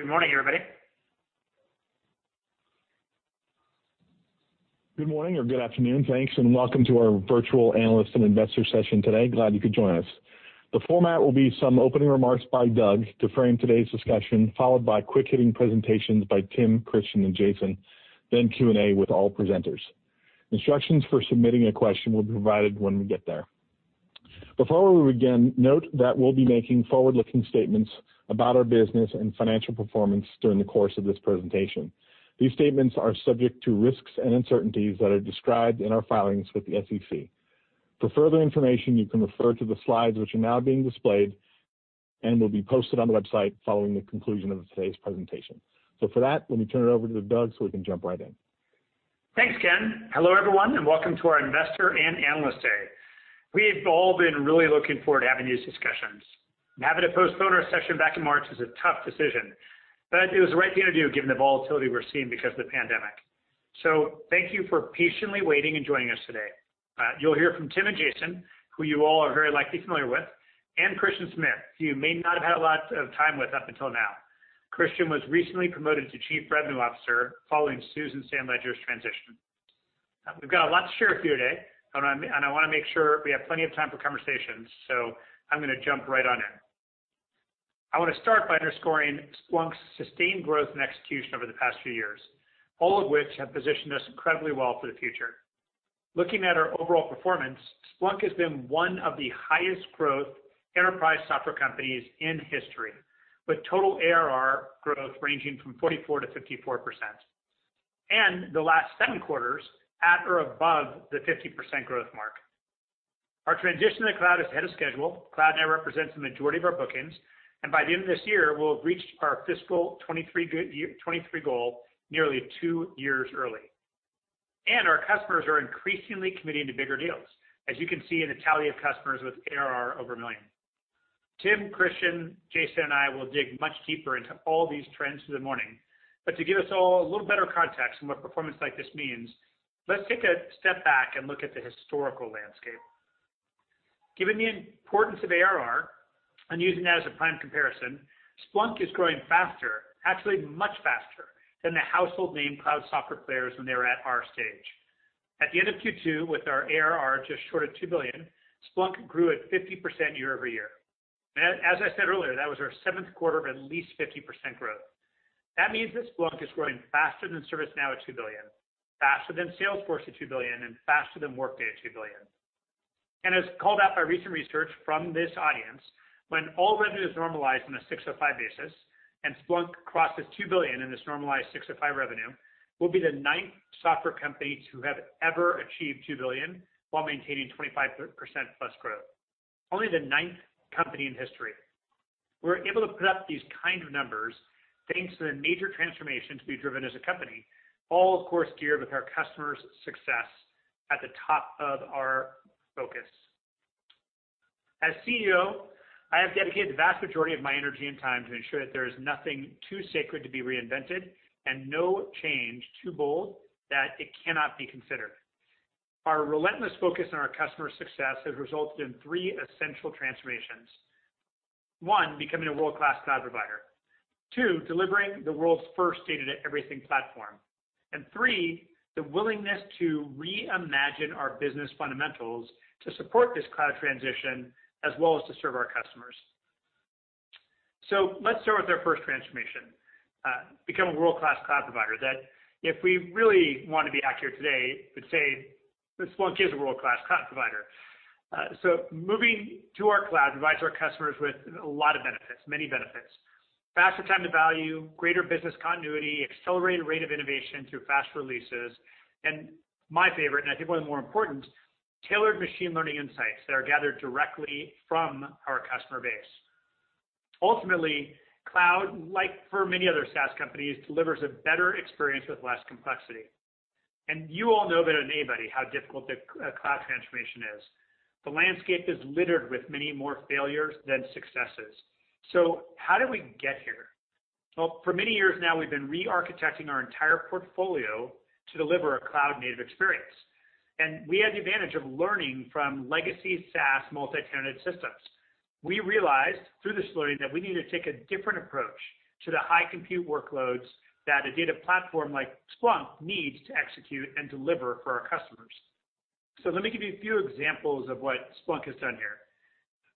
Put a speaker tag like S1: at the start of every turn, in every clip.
S1: Good morning, everybody.
S2: Good morning or good afternoon. Thanks, and welcome to our virtual analyst and investor session today. Glad you could join us. The format will be some opening remarks by Doug to frame today's discussion, followed by quick-hitting presentations by Tim, Christian, and Jason, then Q&A with all presenters. Instructions for submitting a question will be provided when we get there. Before we begin, note that we'll be making forward-looking statements about our business and financial performance during the course of this presentation. These statements are subject to risks and uncertainties that are described in our filings with the SEC. For further information, you can refer to the slides, which are now being displayed and will be posted on the website following the conclusion of today's presentation. For that, let me turn it over to Doug so we can jump right in.
S1: Thanks, Ken. Hello, everyone, and welcome to our Investor and Analyst Day. We have all been really looking forward to having these discussions. Having to postpone our session back in March was a tough decision, but it was the right thing to do given the volatility we're seeing because of the pandemic. Thank you for patiently waiting and joining us today. You'll hear from Tim and Jason, who you all are very likely familiar with, and Christian Smith, who you may not have had lots of time with up until now. Christian was recently promoted to chief revenue officer following Susan St. Ledger's transition. We've got a lot to share with you today, and I want to make sure we have plenty of time for conversations, so I'm going to jump right on in. I want to start by underscoring Splunk's sustained growth and execution over the past few years, all of which have positioned us incredibly well for the future. Looking at our overall performance, Splunk has been one of the highest growth enterprise software companies in history, with total ARR growth ranging from 44%-54%, and the last seven quarters at or above the 50% growth mark. Our transition to cloud is ahead of schedule. Cloud now represents the majority of our bookings, and by the end of this year, we'll have reached our fiscal 2023 goal nearly two years early. Our customers are increasingly committing to bigger deals, as you can see in the tally of customers with ARR over a million. Tim, Christian, Jason, and I will dig much deeper into all these trends through the morning. To give us all a little better context on what performance like this means, let's take a step back and look at the historical landscape. Given the importance of ARR and using that as a prime comparison, Splunk is growing faster, actually much faster, than the household name cloud software players when they were at our stage. At the end of Q2, with our ARR just short of $2 billion, Splunk grew at 50% year-over-year. As I said earlier, that was our seventh quarter of at least 50% growth. That means that Splunk is growing faster than ServiceNow at $2 billion, faster than Salesforce at $2 billion, and faster than Workday at $2 billion. As called out by recent research from this audience, when all revenue is normalized on a 605 basis and Splunk crosses $2 billion in this normalized 605 revenue, we'll be the ninth software company to have ever achieved $2 billion while maintaining 25%+ growth. Only the ninth company in history. We're able to put up these kinds of numbers thanks to the major transformations we've driven as a company, all of course geared with our customers' success at the top of our focus. As CEO, I have dedicated the vast majority of my energy and time to ensure that there is nothing too sacred to be reinvented and no change too bold that it cannot be considered. Our relentless focus on our customers' success has resulted in three essential transformations. One, becoming a world-class cloud provider. Two, delivering the world's first Data-to-Everything Platform. Three, the willingness to reimagine our business fundamentals to support this cloud transition as well as to serve our customers. Let's start with our first transformation, become a world-class cloud provider, that if we really want to be accurate today, we'd say Splunk is a world-class cloud provider. Moving to our cloud provides our customers with a lot of benefits, many benefits, faster time to value, greater business continuity, accelerated rate of innovation through fast releases, and my favorite, and I think one of the more important, tailored machine learning insights that are gathered directly from our customer base. Ultimately, cloud, like for many other SaaS companies, delivers a better experience with less complexity. You all know better than anybody how difficult the cloud transformation is. The landscape is littered with many more failures than successes. How did we get here? Well, for many years now, we've been re-architecting our entire portfolio to deliver a cloud-native experience. We had the advantage of learning from legacy SaaS multi-tenant systems. We realized through this learning that we need to take a different approach to the high compute workloads that a data platform like Splunk needs to execute and deliver for our customers. Let me give you a few examples of what Splunk has done here.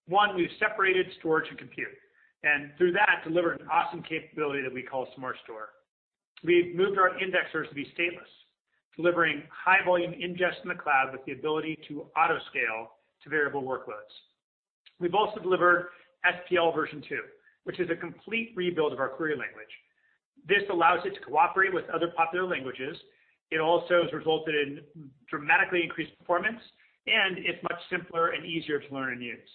S1: One, we've separated storage and compute, and through that delivered an awesome capability that we call SmartStore. We've moved our indexers to be stateless, delivering high volume ingest in the cloud with the ability to auto-scale to variable workloads. We've also delivered SPL version 2.0, which is a complete rebuild of our query language. This allows it to cooperate with other popular languages. It also has resulted in dramatically increased performance, and it's much simpler and easier to learn and use.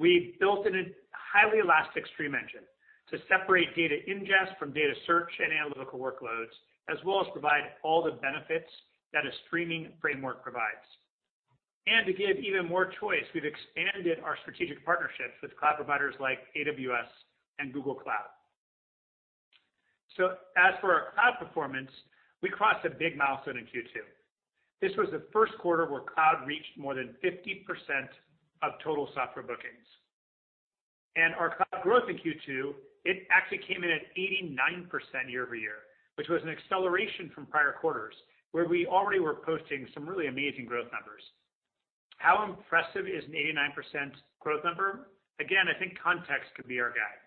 S1: We built in a highly elastic stream engine to separate data ingest from data search and analytical workloads, as well as provide all the benefits that a streaming framework provides. To give even more choice, we've expanded our strategic partnerships with cloud providers like AWS and Google Cloud. As for our cloud performance, we crossed a big milestone in Q2. This was the first quarter where cloud reached more than 50% of total software bookings. Our cloud growth in Q2, it actually came in at 89% year-over-year, which was an acceleration from prior quarters where we already were posting some really amazing growth numbers. How impressive is an 89% growth number? Again, I think context could be our guide.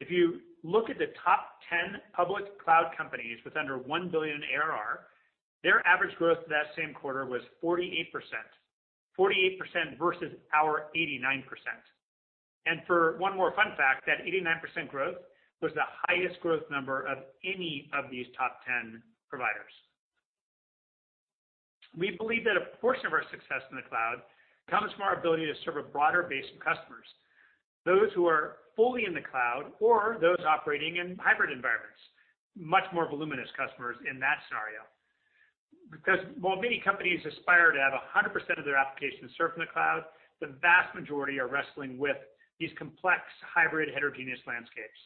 S1: If you look at the top 10 public cloud companies with under $1 billion ARR, their average growth that same quarter was 48%. 48% versus our 89%. For one more fun fact, that 89% growth was the highest growth number of any of these top 10 providers. We believe that a portion of our success in the cloud comes from our ability to serve a broader base of customers, those who are fully in the cloud or those operating in hybrid environments, much more voluminous customers in that scenario. While many companies aspire to have 100% of their applications served from the cloud, the vast majority are wrestling with these complex hybrid heterogeneous landscapes,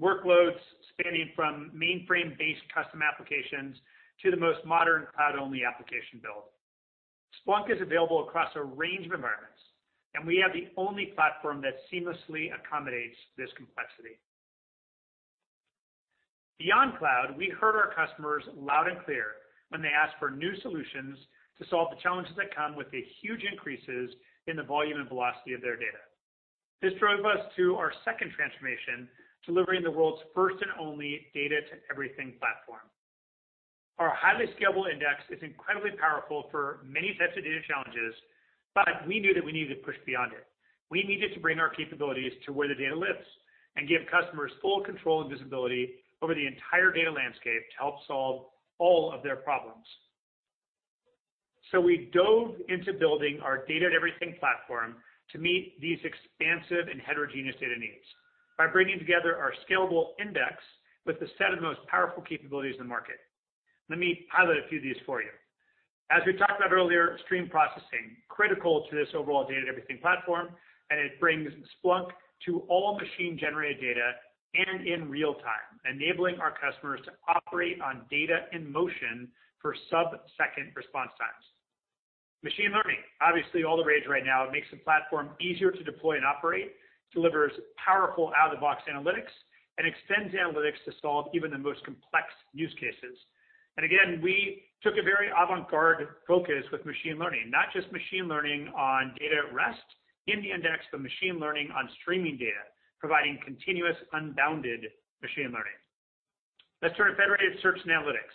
S1: workloads spanning from mainframe-based custom applications to the most modern cloud-only application build. Splunk is available across a range of environments, and we have the only platform that seamlessly accommodates this complexity. Beyond cloud, we heard our customers loud and clear when they asked for new solutions to solve the challenges that come with the huge increases in the volume and velocity of their data. This drove us to our second transformation, delivering the world's first and only data to everything platform. Our highly scalable index is incredibly powerful for many types of data challenges, we knew that we needed to push beyond it. We needed to bring our capabilities to where the data lives and give customers full control and visibility over the entire data landscape to help solve all of their problems. We dove into building our data everything platform to meet these expansive and heterogeneous data needs by bringing together our scalable index with the set of the most powerful capabilities in the market. Let me pilot a few of these for you. As we talked about earlier, stream processing, critical to this overall data everything platform. It brings Splunk to all machine-generated data and in real time, enabling our customers to operate on data in motion for sub-second response times. Machine learning, obviously all the rage right now. It makes the platform easier to deploy and operate, delivers powerful out-of-the-box analytics, and extends analytics to solve even the most complex use cases. Again, we took a very avant-garde focus with machine learning, not just machine learning on data at rest in the index, but machine learning on streaming data, providing continuous unbounded machine learning. Let's turn to federated search and analytics.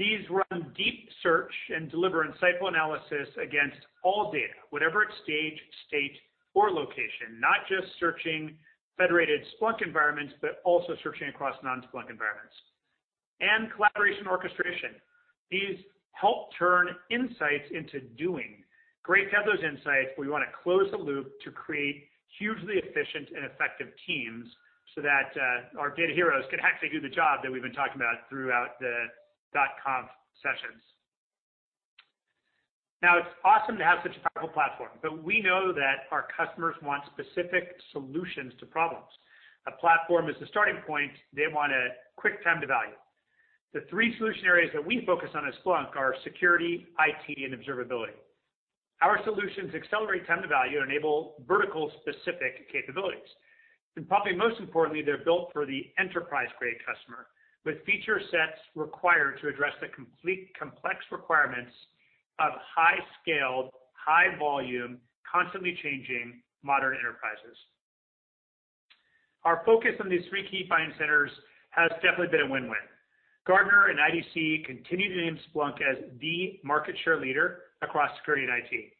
S1: These run deep search and deliver insightful analysis against all data, whatever its stage, state, or location. Not just searching federated Splunk environments, but also searching across non-Splunk environments. Collaboration orchestration. These help turn insights into doing. Great to have those insights, we want to close the loop to create hugely efficient and effective teams so that our data heroes can actually do the job that we've been talking about throughout the .conf sessions. It's awesome to have such a powerful platform, but we know that our customers want specific solutions to problems. A platform is the starting point. They want a quick time to value. The three solution areas that we focus on as Splunk are security, IT, and observability. Our solutions accelerate time to value and enable vertical specific capabilities. Probably most importantly, they're built for the enterprise-grade customer with feature sets required to address the complete complex requirements of high scaled, high volume, constantly changing modern enterprises. Our focus on these three key buying centers has definitely been a win-win. Gartner and IDC continue to name Splunk as the market share leader across security and IT.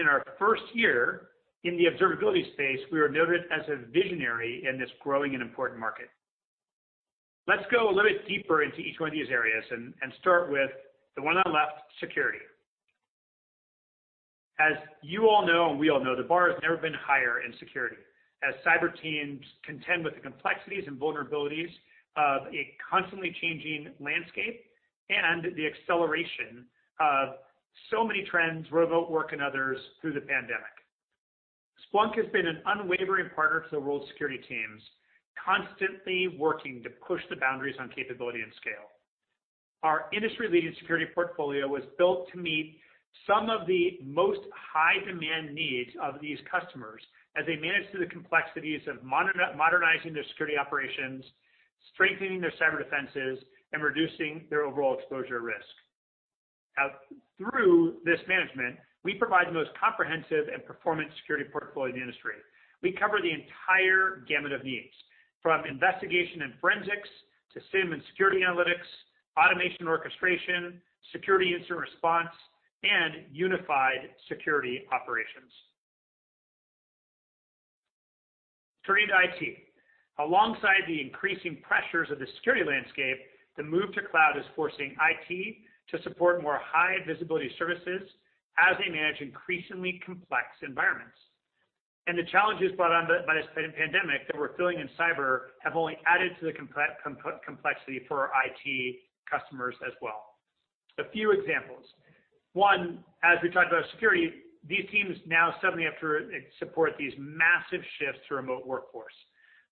S1: In our first year in the observability space, we were noted as a visionary in this growing and important market. Let's go a little bit deeper into each one of these areas and start with the one on the left, security. As you all know, and we all know, the bar has never been higher in security as cyber teams contend with the complexities and vulnerabilities of a constantly changing landscape and the acceleration of so many trends, remote work and others through the pandemic. Splunk has been an unwavering partner to the world's security teams, constantly working to push the boundaries on capability and scale. Our industry-leading security portfolio was built to meet some of the most high demand needs of these customers as they manage through the complexities of modernizing their security operations, strengthening their cyber defenses, and reducing their overall exposure risk. Through this management, we provide the most comprehensive and performant security portfolio in the industry. We cover the entire gamut of needs, from investigation and forensics to SIEM and security analytics, automation orchestration, security incident response, and unified security operations. Turning to IT. Alongside the increasing pressures of the security landscape, the move to cloud is forcing IT to support more high visibility services as they manage increasingly complex environments. The challenges brought on by this pandemic that we're feeling in cyber have only added to the complexity for our IT customers as well. A few examples. One, as we talked about security, these teams now suddenly have to support these massive shifts to remote workforce.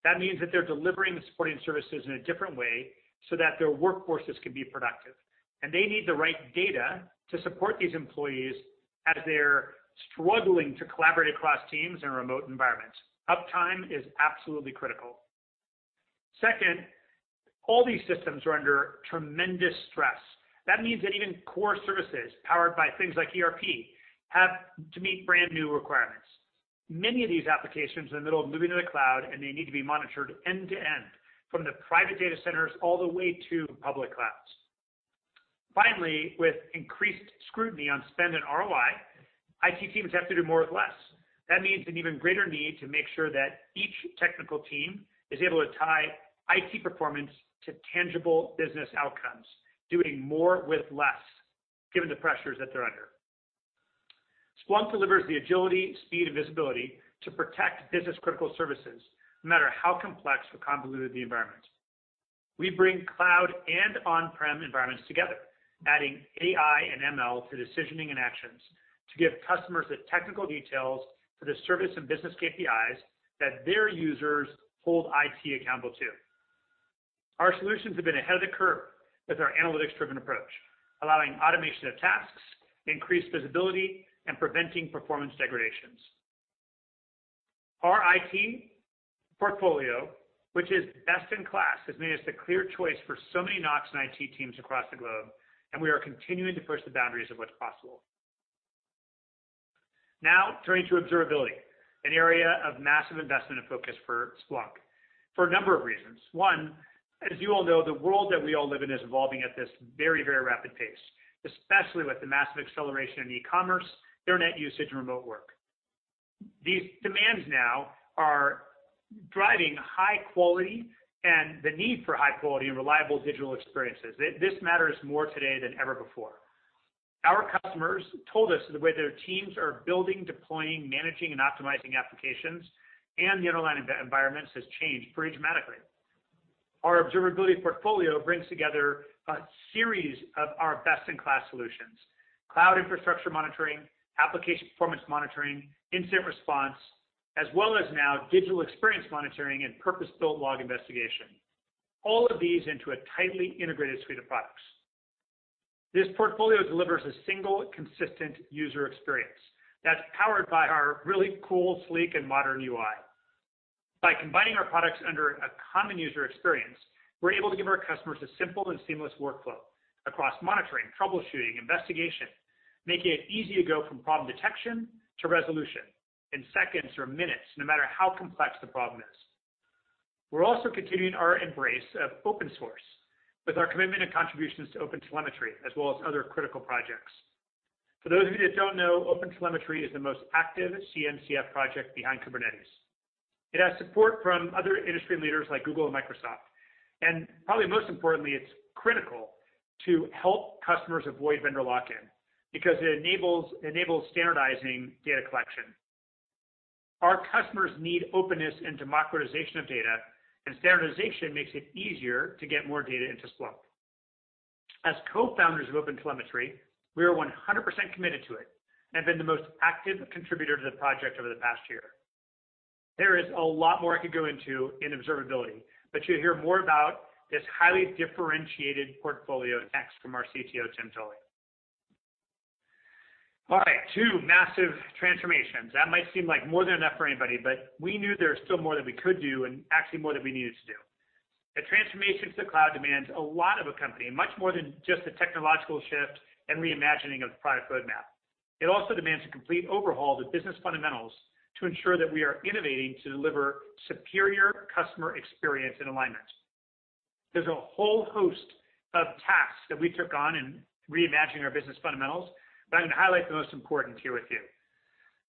S1: That means that they're delivering the supporting services in a different way so that their workforces can be productive, and they need the right data to support these employees as they're struggling to collaborate across teams in remote environments. Uptime is absolutely critical. Second, all these systems are under tremendous stress. That means that even core services powered by things like ERP have to meet brand new requirements. Many of these applications are in the middle of moving to the cloud, and they need to be monitored end to end from the private data centers all the way to public clouds. Finally, with increased scrutiny on spend and ROI, IT teams have to do more with less. That means an even greater need to make sure that each technical team is able to tie IT performance to tangible business outcomes, doing more with less, given the pressures that they're under. Splunk delivers the agility, speed, and visibility to protect business-critical services, no matter how complex or convoluted the environment. We bring cloud and on-prem environments together, adding AI and ML to decisioning and actions to give customers the technical details for the service and business KPIs that their users hold IT accountable to. Our solutions have been ahead of the curve with our analytics-driven approach, allowing automation of tasks, increased visibility, and preventing performance degradations. Our IT portfolio, which is best in class, has made us the clear choice for so many NOC and IT teams across the globe, and we are continuing to push the boundaries of what's possible. Turning to observability, an area of massive investment and focus for Splunk for a number of reasons. One, as you all know, the world that we all live in is evolving at this very rapid pace, especially with the massive acceleration in e-commerce, internet usage, and remote work. These demands now are driving high quality and the need for high quality and reliable digital experiences. This matters more today than ever before. Our customers told us the way their teams are building, deploying, managing, and optimizing applications and the underlying environments has changed pretty dramatically. Our observability portfolio brings together a series of our best-in-class solutions, cloud infrastructure monitoring, application performance monitoring, incident response, as well as now digital experience monitoring, and purpose-built log investigation. All of these into a tightly integrated suite of products. This portfolio delivers a single consistent user experience that's powered by our really cool, sleek, and modern UI. By combining our products under a common user experience, we're able to give our customers a simple and seamless workflow across monitoring, troubleshooting, investigation, making it easy to go from problem detection to resolution in seconds or minutes, no matter how complex the problem is. We're also continuing our embrace of open source with our commitment and contributions to OpenTelemetry, as well as other critical projects. For those of you that don't know, OpenTelemetry is the most active CNCF project behind Kubernetes. It has support from other industry leaders like Google and Microsoft, and probably most importantly, it's critical to help customers avoid vendor lock-in because it enables standardizing data collection. Our customers need openness and democratization of data, and standardization makes it easier to get more data into Splunk. As co-founders of OpenTelemetry, we are 100% committed to it and been the most active contributor to the project over the past year. There is a lot more I could go into in observability, you'll hear more about this highly differentiated portfolio next from our CTO, Tim Tully. All right, two massive transformations. That might seem like more than enough for anybody, we knew there was still more that we could do and actually more that we needed to do. A transformation to the cloud demands a lot of a company, much more than just the technological shift and reimagining of the product roadmap. It also demands a complete overhaul of the business fundamentals to ensure that we are innovating to deliver superior customer experience and alignment. There's a whole host of tasks that we took on in reimagining our business fundamentals. I'm going to highlight the most important here with you.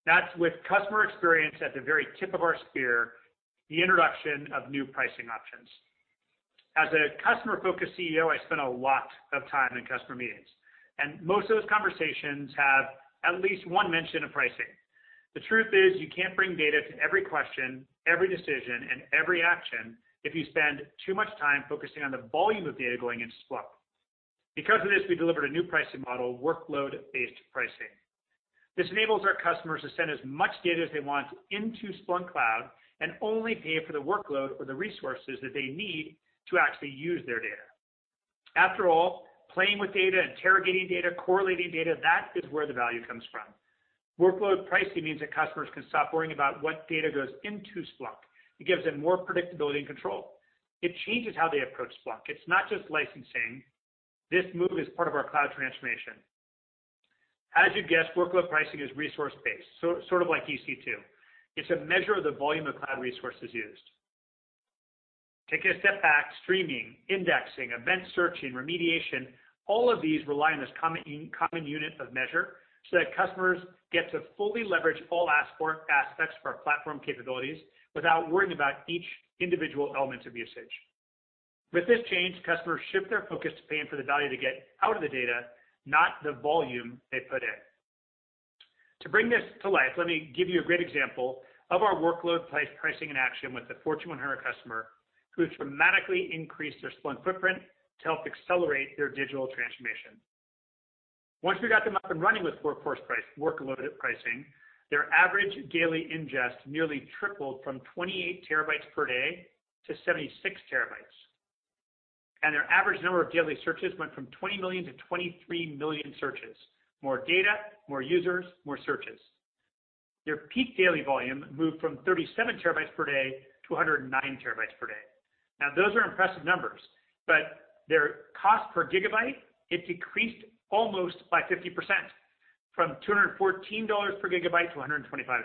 S1: That's with customer experience at the very tip of our spear, the introduction of new pricing options. As a customer-focused CEO, I spent a lot of time in customer meetings. Most of those conversations have at least one mention of pricing. The truth is, you can't bring data to every question, every decision, and every action if you spend too much time focusing on the volume of data going into Splunk. Because of this, we delivered a new pricing model, workload-based pricing. This enables our customers to send as much data as they want into Splunk Cloud and only pay for the workload or the resources that they need to actually use their data. After all, playing with data, interrogating data, correlating data, that is where the value comes from. Workload pricing means that customers can stop worrying about what data goes into Splunk. It gives them more predictability and control. It changes how they approach Splunk. It's not just licensing. This move is part of our cloud transformation. As you'd guess, workload pricing is resource-based, sort of like EC2. It's a measure of the volume of cloud resources used. Taking a step back, streaming, indexing, event searching, remediation, all of these rely on this common unit of measure so that customers get to fully leverage all aspects of our platform capabilities without worrying about each individual element of usage. With this change, customers shift their focus to paying for the value they get out of the data, not the volume they put in. To bring this to life, let me give you a great example of our workload pricing in action with a Fortune 100 customer who has dramatically increased their Splunk footprint to help accelerate their digital transformation. Once we got them up and running with workload pricing, their average daily ingest nearly tripled from 28 TB per day to 76 TB. Their average number of daily searches went from 20 million to 23 million searches. More data, more users, more searches. Their peak daily volume moved from 37 TB per day to 109 TB per day. Now, those are impressive numbers, but their cost per gigabyte, it decreased almost by 50%, from $214 per GB to $125.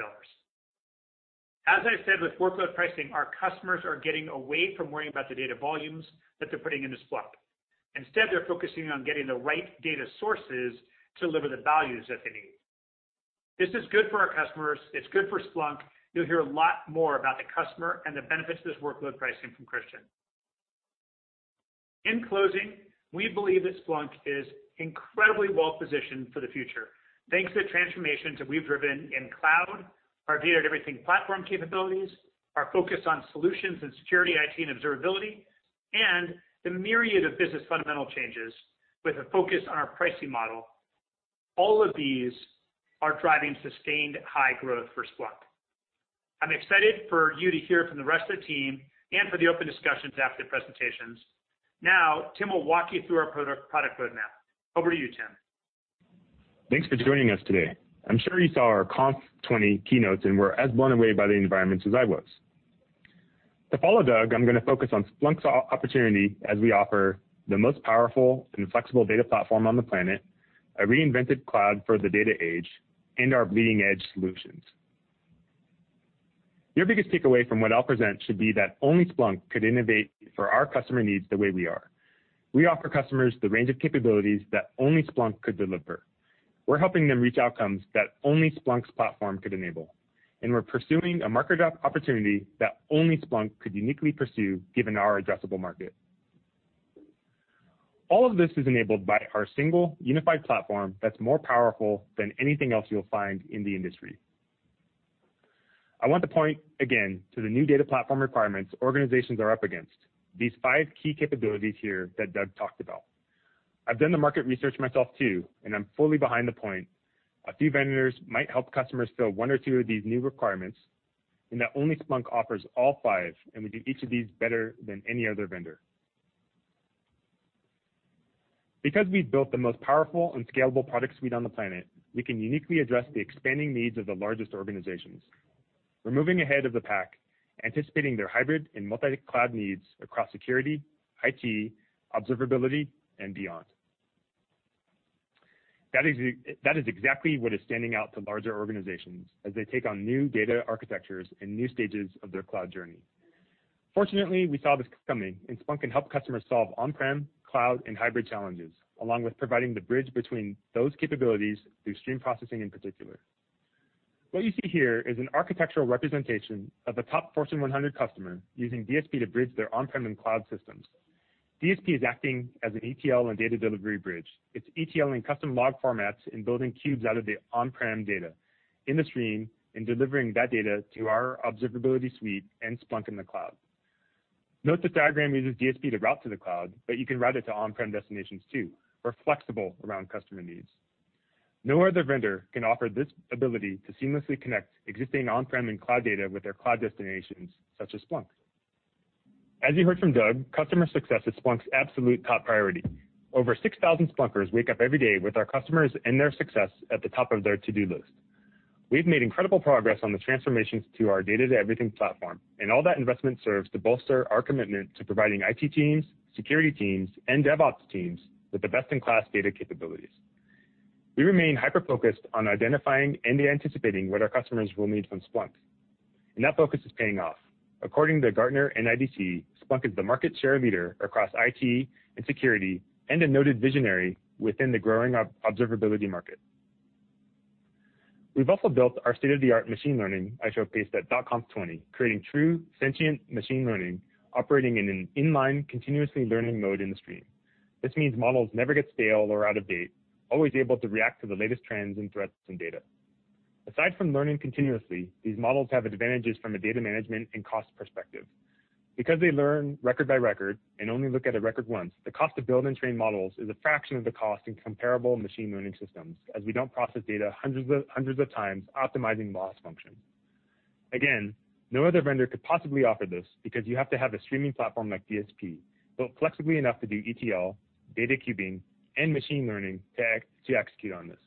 S1: As I said, with workload pricing, our customers are getting away from worrying about the data volumes that they're putting into Splunk. Instead, they're focusing on getting the right data sources to deliver the values that they need. This is good for our customers. It's good for Splunk. You'll hear a lot more about the customer and the benefits of this workload pricing from Christian. In closing, we believe that Splunk is incredibly well-positioned for the future thanks to the transformations that we've driven in cloud, our data everything platform capabilities, our focus on solutions in security, IT, and observability, and the myriad of business fundamental changes with a focus on our pricing model. All of these are driving sustained high growth for Splunk. I'm excited for you to hear from the rest of the team and for the open discussions after the presentations. Tim will walk you through our product roadmap. Over to you, Tim.
S3: Thanks for joining us today. I'm sure you saw our .conf20 keynotes and were as blown away by the environments as I was. To follow Doug, I'm going to focus on Splunk's opportunity as we offer the most powerful and flexible data platform on the planet, a reinvented cloud for the data age, and our leading edge solutions. Your biggest takeaway from what I'll present should be that only Splunk could innovate for our customer needs the way we are. We offer customers the range of capabilities that only Splunk could deliver. We're helping them reach outcomes that only Splunk's platform could enable. We're pursuing a market opportunity that only Splunk could uniquely pursue given our addressable market. All of this is enabled by our single unified platform that's more powerful than anything else you'll find in the industry. I want to point again to the new data platform requirements organizations are up against, these five key capabilities here that Doug talked about. I've done the market research myself too, and I'm fully behind the point. A few vendors might help customers fill one or two of these new requirements, and that only Splunk offers all five, and we do each of these better than any other vendor. Because we've built the most powerful and scalable product suite on the planet, we can uniquely address the expanding needs of the largest organizations. We're moving ahead of the pack, anticipating their hybrid and multi-cloud needs across security, IT, observability, and beyond. That is exactly what is standing out to larger organizations as they take on new data architectures and new stages of their cloud journey. Fortunately, we saw this coming and Splunk can help customers solve on-prem, cloud, and hybrid challenges, along with providing the bridge between those capabilities through stream processing in particular. What you see here is an architectural representation of a top Fortune 100 customer using DSP to bridge their on-prem and cloud systems. DSP is acting as an ETL and data delivery bridge. It's ETL in custom log formats and building cubes out of the on-prem data in the stream and delivering that data to our Observability Suite and Splunk in the cloud. Note this diagram uses DSP to route to the cloud, but you can route it to on-prem destinations too. We're flexible around customer needs. No other vendor can offer this ability to seamlessly connect existing on-prem and cloud data with their cloud destinations such as Splunk. As you heard from Doug, customer success is Splunk's absolute top priority. Over 6,000 Splunkers wake up every day with our customers and their success at the top of their to-do list. All that investment serves to bolster our commitment to providing IT teams, security teams, and DevOps teams with the best-in-class data capabilities. We remain hyper-focused on identifying and anticipating what our customers will need from Splunk. That focus is paying off. According to Gartner and IDC, Splunk is the market share leader across IT and security and a noted visionary within the growing observability market. We've also built our state-of-the-art machine learning I showcased at .conf20, creating true sentient machine learning operating in an inline continuously learning mode in the stream. This means models never get stale or out of date, always able to react to the latest trends and threats and data. Aside from learning continuously, these models have advantages from a data management and cost perspective. Because they learn record by record and only look at a record once, the cost to build and train models is a fraction of the cost in comparable machine learning systems as we don't process data hundreds of times optimizing loss function. Again, no other vendor could possibly offer this because you have to have a streaming platform like DSP built flexibly enough to do ETL, data cubing, and machine learning to execute on this.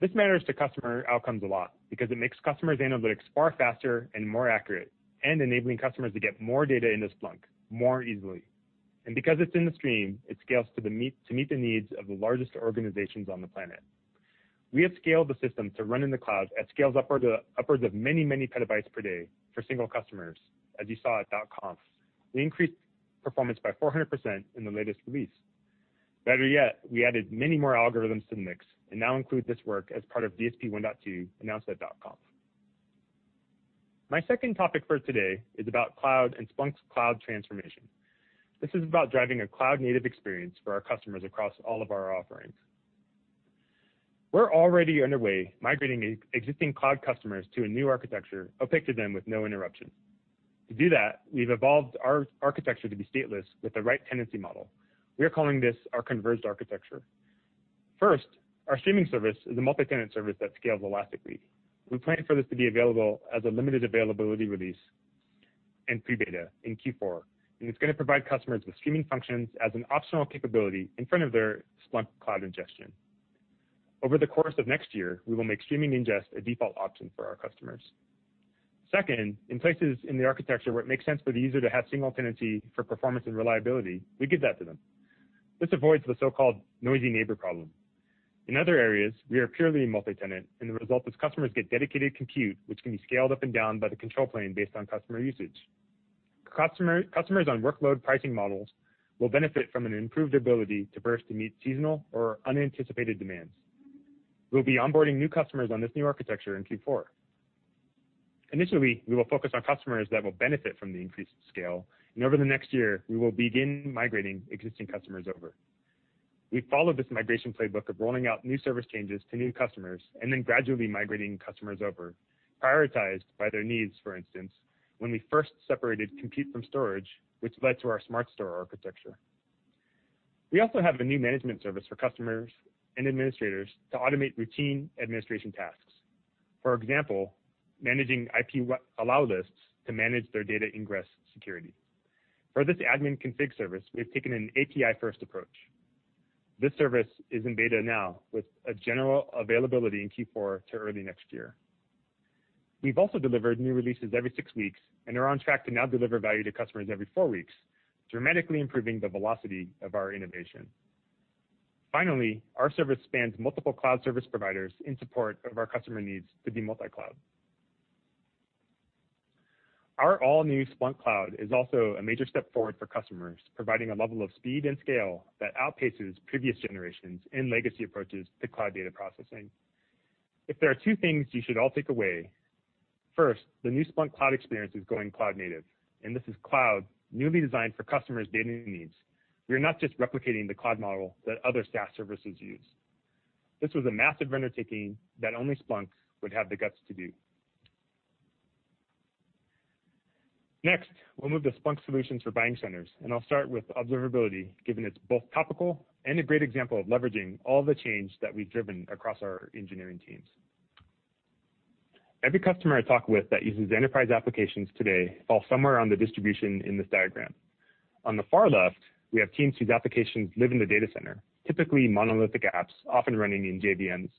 S3: This matters to customer outcomes a lot because it makes customers' analytics far faster and more accurate and enabling customers to get more data into Splunk more easily. Because it's in the stream, it scales to meet the needs of the largest organizations on the planet. We have scaled the system to run in the cloud at scales upwards of many petabytes per day for single customers, as you saw at .conf. We increased performance by 400% in the latest release. Better yet, we added many more algorithms to the mix and now include this work as part of DSP 1.2 announced at .conf. My second topic for today is about cloud and Splunk's cloud transformation. This is about driving a cloud-native experience for our customers across all of our offerings. We're already underway migrating existing cloud customers to a new architecture, opaque to them with no interruption. To do that, we've evolved our architecture to be stateless with the right tenancy model. We are calling this our converged architecture. First, our streaming service is a multi-tenant service that scales elastically. We plan for this to be available as a limited availability release in pre-beta in Q4, it's going to provide customers with streaming functions as an optional capability in front of their Splunk Cloud ingestion. Over the course of next year, we will make streaming ingest a default option for our customers. Second, in places in the architecture where it makes sense for the user to have single tenancy for performance and reliability, we give that to them. This avoids the so-called noisy neighbor problem. In other areas, we are purely multi-tenant, the result is customers get dedicated compute, which can be scaled up and down by the control plane based on customer usage. Customers on workload pricing models will benefit from an improved ability to burst to meet seasonal or unanticipated demands. We'll be onboarding new customers on this new architecture in Q4. Initially, we will focus on customers that will benefit from the increased scale, and over the next year, we will begin migrating existing customers over. We followed this migration playbook of rolling out new service changes to new customers and then gradually migrating customers over, prioritized by their needs, for instance, when we first separated compute from storage, which led to our SmartStore architecture. We also have a new management service for customers and administrators to automate routine administration tasks. For example, managing IP allow lists to manage their data ingress security. For this admin config service, we've taken an API first approach. This service is in beta now with a general availability in Q4 to early next year. We've also delivered new releases every six weeks and are on track to now deliver value to customers every four weeks, dramatically improving the velocity of our innovation. Finally, our service spans multiple Cloud Service Providers in support of our customer needs to be multi-cloud. Our all-new Splunk Cloud is also a major step forward for customers, providing a level of speed and scale that outpaces previous generations and legacy approaches to cloud data processing. If there are two things you should all take away, first, the new Splunk Cloud experience is going cloud native. This is cloud newly designed for customers' data needs. We are not just replicating the cloud model that other SaaS services use. This was a massive undertaking that only Splunk would have the guts to do. Next, we'll move to Splunk solutions for buying centers. I'll start with observability, given it's both topical and a great example of leveraging all the change that we've driven across our engineering teams. Every customer I talk with that uses enterprise applications today falls somewhere on the distribution in this diagram. On the far left, we have teams whose applications live in the data center, typically monolithic apps, often running in JVMs.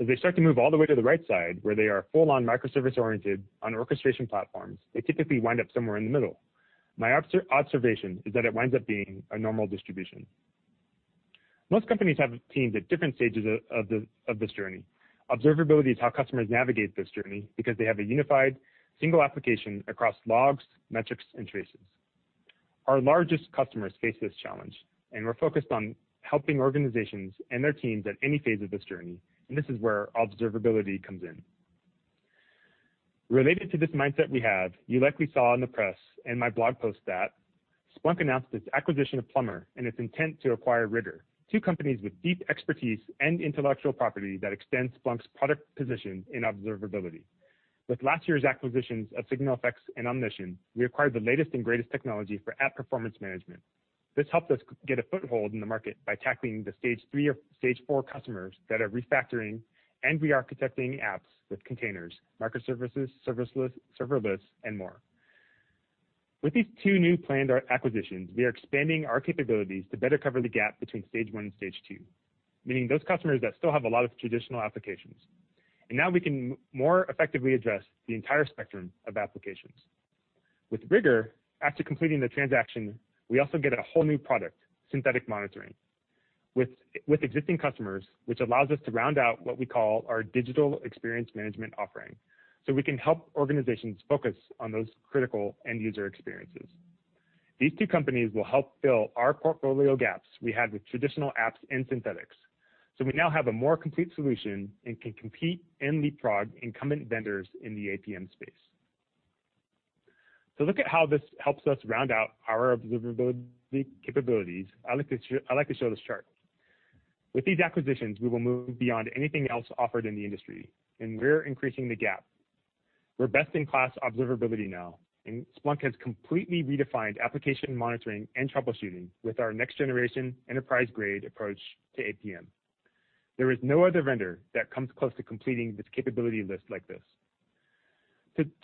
S3: As they start to move all the way to the right side, where they are full-on microservice oriented on orchestration platforms, they typically wind up somewhere in the middle. My observation is that it winds up being a normal distribution. Most companies have teams at different stages of this journey. Observability is how customers navigate this journey because they have a unified single application across logs, metrics, and traces. Our largest customers face this challenge, and we're focused on helping organizations and their teams at any phase of this journey, and this is where observability comes in. Related to this mindset we have, you likely saw in the press and my blog post that Splunk announced its acquisition of Plumbr and its intent to acquire Rigor, two companies with deep expertise and intellectual property that extend Splunk's product position in observability. With last year's acquisitions of SignalFx and Omnition, we acquired the latest and greatest technology for app performance management. This helped us get a foothold in the market by tackling the stage three or stage four customers that are refactoring and re-architecting apps with containers, microservices, serverless, and more. With these two new planned acquisitions, we are expanding our capabilities to better cover the gap between stage one and stage two, meaning those customers that still have a lot of traditional applications. Now we can more effectively address the entire spectrum of applications. With Rigor, after completing the transaction, we also get a whole new product, synthetic monitoring, with existing customers, which allows us to round out what we call our digital experience management offering so we can help organizations focus on those critical end-user experiences. These two companies will help fill our portfolio gaps we had with traditional apps and synthetics. We now have a more complete solution and can compete and leapfrog incumbent vendors in the APM space. To look at how this helps us round out our observability capabilities, I'd like to show this chart. With these acquisitions, we will move beyond anything else offered in the industry, and we're increasing the gap. We're best in class observability now, and Splunk has completely redefined application monitoring and troubleshooting with our next generation enterprise-grade approach to APM. There is no other vendor that comes close to completing this capability list like this.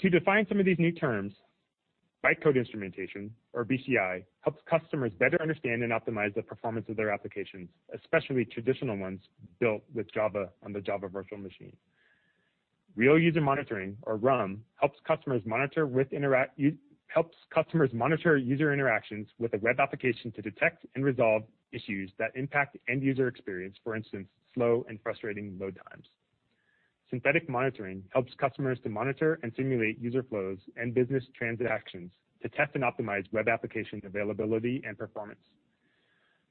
S3: To define some of these new terms, bytecode instrumentation or BCI helps customers better understand and optimize the performance of their applications, especially traditional ones built with Java on the Java Virtual Machine. Real User Monitoring or RUM helps customers monitor user interactions with a web application to detect and resolve issues that impact end-user experience, for instance, slow and frustrating load times. Synthetic Monitoring helps customers to monitor and simulate user flows and business transactions to test and optimize web application availability and performance.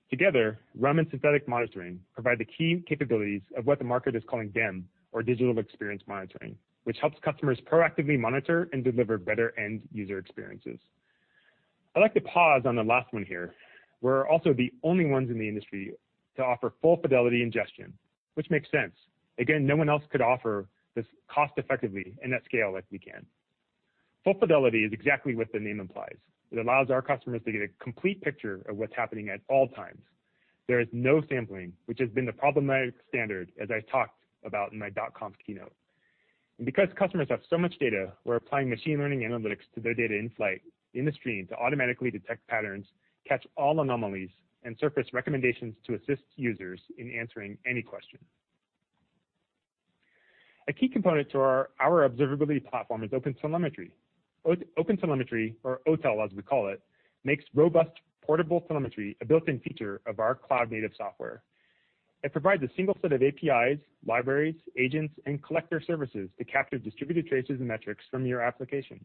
S3: Together, RUM and Synthetic Monitoring provide the key capabilities of what the market is calling DEM, or Digital Experience Monitoring, which helps customers proactively monitor and deliver better end-user experiences. I'd like to pause on the last one here. We're also the only ones in the industry to offer full fidelity ingestion, which makes sense. Again, no one else could offer this cost effectively and at scale like we can. Full fidelity is exactly what the name implies. It allows our customers to get a complete picture of what's happening at all times. There is no sampling, which has been the problematic standard as I talked about in my .conf keynote. Because customers have so much data, we're applying machine learning analytics to their data in flight, in the stream, to automatically detect patterns, catch all anomalies, and surface recommendations to assist users in answering any question. A key component to our observability platform is OpenTelemetry. OpenTelemetry, or OTEL, as we call it, makes robust portable telemetry a built-in feature of our cloud-native software. It provides a single set of APIs, libraries, agents, and collector services to capture distributed traces and metrics from your application.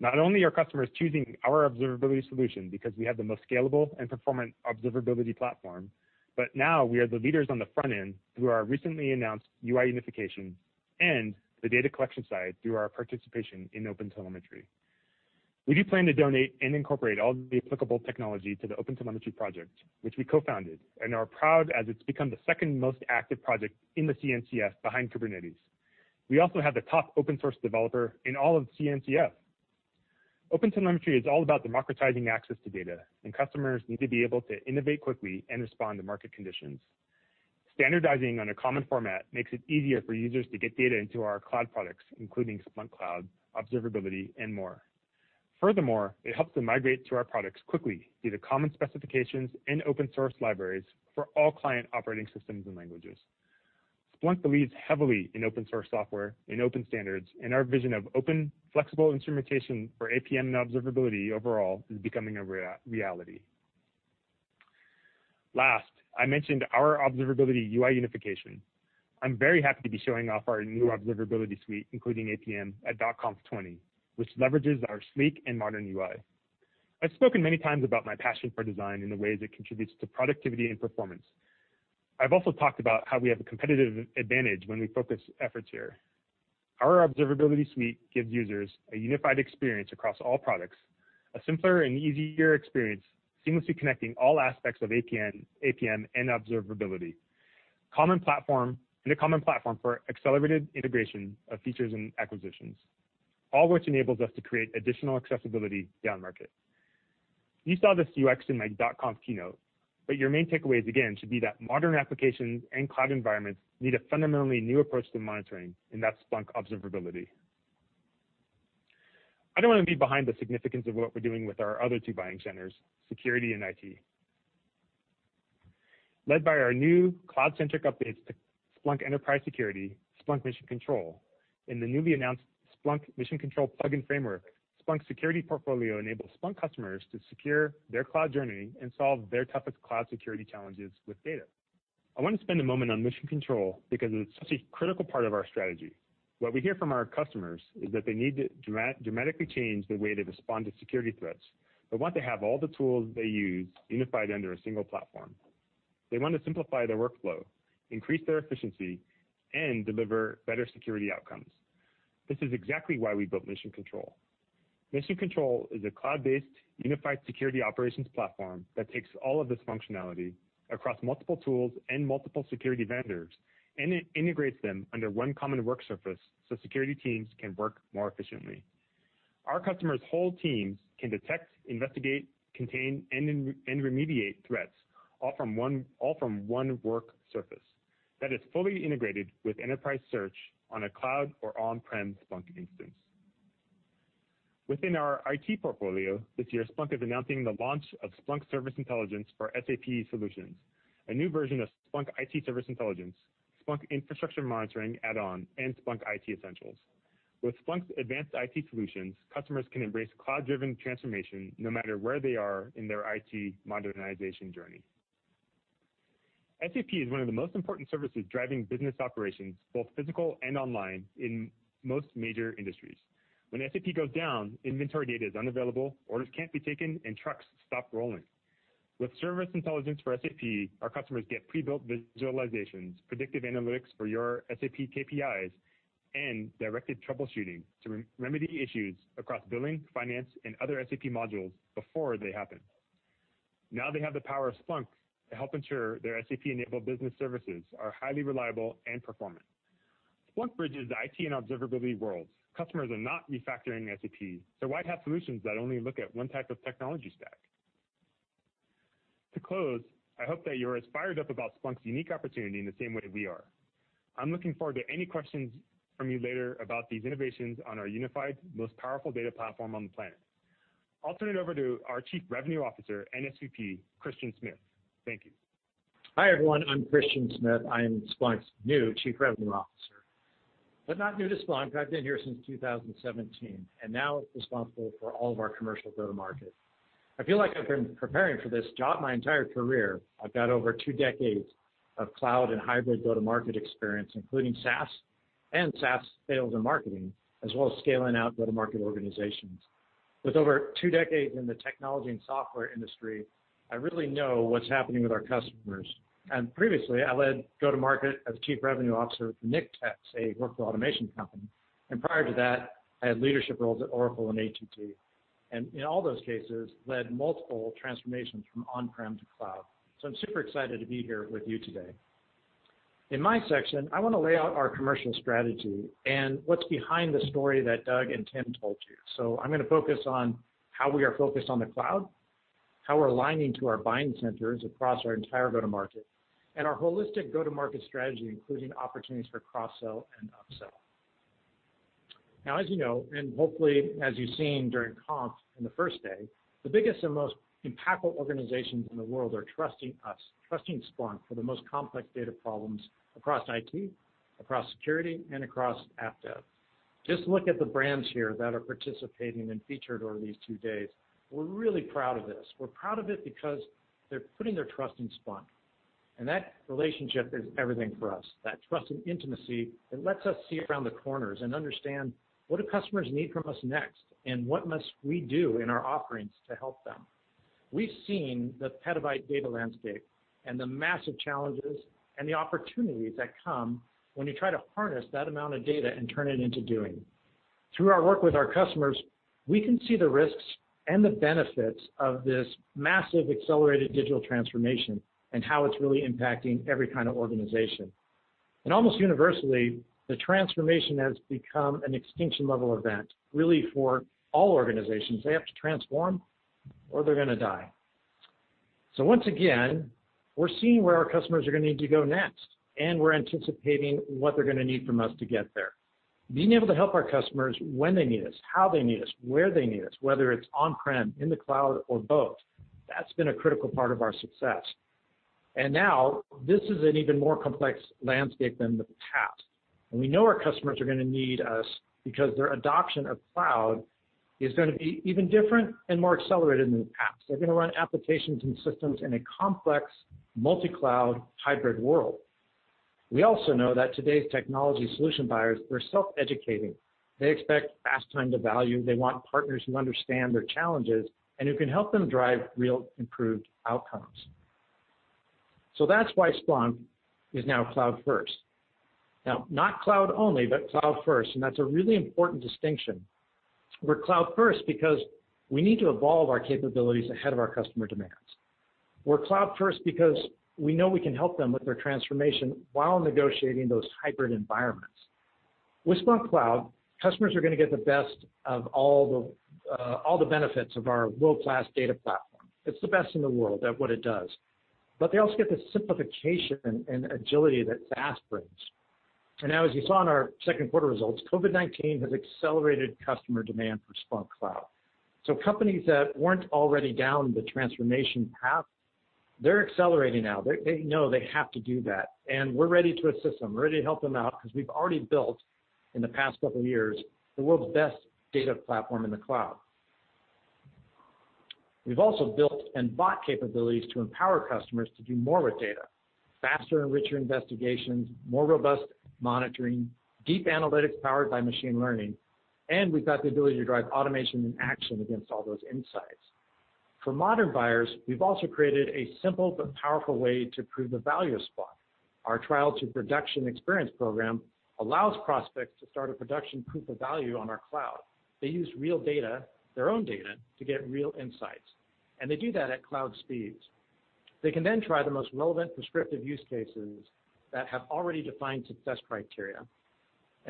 S3: Not only are customers choosing our observability solution because we have the most scalable and performant observability platform, but now we are the leaders on the front end through our recently announced UI unification and the data collection side through our participation in OpenTelemetry. We do plan to donate and incorporate all the applicable technology to the OpenTelemetry project, which we co-founded and are proud as it's become the second most active project in the CNCF behind Kubernetes. We also have the top open source developer in all of CNCF. OpenTelemetry is all about democratizing access to data, and customers need to be able to innovate quickly and respond to market conditions. Standardizing on a common format makes it easier for users to get data into our cloud products, including Splunk Cloud, Observability, and more. It helps to migrate to our products quickly due to common specifications and open source libraries for all client operating systems and languages. Splunk believes heavily in open source software and open standards, our vision of open, flexible instrumentation for APM and Observability overall is becoming a reality. I mentioned our Observability UI unification. I'm very happy to be showing off our new Observability Suite, including APM at .conf20, which leverages our sleek and modern UI. I've spoken many times about my passion for design and the ways it contributes to productivity and performance. I've also talked about how we have a competitive advantage when we focus efforts here. Our Observability Suite gives users a unified experience across all products, a simpler and easier experience seamlessly connecting all aspects of APM and Observability. A common platform for accelerated integration of features and acquisitions, all which enables us to create additional accessibility down market. You saw this UX in my .conf keynote, but your main takeaways, again, should be that modern applications and cloud environments need a fundamentally new approach to monitoring, and that's Splunk Observability. I don't want to leave behind the significance of what we're doing with our other two buying centers, security and IT. Led by our new cloud-centric updates to Splunk Enterprise Security, Splunk Mission Control, and the newly announced Splunk Mission Control Plugin Framework, Splunk security portfolio enables Splunk customers to secure their cloud journey and solve their toughest cloud security challenges with data. I want to spend a moment on Mission Control because it's such a critical part of our strategy. What we hear from our customers is that they need to dramatically change the way they respond to security threats, but want to have all the tools they use unified under a single platform. They want to simplify their workflow, increase their efficiency, and deliver better security outcomes. This is exactly why we built Mission Control. Mission Control is a cloud-based unified security operations platform that takes all of this functionality across multiple tools and multiple security vendors and integrates them under one common work surface so security teams can work more efficiently. Our customers' whole teams can detect, investigate, contain, and remediate threats all from one work surface that is fully integrated with enterprise search on a cloud or on-prem Splunk instance. Within our IT portfolio this year, Splunk is announcing the launch of Splunk Service Intelligence for SAP Solutions, a new version of Splunk IT Service Intelligence, Splunk Infrastructure Monitoring Add-on, and Splunk IT Essentials. With Splunk's advanced IT solutions, customers can embrace cloud-driven transformation no matter where they are in their IT modernization journey. SAP is one of the most important services driving business operations, both physical and online, in most major industries. When SAP goes down, inventory data is unavailable, orders can't be taken, and trucks stop rolling. With Service Intelligence for SAP, our customers get pre-built visualizations, predictive analytics for your SAP KPIs, and directed troubleshooting to remedy issues across billing, finance, and other SAP modules before they happen. Now they have the power of Splunk to help ensure their SAP-enabled business services are highly reliable and performant. Splunk bridges the IT and observability worlds. Customers are not refactoring SAP. Why have solutions that only look at one type of technology stack? To close, I hope that you're as fired up about Splunk's unique opportunity in the same way we are. I'm looking forward to any questions from you later about these innovations on our unified, most powerful data platform on the planet. I'll turn it over to our Chief Revenue Officer and SVP, Christian Smith. Thank you.
S4: Hi, everyone. I'm Christian Smith. I am Splunk's new Chief Revenue Officer, not new to Splunk. I've been here since 2017, now responsible for all of our commercial go-to-market. I feel like I've been preparing for this job my entire career. I've got over two decades of cloud and hybrid go-to-market experience, including SaaS sales and marketing, as well as scaling out go-to-market organizations. With over two decades in the technology and software industry, I really know what's happening with our customers. Previously, I led go-to-market as Chief Revenue Officer for Nintex, a workflow automation company. Prior to that, I had leadership roles at Oracle and AT&T. In all those cases, led multiple transformations from on-prem to cloud. I'm super excited to be here with you today. In my section, I want to lay out our commercial strategy and what's behind the story that Doug and Tim told you. I'm going to focus on how we are focused on the cloud, how we're aligning to our buying centers across our entire go-to-market, and our holistic go-to-market strategy, including opportunities for cross-sell and upsell. Now, as you know, and hopefully as you've seen during .conf on the first day, the biggest and most impactful organizations in the world are trusting us, trusting Splunk for the most complex data problems across IT, across security, and across AppDev. Just look at the brands here that are participating and featured over these two days. We're really proud of this. We're proud of it because they're putting their trust in Splunk, and that relationship is everything for us. That trust and intimacy, it lets us see around the corners and understand what do customers need from us next, and what must we do in our offerings to help them. We've seen the petabyte data landscape and the massive challenges and the opportunities that come when you try to harness that amount of data and turn it into doing. Through our work with our customers, we can see the risks and the benefits of this massive accelerated digital transformation and how it's really impacting every kind of organization. Almost universally, the transformation has become an extinction-level event, really, for all organizations. They have to transform, or they're going to die. Once again, we're seeing where our customers are going to need to go next, and we're anticipating what they're going to need from us to get there. Being able to help our customers when they need us, how they need us, where they need us, whether it's on-prem, in the cloud, or both, that's been a critical part of our success. Now this is an even more complex landscape than the past. We know our customers are going to need us because their adoption of cloud is going to be even different and more accelerated than the past. They're going to run applications and systems in a complex multi-cloud hybrid world. We also know that today's technology solution buyers are self-educating. They expect fast time to value. They want partners who understand their challenges and who can help them drive real improved outcomes. That's why Splunk is now cloud first. Now, not cloud only, but cloud first, and that's a really important distinction. We're cloud first because we need to evolve our capabilities ahead of our customer demands. We're cloud first because we know we can help them with their transformation while negotiating those hybrid environments. With Splunk Cloud, customers are going to get the best of all the benefits of our world-class data platform. It's the best in the world at what it does. They also get the simplification and agility that SaaS brings. Now, as you saw in our second quarter results, COVID-19 has accelerated customer demand for Splunk Cloud. Companies that weren't already down the transformation path, they're accelerating now. They know they have to do that, and we're ready to assist them, ready to help them out, because we've already built, in the past couple years, the world's best data platform in the cloud. We've also built and bought capabilities to empower customers to do more with data. Faster and richer investigations, more robust monitoring, deep analytics powered by machine learning, and we've got the ability to drive automation and action against all those insights. For modern buyers, we've also created a simple but powerful way to prove the value of Splunk. Our trial to production experience program allows prospects to start a production proof of value on our cloud. They use real data, their own data, to get real insights, and they do that at cloud speeds. They can then try the most relevant prescriptive use cases that have already defined success criteria.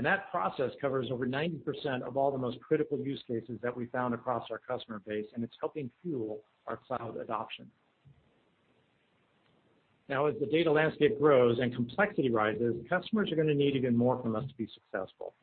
S4: That process covers over 90% of all the most critical use cases that we found across our customer base, and it's helping fuel our cloud adoption. As the data landscape grows and complexity rises, customers are going to need even more from us to be successful.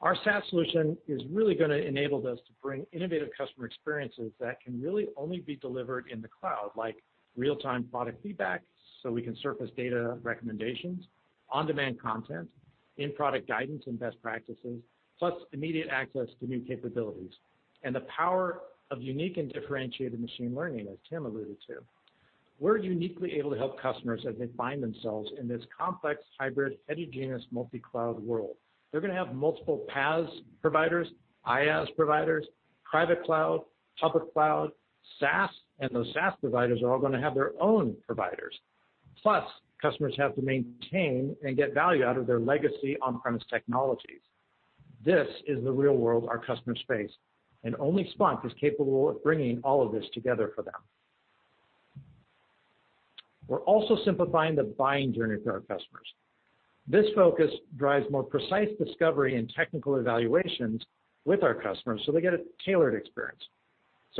S4: Our SaaS solution is really going to enable us to bring innovative customer experiences that can really only be delivered in the cloud, like real-time product feedback, so we can surface data recommendations, on-demand content, in-product guidance and best practices, plus immediate access to new capabilities, and the power of unique and differentiated machine learning, as Tim alluded to. We're uniquely able to help customers as they find themselves in this complex, hybrid, heterogeneous, multi-cloud world. They're going to have multiple PaaS providers, IaaS providers, private cloud, public cloud, SaaS, and those SaaS providers are all going to have their own providers. Customers have to maintain and get value out of their legacy on-premise technologies. This is the real world our customers face, and only Splunk is capable of bringing all of this together for them. We're also simplifying the buying journey for our customers. This focus drives more precise discovery and technical evaluations with our customers so they get a tailored experience.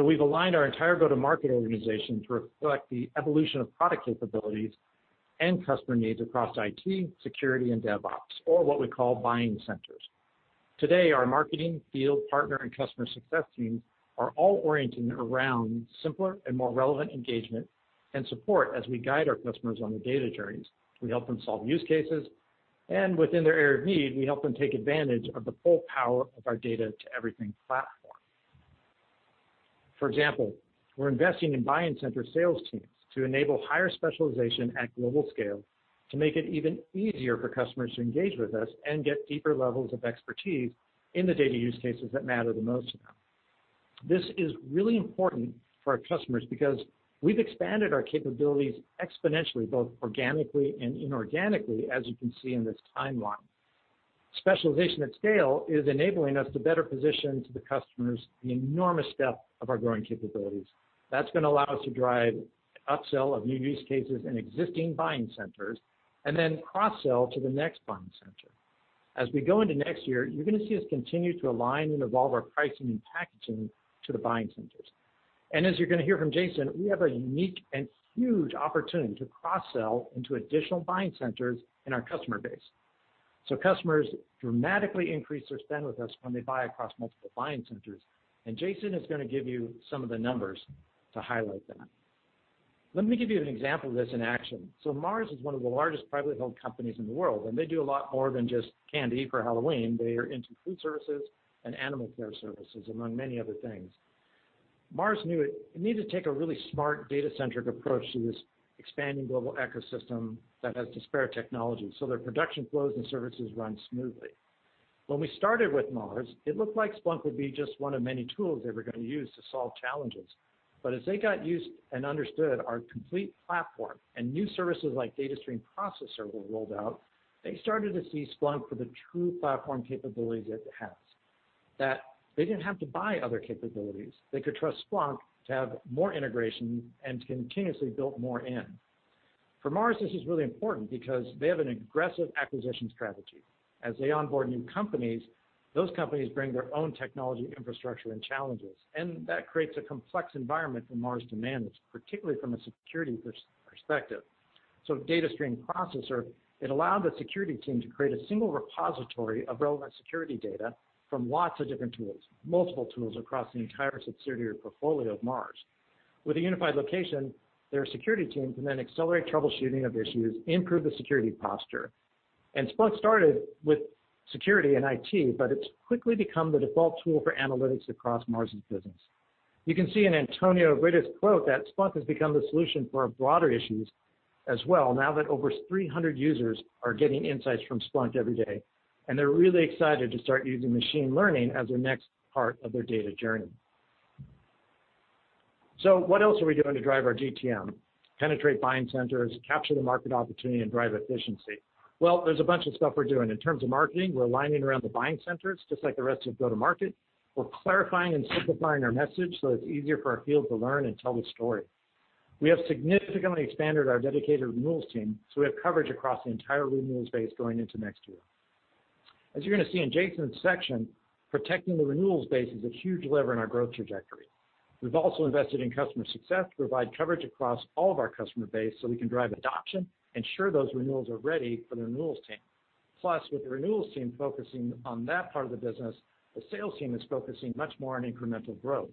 S4: We've aligned our entire go-to-market organization to reflect the evolution of product capabilities and customer needs across IT, security, and DevOps, or what we call buying centers. Today, our marketing, field partner, and customer success teams are all oriented around simpler and more relevant engagement and support as we guide our customers on their data journeys. We help them solve use cases, and within their area of need, we help them take advantage of the full power of our data to everything platform. For example, we're investing in buying center sales teams to enable higher specialization at global scale to make it even easier for customers to engage with us and get deeper levels of expertise in the data use cases that matter the most to them. This is really important for our customers because we've expanded our capabilities exponentially, both organically and inorganically, as you can see in this timeline. Specialization at scale is enabling us to better position to the customers the enormous scope of our growing capabilities. That's going to allow us to drive upsell of new use cases in existing buying centers, and then cross-sell to the next buying center. As we go into next year, you're going to see us continue to align and evolve our pricing and packaging to the buying centers. As you're going to hear from Jason, we have a unique and huge opportunity to cross-sell into additional buying centers in our customer base. Customers dramatically increase their spend with us when they buy across multiple buying centers, and Jason is going to give you some of the numbers to highlight that. Let me give you an example of this in action. Mars is one of the largest privately held companies in the world, and they do a lot more than just candy for Halloween. They are into food services and animal care services, among many other things. Mars knew it needed to take a really smart data-centric approach to this expanding global ecosystem that has disparate technology, so their production flows and services run smoothly. When we started with Mars, it looked like Splunk would be just one of many tools they were going to use to solve challenges. As they got used and understood our complete platform and new services like Data Stream Processor were rolled out, they started to see Splunk for the true platform capabilities it has, that they didn't have to buy other capabilities. They could trust Splunk to have more integration and continuously built more in. For Mars, this is really important because they have an aggressive acquisition strategy. As they onboard new companies, those companies bring their own technology, infrastructure, and challenges, and that creates a complex environment for Mars to manage, particularly from a security perspective. Data Stream Processor, it allowed the security team to create a single repository of relevant security data from lots of different tools, multiple tools across the entire subsidiary portfolio of Mars. With a unified location, their security team can then accelerate troubleshooting of issues, improve the security posture. Splunk started with security and IT, but it's quickly become the default tool for analytics across Mars' business. You can see in Antonio Rita's quote that Splunk has become the solution for broader issues as well, now that over 300 users are getting insights from Splunk every day, and they're really excited to start using machine learning as their next part of their data journey. What else are we doing to drive our GTM, penetrate buying centers, capture the market opportunity, and drive efficiency? Well, there's a bunch of stuff we're doing. In terms of marketing, we're aligning around the buying centers, just like the rest of go-to-market. We're clarifying and simplifying our message so it's easier for our field to learn and tell the story. We have significantly expanded our dedicated renewals team, so we have coverage across the entire renewals base going into next year. As you're going to see in Jason's section, protecting the renewals base is a huge lever in our growth trajectory. We've also invested in customer success to provide coverage across all of our customer base so we can drive adoption, ensure those renewals are ready for the renewals team. Plus, with the renewals team focusing on that part of the business, the sales team is focusing much more on incremental growth.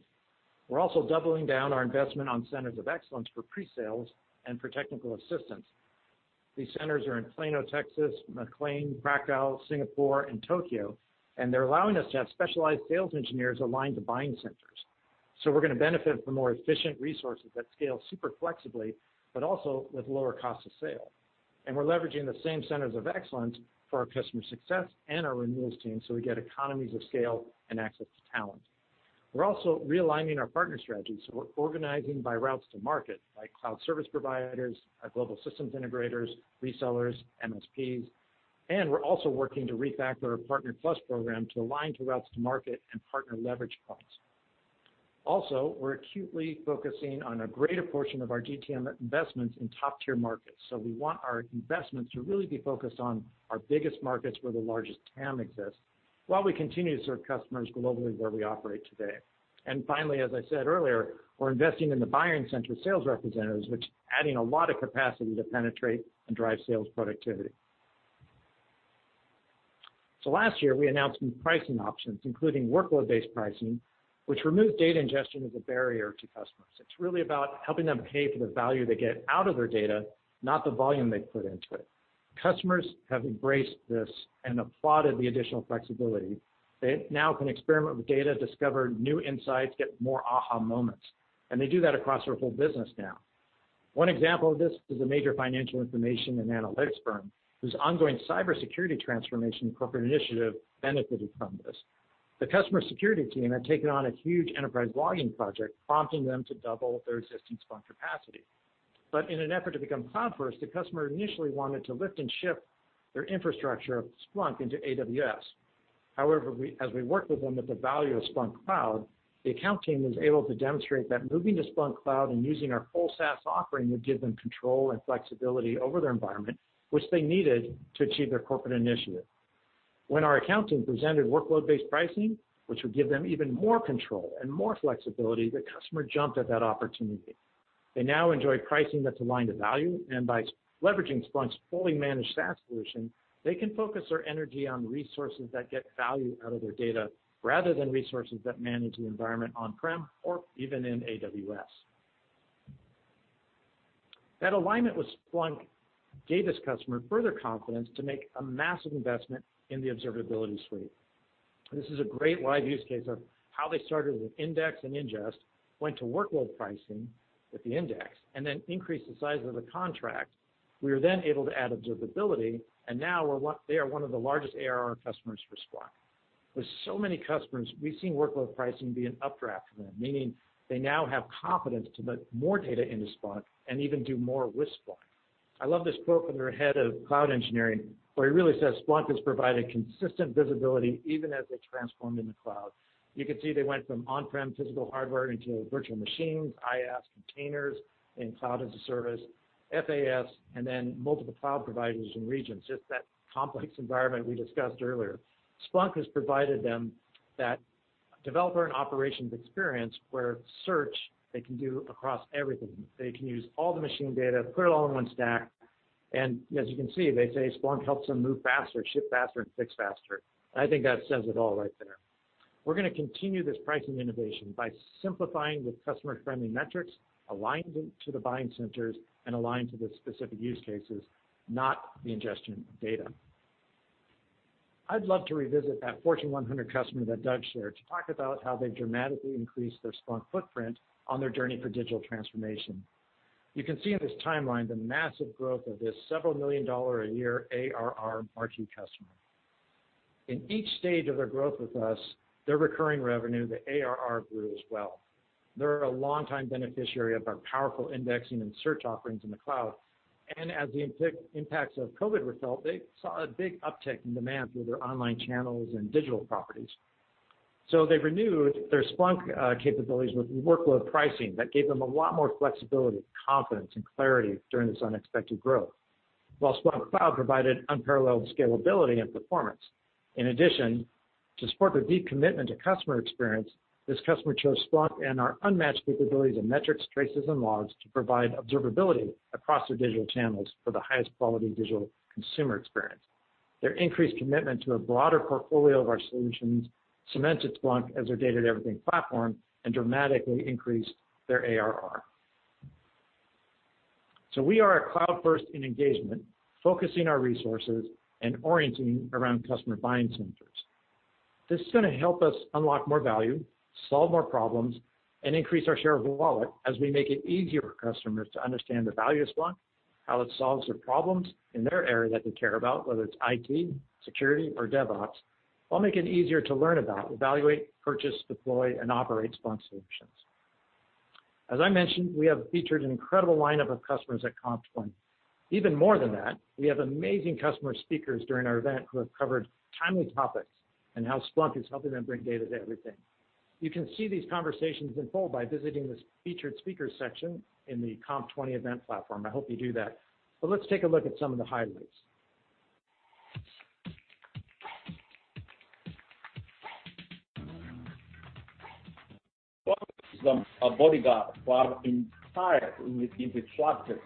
S4: We're also doubling down our investment on centers of excellence for pre-sales and for technical assistance. These centers are in Plano, Texas, McLean, Krakow, Singapore, and Tokyo. They're allowing us to have specialized sales engineers aligned to buying centers. We're going to benefit from more efficient resources that scale super flexibly, but also with lower cost of sale. We're leveraging the same centers of excellence for our customer success and our renewals team so we get economies of scale and access to talent. We're also realigning our partner strategy, so we're organizing by routes to market, like cloud service providers, our global systems integrators, resellers, MSPs, and we're also working to refactor our Partner+ program to align to routes to market and partner leverage points. We're acutely focusing on a greater portion of our GTM investments in top-tier markets. We want our investments to really be focused on our biggest markets where the largest TAM exists, while we continue to serve customers globally where we operate today. Finally, as I said earlier, we're investing in the buying center sales representatives, which is adding a lot of capacity to penetrate and drive sales productivity. Last year, we announced new pricing options, including workload-based pricing, which removes data ingestion as a barrier to customers. It's really about helping them pay for the value they get out of their data, not the volume they put into it. Customers have embraced this and applauded the additional flexibility. They now can experiment with data, discover new insights, get more aha moments, and they do that across their whole business now. One example of this is a major financial information and analytics firm whose ongoing cybersecurity transformation corporate initiative benefited from this. The customer security team had taken on a huge enterprise logging project, prompting them to double their existing Splunk capacity. In an effort to become cloud first, the customer initially wanted to lift and shift their infrastructure of Splunk into AWS. However, as we worked with them with the value of Splunk Cloud, the account team was able to demonstrate that moving to Splunk Cloud and using our full SaaS offering would give them control and flexibility over their environment, which they needed to achieve their corporate initiative. When our account team presented workload-based pricing, which would give them even more control and more flexibility, the customer jumped at that opportunity. They now enjoy pricing that's aligned to value, and by leveraging Splunk's fully managed SaaS solution, they can focus their energy on resources that get value out of their data rather than resources that manage the environment on-prem or even in AWS. That alignment with Splunk gave this customer further confidence to make a massive investment in the Observability Suite. This is a great live use case of how they started with index and ingest, went to workload pricing with the index, and then increased the size of the contract. We were then able to add observability, and now they are one of the largest ARR customers for Splunk. With so many customers, we've seen workload pricing be an updraft for them, meaning they now have confidence to put more data into Splunk and even do more with Splunk. I love this quote from their head of cloud engineering, where he really says Splunk has provided consistent visibility even as they transformed in the cloud. You can see they went from on-prem physical hardware into virtual machines, IaaS containers, and cloud as a service, FaaS, and then multiple cloud providers and regions. Just that complex environment we discussed earlier. Splunk has provided them that developer and operations experience where search they can do across everything. They can use all the machine data, put it all in one stack. As you can see, they say Splunk helps them move faster, ship faster, and fix faster. I think that says it all right there. We're going to continue this pricing innovation by simplifying the customer-friendly metrics, aligned to the buying centers, aligned to the specific use cases, not the ingestion of data. I'd love to revisit that Fortune 100 customer that Doug shared to talk about how they dramatically increased their Splunk footprint on their journey for digital transformation. You can see in this timeline the massive growth of this several million dollar a year ARR marquee customer. In each stage of their growth with us, their recurring revenue, the ARR, grew as well. They're a longtime beneficiary of our powerful indexing and search offerings in the cloud. As the impacts of COVID were felt, they saw a big uptick in demand through their online channels and digital properties. They renewed their Splunk capabilities with workload pricing that gave them a lot more flexibility, confidence, and clarity during this unexpected growth, while Splunk Cloud provided unparalleled scalability and performance. In addition, to support their deep commitment to customer experience, this customer chose Splunk and our unmatched capabilities in metrics, traces, and logs to provide observability across their digital channels for the highest quality digital consumer experience. Their increased commitment to a broader portfolio of our solutions cemented Splunk as their data everything platform and dramatically increased their ARR. We are cloud first in engagement, focusing our resources and orienting around customer buying centers. This is going to help us unlock more value, solve more problems, and increase our share of the wallet as we make it easier for customers to understand the value of Splunk, how it solves their problems in their area that they care about, whether it's IT, security, or DevOps. While make it easier to learn about, evaluate, purchase, deploy, and operate Splunk solutions. As I mentioned, we have featured an incredible lineup of customers at .conf20. Even more than that, we have amazing customer speakers during our event who have covered timely topics and how Splunk is helping them bring data to everything. You can see these conversations in full by visiting this featured speakers section in the .conf20 event platform. I hope you do that. Let's take a look at some of the highlights.
S5: Splunk is a bodyguard for our entire infrastructure.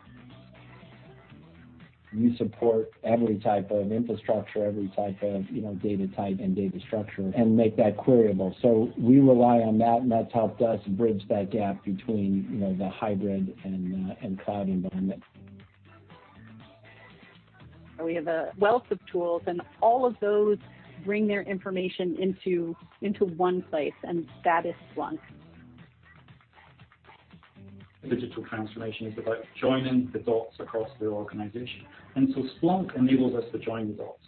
S5: We support every type of infrastructure, every type of data type and data structure, and make that queryable. We rely on that, and that's helped us bridge that gap between the hybrid and cloud environment. We have a wealth of tools, all of those bring their information into one place, and that is Splunk. Digital transformation is about joining the dots across the organization, and so Splunk enables us to join the dots.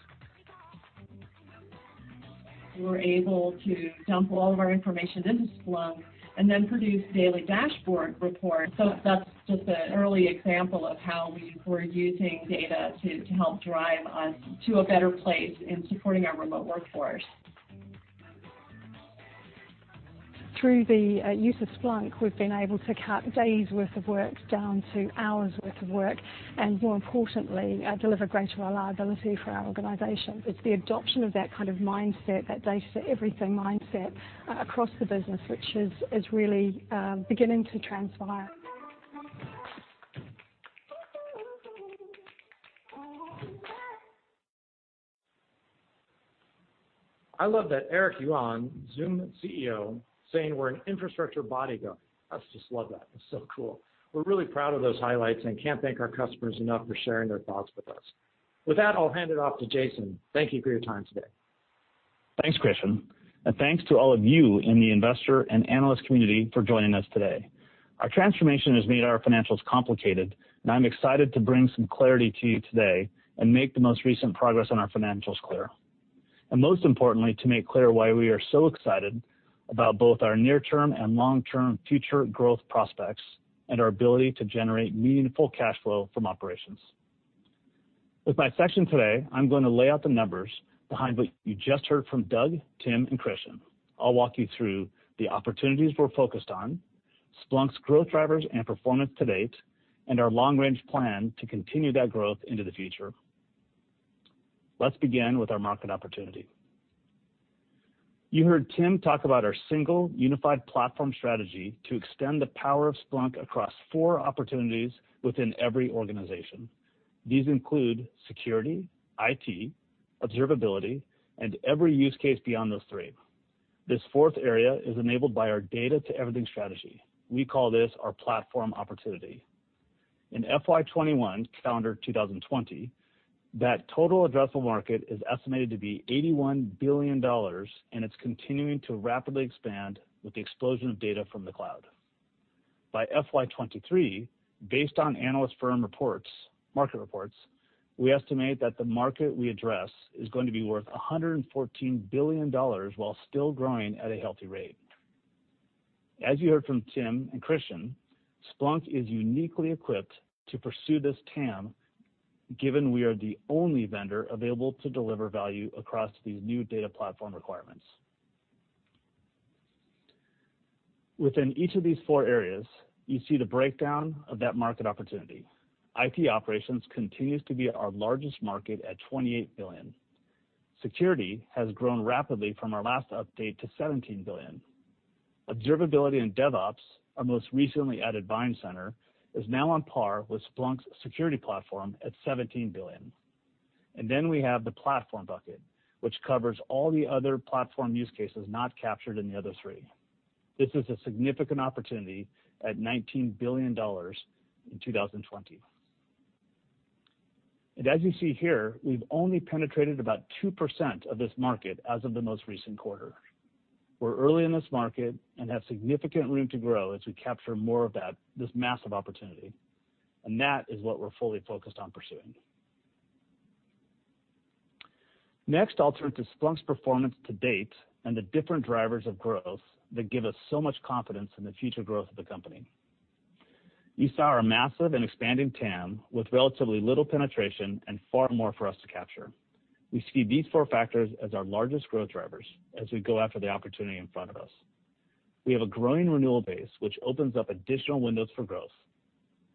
S5: We're able to dump all of our information into Splunk and then produce daily dashboard reports. That's just an early example of how we're using data to help drive us to a better place in supporting our remote workforce. Through the use of Splunk, we've been able to cut days worth of work down to hours worth of work, and more importantly, deliver greater reliability for our organization. It's the adoption of that kind of mindset, that data to everything mindset across the business, which is really beginning to transpire.
S4: I love that. Eric Yuan, Zoom CEO, saying we're an infrastructure bodyguard. I just love that. It's so cool. We're really proud of those highlights and can't thank our customers enough for sharing their thoughts with us. With that, I'll hand it off to Jason. Thank you for your time today.
S6: Thanks, Christian, and thanks to all of you in the investor and analyst community for joining us today. Our transformation has made our financials complicated, and I'm excited to bring some clarity to you today and make the most recent progress on our financials clear. Most importantly, to make clear why we are so excited about both our near-term and long-term future growth prospects and our ability to generate meaningful cash flow from operations. With my section today, I'm going to lay out the numbers behind what you just heard from Doug, Tim, and Christian. I'll walk you through the opportunities we're focused on, Splunk's growth drivers and performance to date, and our long range plan to continue that growth into the future. Let's begin with our market opportunity. You heard Tim talk about our single unified platform strategy to extend the power of Splunk across four opportunities within every organization. These include security, IT, observability, and every use case beyond those three. This fourth area is enabled by our data to everything strategy. We call this our platform opportunity. In FY 2021, calendar 2020, that total addressable market is estimated to be $81 billion, and it's continuing to rapidly expand with the explosion of data from the cloud. By FY 2023, based on analyst firm reports, market reports, we estimate that the market we address is going to be worth $114 billion while still growing at a healthy rate. As you heard from Tim and Christian, Splunk is uniquely equipped to pursue this TAM, given we are the only vendor available to deliver value across these new data platform requirements. Within each of these four areas, you see the breakdown of that market opportunity. IT operations continues to be our largest market at $28 billion. Security has grown rapidly from our last update to $17 billion. Observability and DevOps, our most recently added buying center, is now on par with Splunk's security platform at $17 billion. Then we have the platform bucket, which covers all the other platform use cases not captured in the other three. This is a significant opportunity at $19 billion in 2020. As you see here, we've only penetrated about 2% of this market as of the most recent quarter. We're early in this market and have significant room to grow as we capture more of this massive opportunity, and that is what we're fully focused on pursuing. Next, I'll turn to Splunk's performance to date and the different drivers of growth that give us so much confidence in the future growth of the company. You saw our massive and expanding TAM with relatively little penetration and far more for us to capture. We see these four factors as our largest growth drivers as we go after the opportunity in front of us. We have a growing renewal base, which opens up additional windows for growth.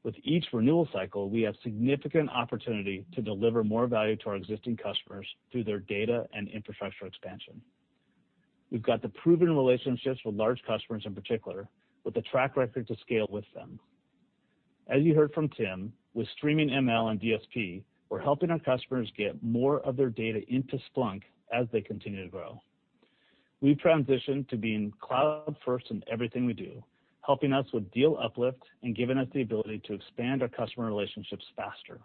S6: With each renewal cycle, we have significant opportunity to deliver more value to our existing customers through their data and infrastructure expansion. We've got the proven relationships with large customers in particular, with a track record to scale with them. As you heard from Tim, with Streaming ML and DSP, we're helping our customers get more of their data into Splunk as they continue to grow. We've transitioned to being cloud first in everything we do, helping us with deal uplift and giving us the ability to expand our customer relationships faster.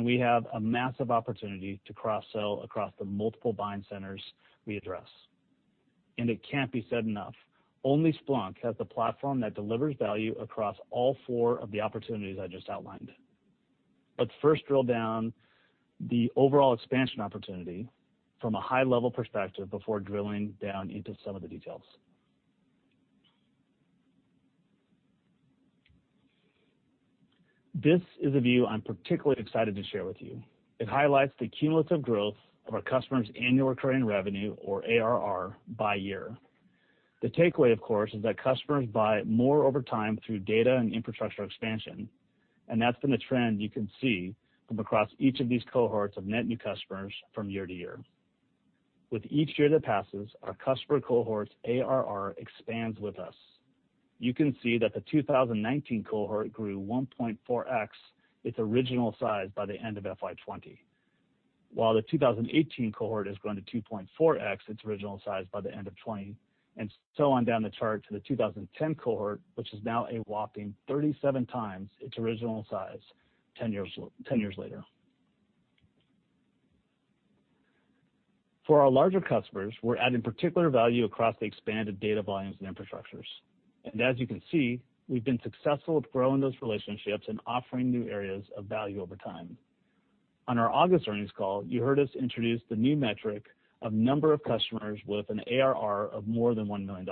S6: We have a massive opportunity to cross-sell across the multiple buying centers we address. It can't be said enough, only Splunk has the platform that delivers value across all four of the opportunities I just outlined. Let's first drill down the overall expansion opportunity from a high level perspective before drilling down into some of the details. This is a view I'm particularly excited to share with you. It highlights the cumulative growth of our customers' annual recurring revenue, or ARR, by year. The takeaway, of course, is that customers buy more over time through data and infrastructure expansion, and that's been the trend you can see from across each of these cohorts of net new customers from year to year. With each year that passes, our customer cohort's ARR expands with us. You can see that the 2019 cohort grew 1.4X its original size by the end of FY 2020, while the 2018 cohort has grown to 2.4x its original size by the end of 2020, and so on down the chart to the 2010 cohort, which is now a whopping 37x its original size 10 years later. For our larger customers, we're adding particular value across the expanded data volumes and infrastructures. As you can see, we've been successful at growing those relationships and offering new areas of value over time. On our August earnings call, you heard us introduce the new metric of number of customers with an ARR of more than $1 million.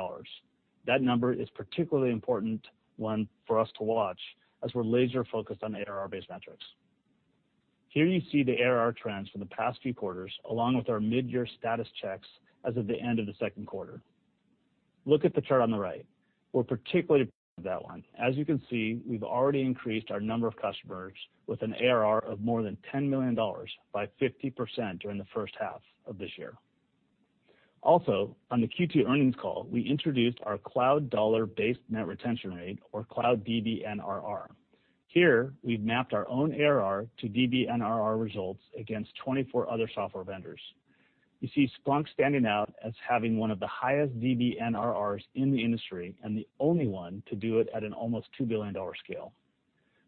S6: That number is particularly important one for us to watch as we're laser focused on ARR-based metrics. Here you see the ARR trends for the past few quarters, along with our mid-year status checks as of the end of the second quarter. Look at the chart on the right. We're particularly proud of that one. As you can see, we've already increased our number of customers with an ARR of more than $10 million by 50% during the first half of this year. On the Q2 earnings call, we introduced our cloud dollar-based net retention rate, or cloud DBNRR. Here, we've mapped our own ARR to DBNRR results against 24 other software vendors. You see Splunk standing out as having one of the highest DBNRRs in the industry, and the only one to do it at an almost $2 billion scale.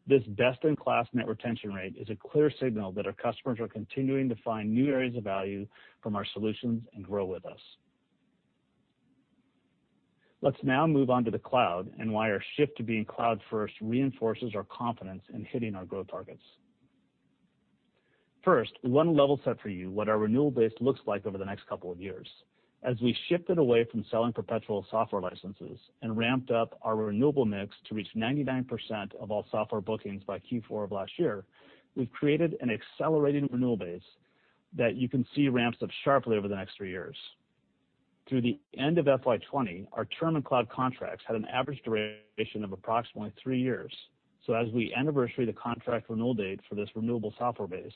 S6: This best-in-class net retention rate is a clear signal that our customers are continuing to find new areas of value from our solutions and grow with us. Let's now move on to the cloud and why our shift to being cloud first reinforces our confidence in hitting our growth targets. First, one level set for you what our renewal base looks like over the next couple of years. As we shifted away from selling perpetual software licenses and ramped up our renewable mix to reach 99% of all software bookings by Q4 of last year, we've created an accelerating renewal base that you can see ramps up sharply over the next three years. Through the end of FY 2020, our term and cloud contracts had an average duration of approximately three years. As we anniversary the contract renewal date for this renewable software base,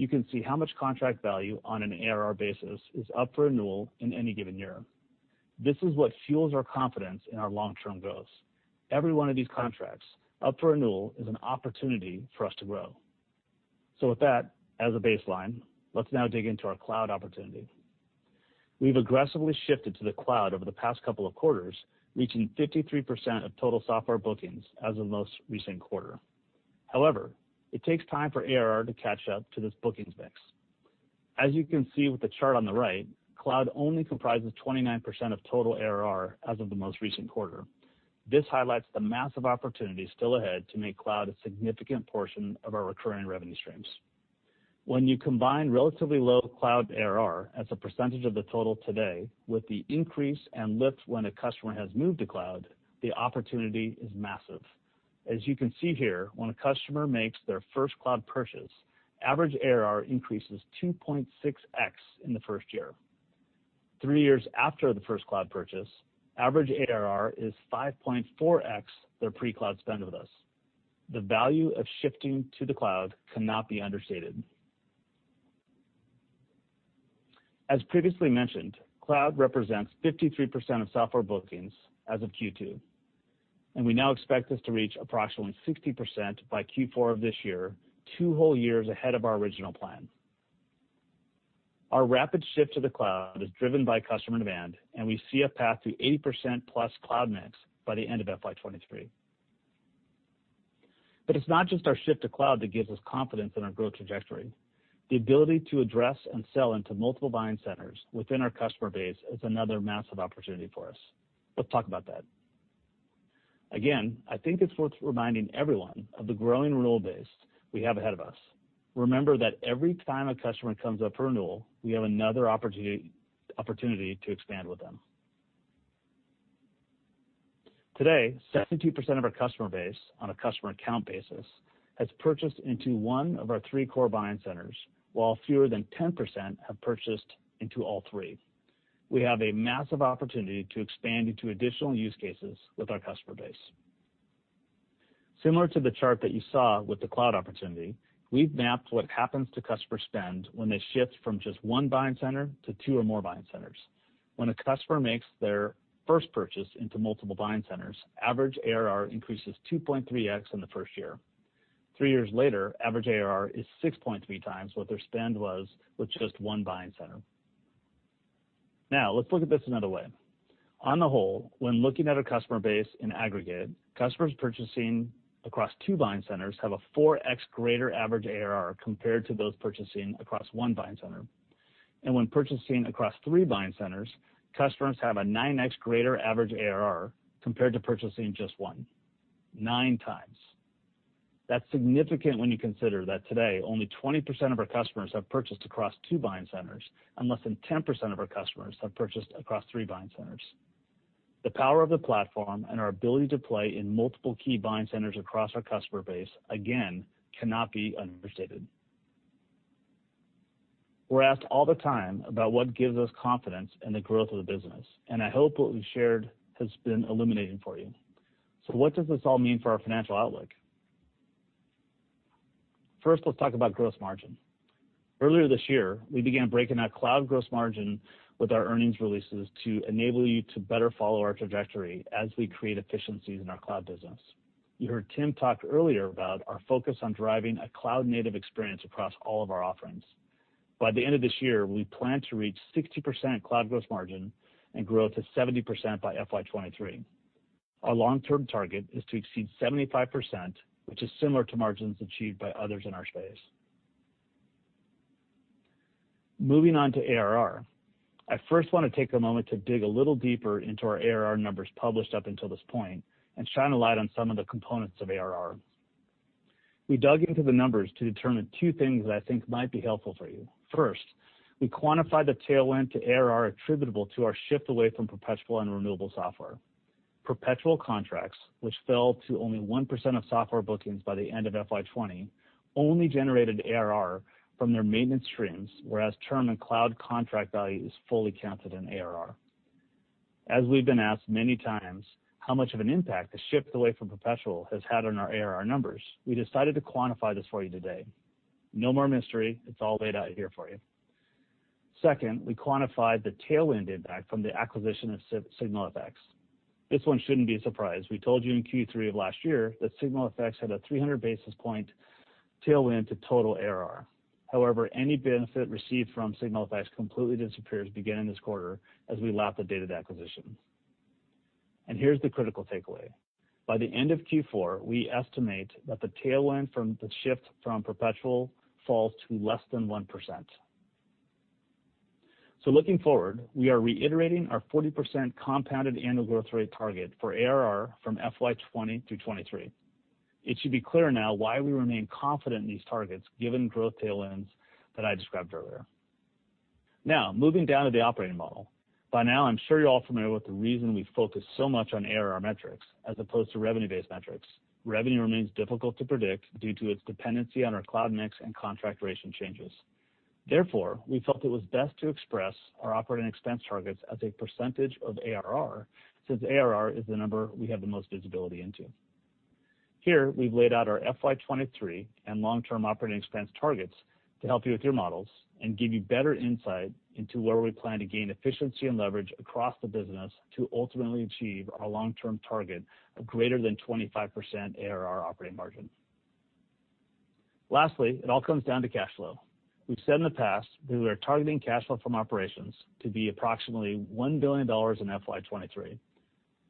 S6: you can see how much contract value on an ARR basis is up for renewal in any given year. This is what fuels our confidence in our long-term growth. Every one of these contracts up for renewal is an opportunity for us to grow. With that as a baseline, let's now dig into our cloud opportunity. We've aggressively shifted to the cloud over the past couple of quarters, reaching 53% of total software bookings as of most recent quarter. However, it takes time for ARR to catch up to this bookings mix. As you can see with the chart on the right, cloud only comprises 29% of total ARR as of the most recent quarter. This highlights the massive opportunity still ahead to make cloud a significant portion of our recurring revenue streams. When you combine relatively low cloud ARR as a percentage of the total today, with the increase and lift when a customer has moved to cloud, the opportunity is massive. As you can see here, when a customer makes their first cloud purchase, average ARR increases 2.6x in the first year. Three years after the first cloud purchase, average ARR is 5.4x their pre-cloud spend with us. The value of shifting to the cloud cannot be understated. As previously mentioned, cloud represents 53% of software bookings as of Q2, and we now expect this to reach approximately 60% by Q4 of this year, two whole years ahead of our original plan. Our rapid shift to the cloud is driven by customer demand, and we see a path to 80% plus cloud mix by the end of FY 2023. It's not just our shift to cloud that gives us confidence in our growth trajectory. The ability to address and sell into multiple buying centers within our customer base is another massive opportunity for us. Let's talk about that. Again, I think it's worth reminding everyone of the growing renewal base we have ahead of us. Remember that every time a customer comes up for renewal, we have another opportunity to expand with them. Today, 70% of our customer base, on a customer account basis, has purchased into one of our three core buying centers, while fewer than 10% have purchased into all three. We have a massive opportunity to expand into additional use cases with our customer base. Similar to the chart that you saw with the cloud opportunity, we've mapped what happens to customer spend when they shift from just one buying center to two or more buying centers. When a customer makes their first purchase into multiple buying centers, average ARR increases 2.3x in the first year. Three years later, average ARR is 6.3 times what their spend was with just one buying center. Let's look at this another way. On the whole, when looking at our customer base in aggregate, customers purchasing across two buying centers have a 4x greater average ARR compared to those purchasing across one buying center. When purchasing across three buying centers, customers have a 9x greater average ARR compared to purchasing just one. 9x. That's significant when you consider that today, only 20% of our customers have purchased across two buying centers, and less than 10% of our customers have purchased across three buying centers. The power of the platform and our ability to play in multiple key buying centers across our customer base, again, cannot be understated. We're asked all the time about what gives us confidence in the growth of the business, and I hope what we've shared has been illuminating for you. What does this all mean for our financial outlook? First, let's talk about gross margin. Earlier this year, we began breaking out cloud gross margin with our earnings releases to enable you to better follow our trajectory as we create efficiencies in our cloud business. You heard Tim talk earlier about our focus on driving a cloud-native experience across all of our offerings. By the end of this year, we plan to reach 60% cloud gross margin and grow to 70% by FY 2023. Our long-term target is to exceed 75%, which is similar to margins achieved by others in our space. Moving on to ARR. I first want to take a moment to dig a little deeper into our ARR numbers published up until this point and shine a light on some of the components of ARR. We dug into the numbers to determine two things that I think might be helpful for you. First, we quantified the tailwind to ARR attributable to our shift away from perpetual and renewable software. Perpetual contracts, which fell to only 1% of software bookings by the end of FY 2020, only generated ARR from their maintenance streams, whereas term and cloud contract value is fully counted in ARR. As we've been asked many times how much of an impact the shift away from perpetual has had on our ARR numbers, we decided to quantify this for you today. No more mystery. It's all laid out here for you. Second, we quantified the tailwind impact from the acquisition of SignalFx. This one shouldn't be a surprise. We told you in Q3 of last year that SignalFx had a 300 basis points tailwind to total ARR. However, any benefit received from SignalFx completely disappears beginning this quarter as we lap the date of acquisition. Here's the critical takeaway. By the end of Q4, we estimate that the tailwind from the shift from perpetual falls to less than 1%. Looking forward, we are reiterating our 40% compounded annual growth rate target for ARR from FY 2020 through 2023. It should be clear now why we remain confident in these targets given growth tailwinds that I described earlier. Now, moving down to the operating model. By now, I'm sure you're all familiar with the reason we focus so much on ARR metrics as opposed to revenue-based metrics. Revenue remains difficult to predict due to its dependency on our cloud mix and contract duration changes. Therefore, we felt it was best to express our operating expense targets as a percentage of ARR, since ARR is the number we have the most visibility into. Here, we've laid out our FY 2023 and long-term operating expense targets to help you with your models and give you better insight into where we plan to gain efficiency and leverage across the business to ultimately achieve our long-term target of greater than 25% ARR operating margin. Lastly, it all comes down to cash flow. We've said in the past that we are targeting cash flow from operations to be approximately $1 billion in FY 2023.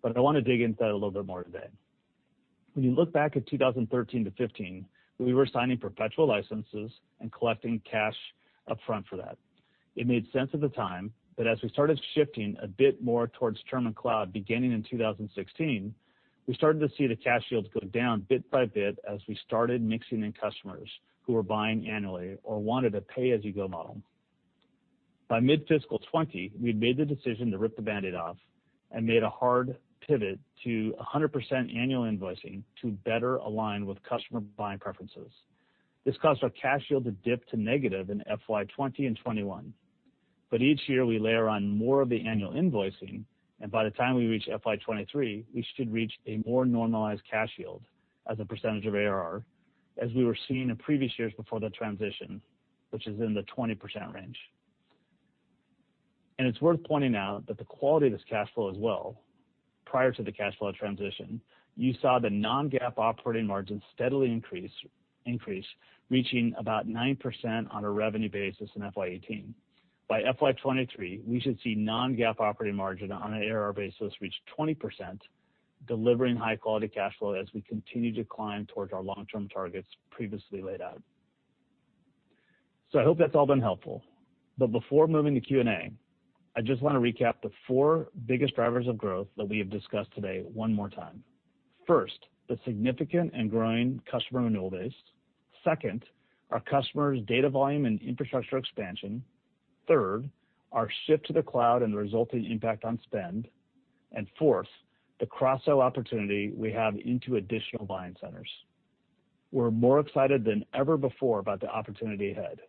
S6: I want to dig into that a little bit more today. When you look back at 2013 to 2015, we were signing perpetual licenses and collecting cash upfront for that. It made sense at the time, but as we started shifting a bit more towards term and cloud beginning in 2016, we started to see the cash yields go down bit by bit as we started mixing in customers who were buying annually or wanted a pay-as-you-go model. By mid-fiscal 2020, we'd made the decision to rip the Band-Aid off and made a hard pivot to 100% annual invoicing to better align with customer buying preferences. This caused our cash yield to dip to negative in FY 2020 and 2021. Each year, we layer on more of the annual invoicing, and by the time we reach FY 2023, we should reach a more normalized cash yield as a percentage of ARR as we were seeing in previous years before the transition, which is in the 20% range. It's worth pointing out that the quality of this cash flow as well, prior to the cash flow transition, you saw the non-GAAP operating margin steadily increase, reaching about 9% on a revenue basis in FY 2018. By FY 2023, we should see non-GAAP operating margin on an ARR basis reach 20%, delivering high-quality cash flow as we continue to climb towards our long-term targets previously laid out. I hope that's all been helpful. Before moving to Q&A, I just want to recap the four biggest drivers of growth that we have discussed today one more time. First, the significant and growing customer renewal base. Second, our customers' data volume and infrastructure expansion. Third, our shift to the cloud and the resulting impact on spend. Fourth, the cross-sell opportunity we have into additional buying centers. We're more excited than ever before about the opportunity ahead.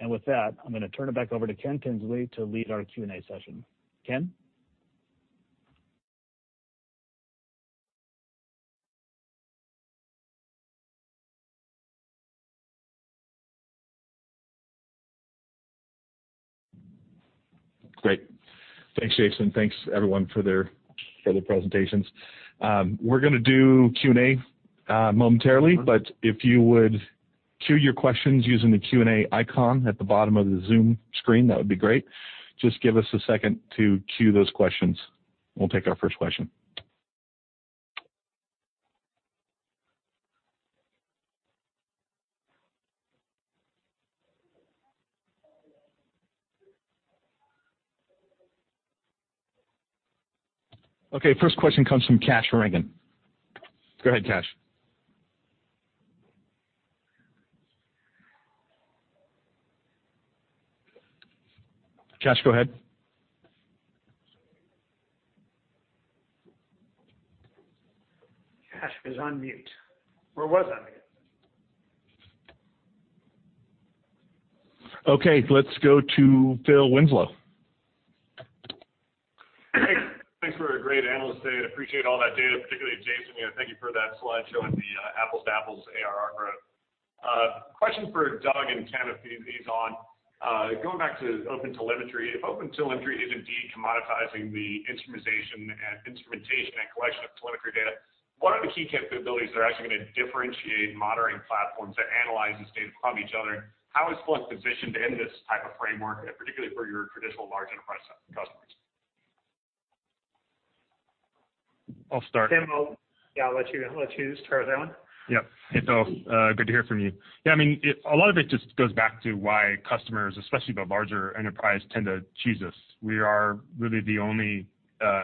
S6: With that, I'm going to turn it back over to Ken Tinsley to lead our Q&A session. Ken?
S2: Great. Thanks, Jason. Thanks, everyone for the presentations. We're going to do Q&A momentarily. If you would queue your questions using the Q&A icon at the bottom of the Zoom screen, that would be great. Just give us a second to queue those questions. We'll take our first question. First question comes from Kash Rangan. Go ahead, Kash. Kash, go ahead.
S1: Kash is on mute or was on mute.
S2: Okay, let's go to Phil Winslow.
S7: Thanks for a great analyst today. Appreciate all that data, particularly Jason. Thank you for that slide showing the apples to apples ARR growth. Question for Doug and Ken to tag team on. Going back to OpenTelemetry, if OpenTelemetry is indeed commoditizing the instrumentation and collection of telemetry data, what are the key capabilities that are actually going to differentiate monitoring platforms that analyze this data from each other? How is Splunk positioned in this type of framework, particularly for your traditional large enterprise customers?
S2: I'll start.
S1: Ken, I'll let you start that one.
S2: Yep. Hey, Phil. Good to hear from you. Yeah, a lot of it just goes back to why customers, especially the larger enterprise, tend to choose us. We are really the only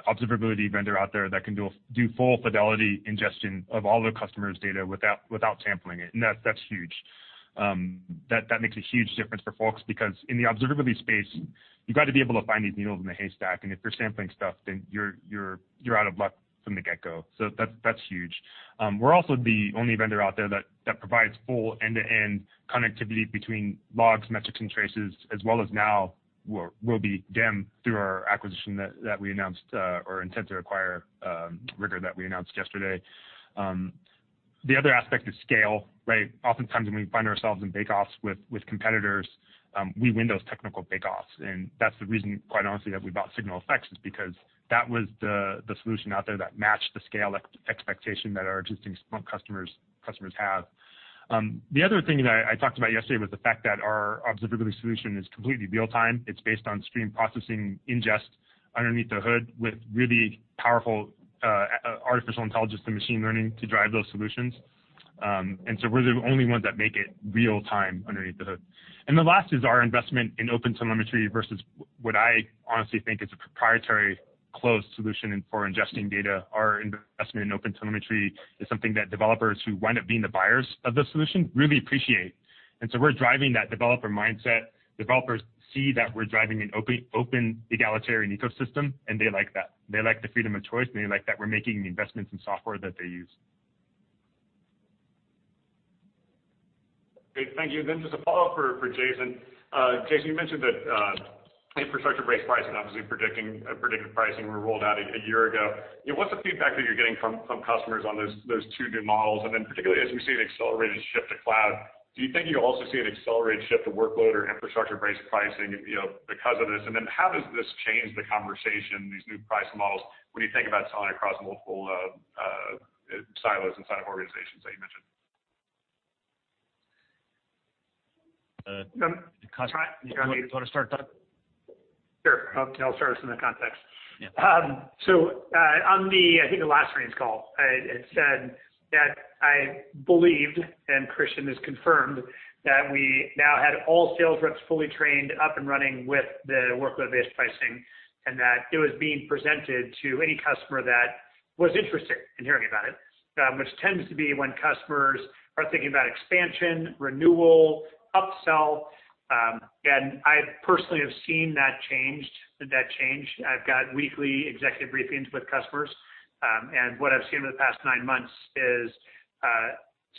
S2: observability vendor out there that can do full fidelity ingestion of all their customers' data without sampling it, and that's huge. That makes a huge difference for folks because in the observability space, you've got to be able to find these needles in the haystack, and if you're sampling stuff, then you're out of luck from the get go. That's huge. We're also the only vendor out there that provides full end-to-end connectivity between logs, metrics, and traces, as well as now will be DEM through our acquisition that we announced or intend to acquire Rigor that we announced yesterday. The other aspect is scale, right? Oftentimes when we find ourselves in bake-offs with competitors, we win those technical bake-offs, and that's the reason, quite honestly, that we bought SignalFx is because that was the solution out there that matched the scale expectation that our existing Splunk customers have. The other thing that I talked about yesterday was the fact that our observability solution is completely real-time. It's based on stream processing ingest underneath the hood with really powerful artificial intelligence and machine learning to drive those solutions. We're the only ones that make it real-time underneath the hood. The last is our investment in OpenTelemetry versus what I honestly think is a proprietary closed solution for ingesting data. Our investment in OpenTelemetry is something that developers who wind up being the buyers of the solution really appreciate. We're driving that developer mindset. Developers see that we're driving an open, egalitarian ecosystem, and they like that. They like the freedom of choice, and they like that we're making the investments in software that they use.
S7: Great. Thank you. Just a follow-up for Jason. Jason, you mentioned that infrastructure-based pricing, obviously predictive pricing were rolled out a year ago. What's the feedback that you're getting from customers on those two new models? Particularly as we see an accelerated shift to cloud, do you think you'll also see an accelerated shift to workload or infrastructure-based pricing because of this? How does this change the conversation, these new price models, when you think about selling across multiple silos inside of organizations
S6: Doug, you want to start, Doug?
S1: Sure. I'll start us in the context. On the, I think the last earnings call, I had said that I believed, and Christian has confirmed, that we now had all sales reps fully trained, up and running with the workload-based pricing, and that it was being presented to any customer that was interested in hearing about it, which tends to be when customers are thinking about expansion, renewal, upsell. I personally have seen that change. I've got weekly executive briefings with customers, and what I've seen over the past nine months is a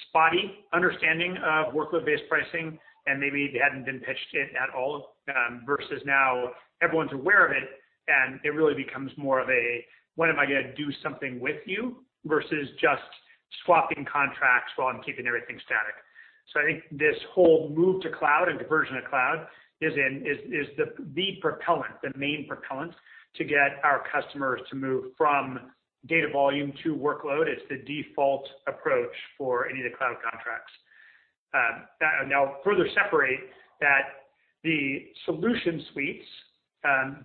S1: spotty understanding of workload-based pricing, and maybe they hadn't been pitched it at all, versus now everyone's aware of it, and it really becomes more of a, "When am I going to do something with you?" Versus just swapping contracts while I'm keeping everything static. I think this whole move to cloud and conversion to cloud is the propellant, the main propellant, to get our customers to move from data volume to workload. It's the default approach for any of the cloud contracts. I'll further separate that the solution suites,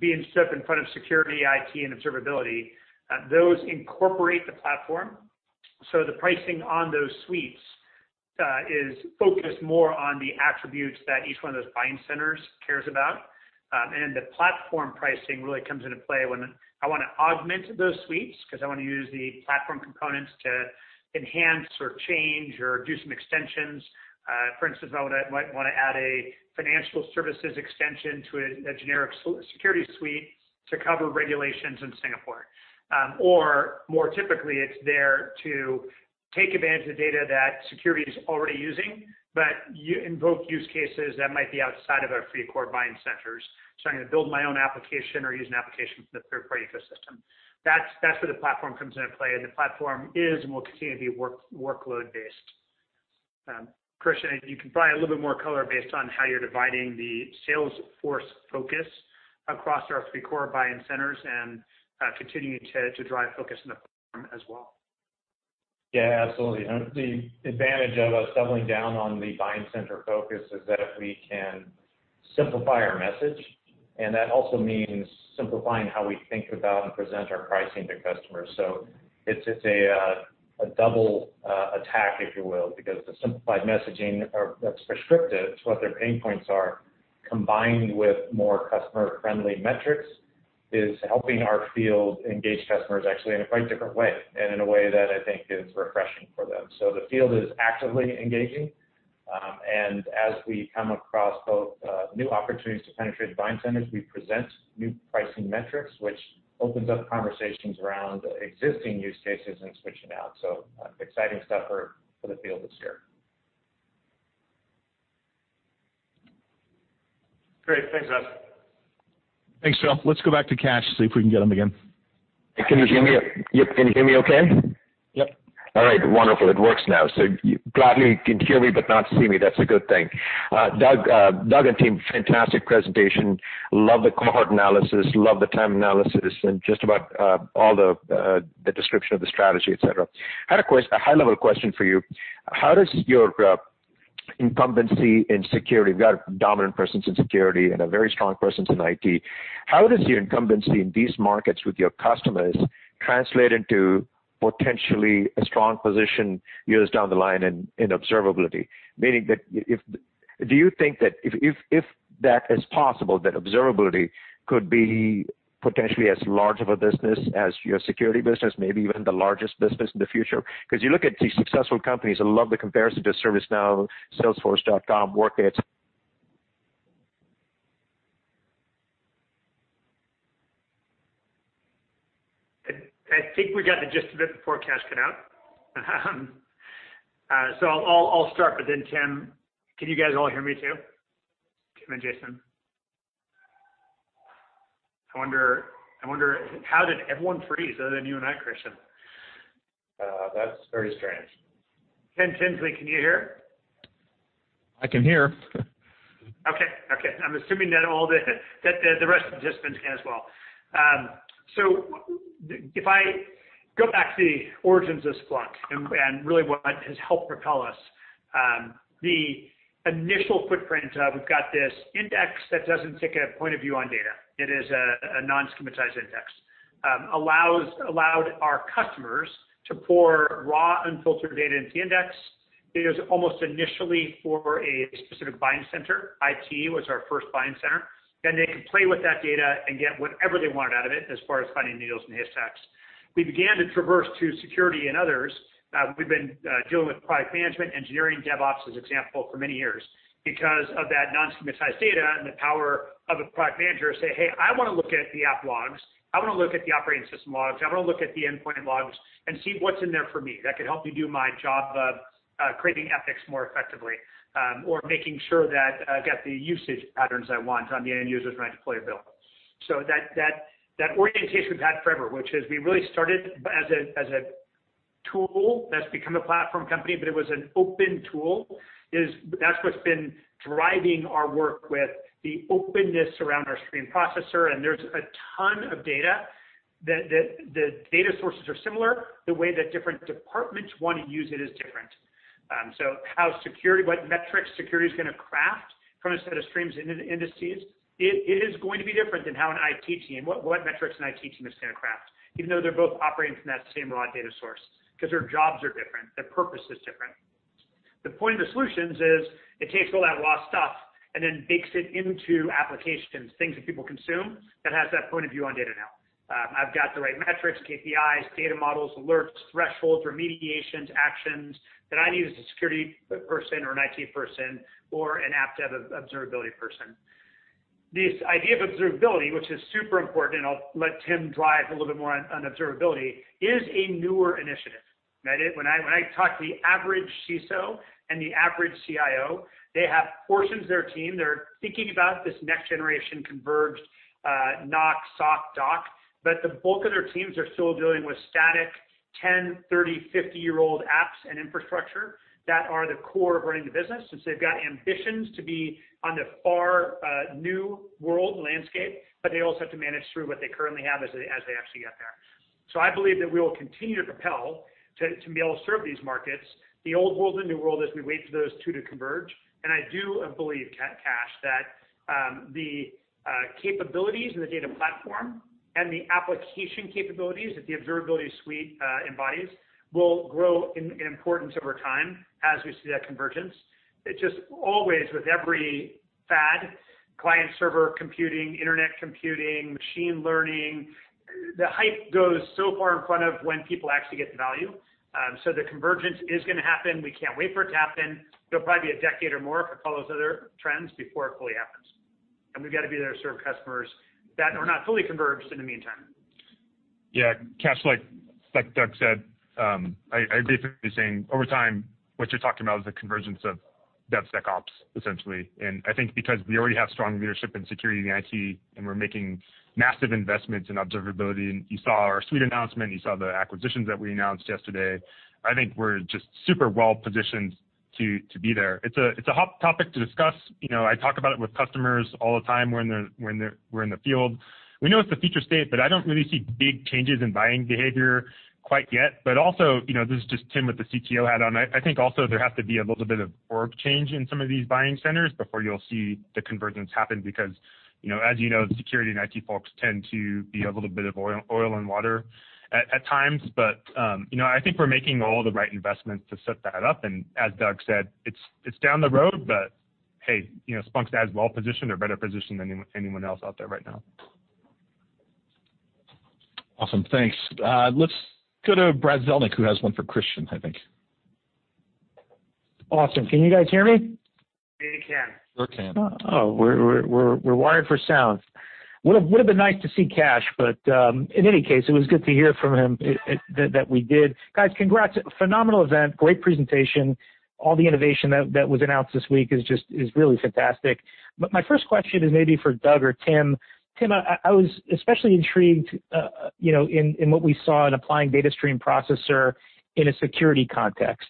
S1: being stuck in front of security, IT, and observability, those incorporate the platform. The pricing on those suites is focused more on the attributes that each one of those buying centers cares about. The platform pricing really comes into play when I want to augment those suites because I want to use the platform components to enhance or change or do some extensions. For instance, I might want to add a financial services extension to a generic security suite to cover regulations in Singapore. More typically, it's there to take advantage of data that security is already using, but invoke use cases that might be outside of our three core buying centers. I'm going to build my own application or use an application from the third-party ecosystem. That's where the platform comes into play, and the platform is and will continue to be workload-based. Christian, you can provide a little bit more color based on how you're dividing the sales force focus across our three core buying centers and continuing to drive focus on the platform as well.
S4: Yeah, absolutely. The advantage of us doubling down on the buying center focus is that we can simplify our message, and that also means simplifying how we think about and present our pricing to customers. It's a double attack, if you will, because the simplified messaging that's prescriptive to what their pain points are, combined with more customer-friendly metrics, is helping our field engage customers actually in a quite different way, and in a way that I think is refreshing for them. The field is actively engaging, and as we come across both new opportunities to penetrate buying centers, we present new pricing metrics, which opens up conversations around existing use cases and switching out. Exciting stuff for the field this year.
S7: Great. Thanks, guys.
S2: Thanks, Phil. Let's go back to Kash, see if we can get him again.
S8: Can you hear me?
S2: Yep.
S8: Can you hear me okay?
S2: Yep.
S8: All right, wonderful. It works now. Gladly you can hear me but not see me. That's a good thing. Doug and team, fantastic presentation. Love the cohort analysis, love the time analysis, and just about all the description of the strategy, et cetera. I had a high-level question for you. How does your incumbency in security, we've got a dominant presence in security and a very strong presence in IT, how does your incumbency in these markets with your customers translate into potentially a strong position years down the line in observability? Meaning that, do you think that if that is possible, that observability could be potentially as large of a business as your security business, maybe even the largest business in the future? You look at these successful companies, I love the comparison to ServiceNow, salesforce.com, Workday.
S1: I think we got the gist of it before Kash cut out. I'll start, Tim, can you guys all hear me too? Tim and Jason? I wonder how did everyone freeze other than you and I, Christian?
S4: That's very strange.
S1: Tim Tully, can you hear?
S3: I can hear.
S1: I'm assuming that the rest have just been as well. If I go back to the origins of Splunk and really what has helped propel us, the initial footprint of we've got this index that doesn't take a point of view on data. It is a non-schematized index. Allowed our customers to pour raw, unfiltered data into the index. Data was almost initially for a specific buying center. IT was our first buying center. They could play with that data and get whatever they wanted out of it as far as finding needles in haystacks. We began to traverse to security and others. We've been dealing with product management, engineering, DevOps, as example, for many years. Because of that non-schematized data and the power of a product manager to say, "Hey, I want to look at the app logs. I want to look at the operating system logs. I want to look at the endpoint logs and see what's in there for me. That could help me do my job of creating epics more effectively. Making sure that I've got the usage patterns I want on the end users when I deploy a build. That orientation we've had forever, which is we really started as a tool that's become a platform company, but it was an open tool, that's what's been driving our work with the openness around our Stream Processor, and there's a ton of data. The data sources are similar. The way that different departments want to use it is different. What metrics security is going to craft from a set of streams into indices, it is going to be different than what metrics an IT team is going to craft, even though they're both operating from that same raw data source, because their jobs are different, their purpose is different. The point of the solutions is it takes all that raw stuff and then bakes it into applications, things that people consume, that has that point of view on data now. I've got the right metrics, KPIs, data models, alerts, thresholds, remediations, actions that I need as a security person or an IT person, or an app dev observability person. This idea of observability, which is super important, and I'll let Tim drive a little bit more on observability, is a newer initiative. When I talk to the average CISO and the average CIO, they have portions of their team, they're thinking about this next generation converged, NOC, SOC, DOC, but the bulk of their teams are still dealing with static 10, 30, 50-year-old apps and infrastructure that are the core of running the business, since they've got ambitions to be on the far new world landscape, but they also have to manage through what they currently have as they actually get there. I believe that we will continue to propel to be able to serve these markets, the old world and new world, as we wait for those two to converge. I do believe, Kash, that the capabilities in the data platform and the application capabilities that the Observability Suite embodies will grow in importance over time as we see that convergence. It's just always with every fad, client-server computing, internet computing, machine learning, the hype goes so far in front of when people actually get the value. The convergence is going to happen. We can't wait for it to happen. It'll probably be a decade or more, like all those other trends, before it fully happens. We've got to be there to serve customers that are not fully converged in the meantime.
S3: Yeah. Kash, like Doug said, I agree with what you're saying. Over time, what you're talking about is the convergence of DevSecOps, essentially. I think because we already have strong leadership in security and IT, and we're making massive investments in observability, and you saw our suite announcement, you saw the acquisitions that we announced yesterday, I think we're just super well-positioned to be there. It's a hot topic to discuss. I talk about it with customers all the time when we're in the field. We know it's the future state, but I don't really see big changes in buying behavior quite yet. Also, this is just Tim with the CTO hat on, I think also there has to be a little bit of org change in some of these buying centers before you'll see the convergence happen because, as you know, the security and IT folks tend to be a little bit of oil and water at times. I think we're making all the right investments to set that up. As Doug said, it's down the road, hey, Splunk's as well positioned or better positioned than anyone else out there right now.
S2: Awesome. Thanks. Let's go to Brad Zelnick, who has one for Christian, I think.
S9: Awesome. Can you guys hear me?
S1: We can.
S3: We can.
S9: We're wired for sound. Would've been nice to see Kash, but in any case, it was good to hear from him that we did. Guys, congrats. Phenomenal event. Great presentation. All the innovation that was announced this week is really fantastic. My first question is maybe for Doug or Tim. Tim, I was especially intrigued in what we saw in applying Data Stream Processor in a security context.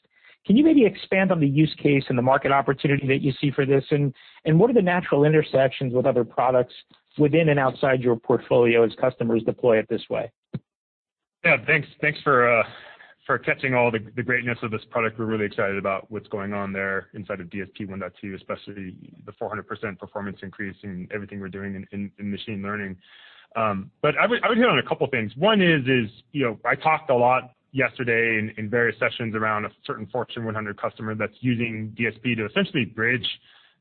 S9: Can you maybe expand on the use case and the market opportunity that you see for this, and what are the natural intersections with other products within and outside your portfolio as customers deploy it this way?
S3: Thanks for catching all the greatness of this product. We're really excited about what's going on there inside of DSP 1.2, especially the 400% performance increase in everything we're doing in machine learning. I would hit on a couple of things. One is I talked a lot yesterday in various sessions around a certain Fortune 100 customer that's using DSP to essentially bridge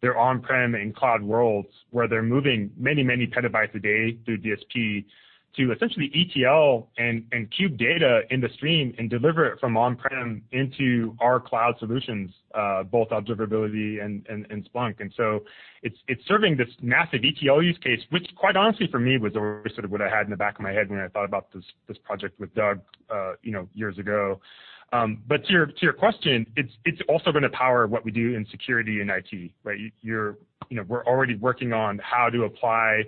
S3: their on-prem and cloud worlds, where they're moving many petabytes a day through DSP to essentially ETL and cube data in the stream and deliver it from on-prem into our cloud solutions, both Observability and Splunk. It's serving this massive ETL use case, which quite honestly for me was always sort of what I had in the back of my head when I thought about this project with Doug years ago. To your question, it's also going to power what we do in security and IT, right? We're already working on how to apply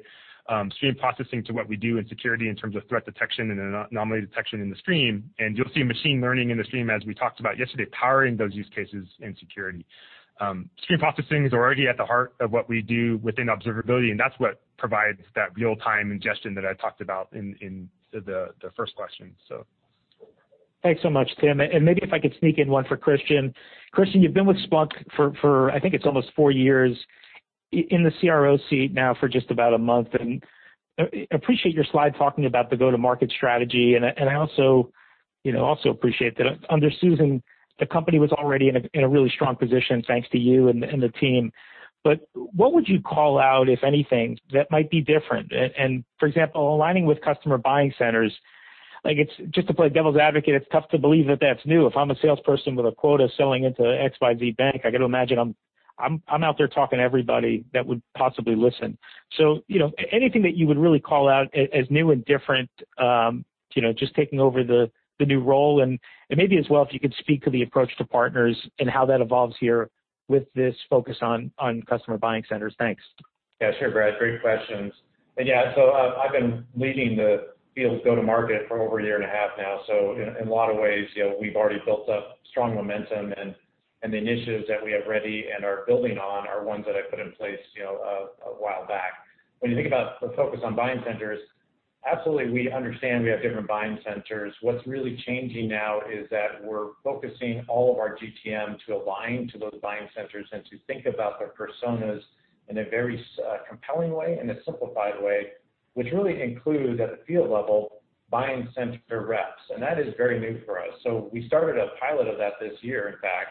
S3: stream processing to what we do in security in terms of threat detection and anomaly detection in the stream. You'll see machine learning in the stream, as we talked about yesterday, powering those use cases in security. Stream processing is already at the heart of what we do within Observability. That's what provides that real-time ingestion that I talked about in the first question.
S9: Thanks so much, Tim. Maybe if I could sneak in one for Christian. Christian, you've been with Splunk for, I think it's almost four years, in the CRO seat now for just about one month. Appreciate your slide talking about the go-to-market strategy, and I also appreciate that under Susan, the company was already in a really strong position thanks to you and the team. What would you call out, if anything, that might be different? For example, aligning with customer buying centers, just to play devil's advocate, it's tough to believe that that's new. If I'm a salesperson with a quota selling into XYZ Bank, I got to imagine I'm out there talking to everybody that would possibly listen. Anything that you would really call out as new and different, just taking over the new role, and maybe as well if you could speak to the approach to partners and how that evolves here with this focus on customer buying centers. Thanks.
S4: Yeah, sure, Brad. Great questions. Yeah, so I've been leading the field go-to-market for over a year and a half now. In a lot of ways, we've already built up strong momentum and the initiatives that we have ready and are building on are ones that I put in place a while back. When you think about the focus on buying centers, absolutely, we understand we have different buying centers. What's really changing now is that we're focusing all of our GTM to align to those buying centers and to think about their personas in a very compelling way, in a simplified way, which really includes, at the field level, buying center reps. That is very new for us. We started a pilot of that this year, in fact,